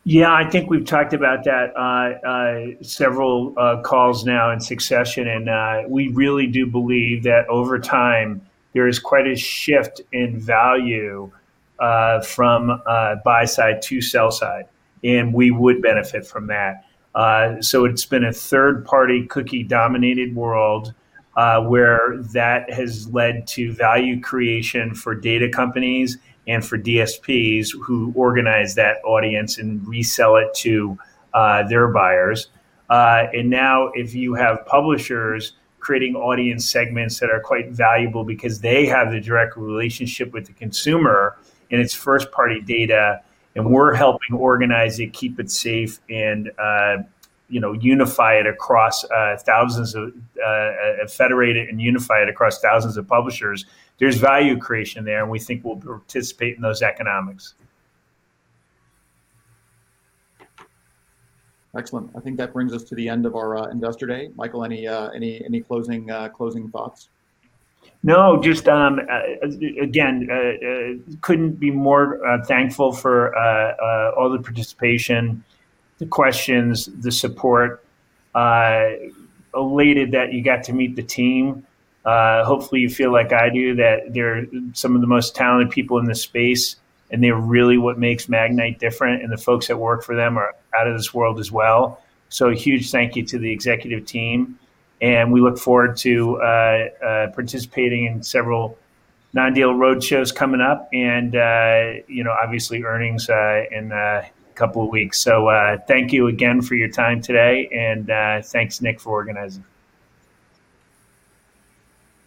Yeah. I think we've talked about that, several calls now in succession, and we really do believe that over time there is quite a shift in value from buy side to sell side, and we would benefit from that. It's been a third-party cookie-dominated world where that has led to value creation for data companies and for DSPs who organize that audience and resell it to their buyers. Now if you have publishers creating audience segments that are quite valuable because they have the direct relationship with the consumer and its first-party data, and we're helping organize it, keep it safe, and you know federate it and unify it across thousands of publishers, there's value creation there, and we think we'll participate in those economics. Excellent. I think that brings us to the end of our investor day. Michael, any closing thoughts? No, just again, couldn't be more thankful for all the participation, the questions, the support. Elated that you got to meet the team. Hopefully you feel like I do, that they're some of the most talented people in the space, and they're really what makes Magnite different, and the folks that work for them are out of this world as well. A huge thank you to the executive team, and we look forward to participating in several non-deal roadshows coming up and, you know, obviously earnings in a couple of weeks. Thank you again for your time today, and thanks Nick for organizing.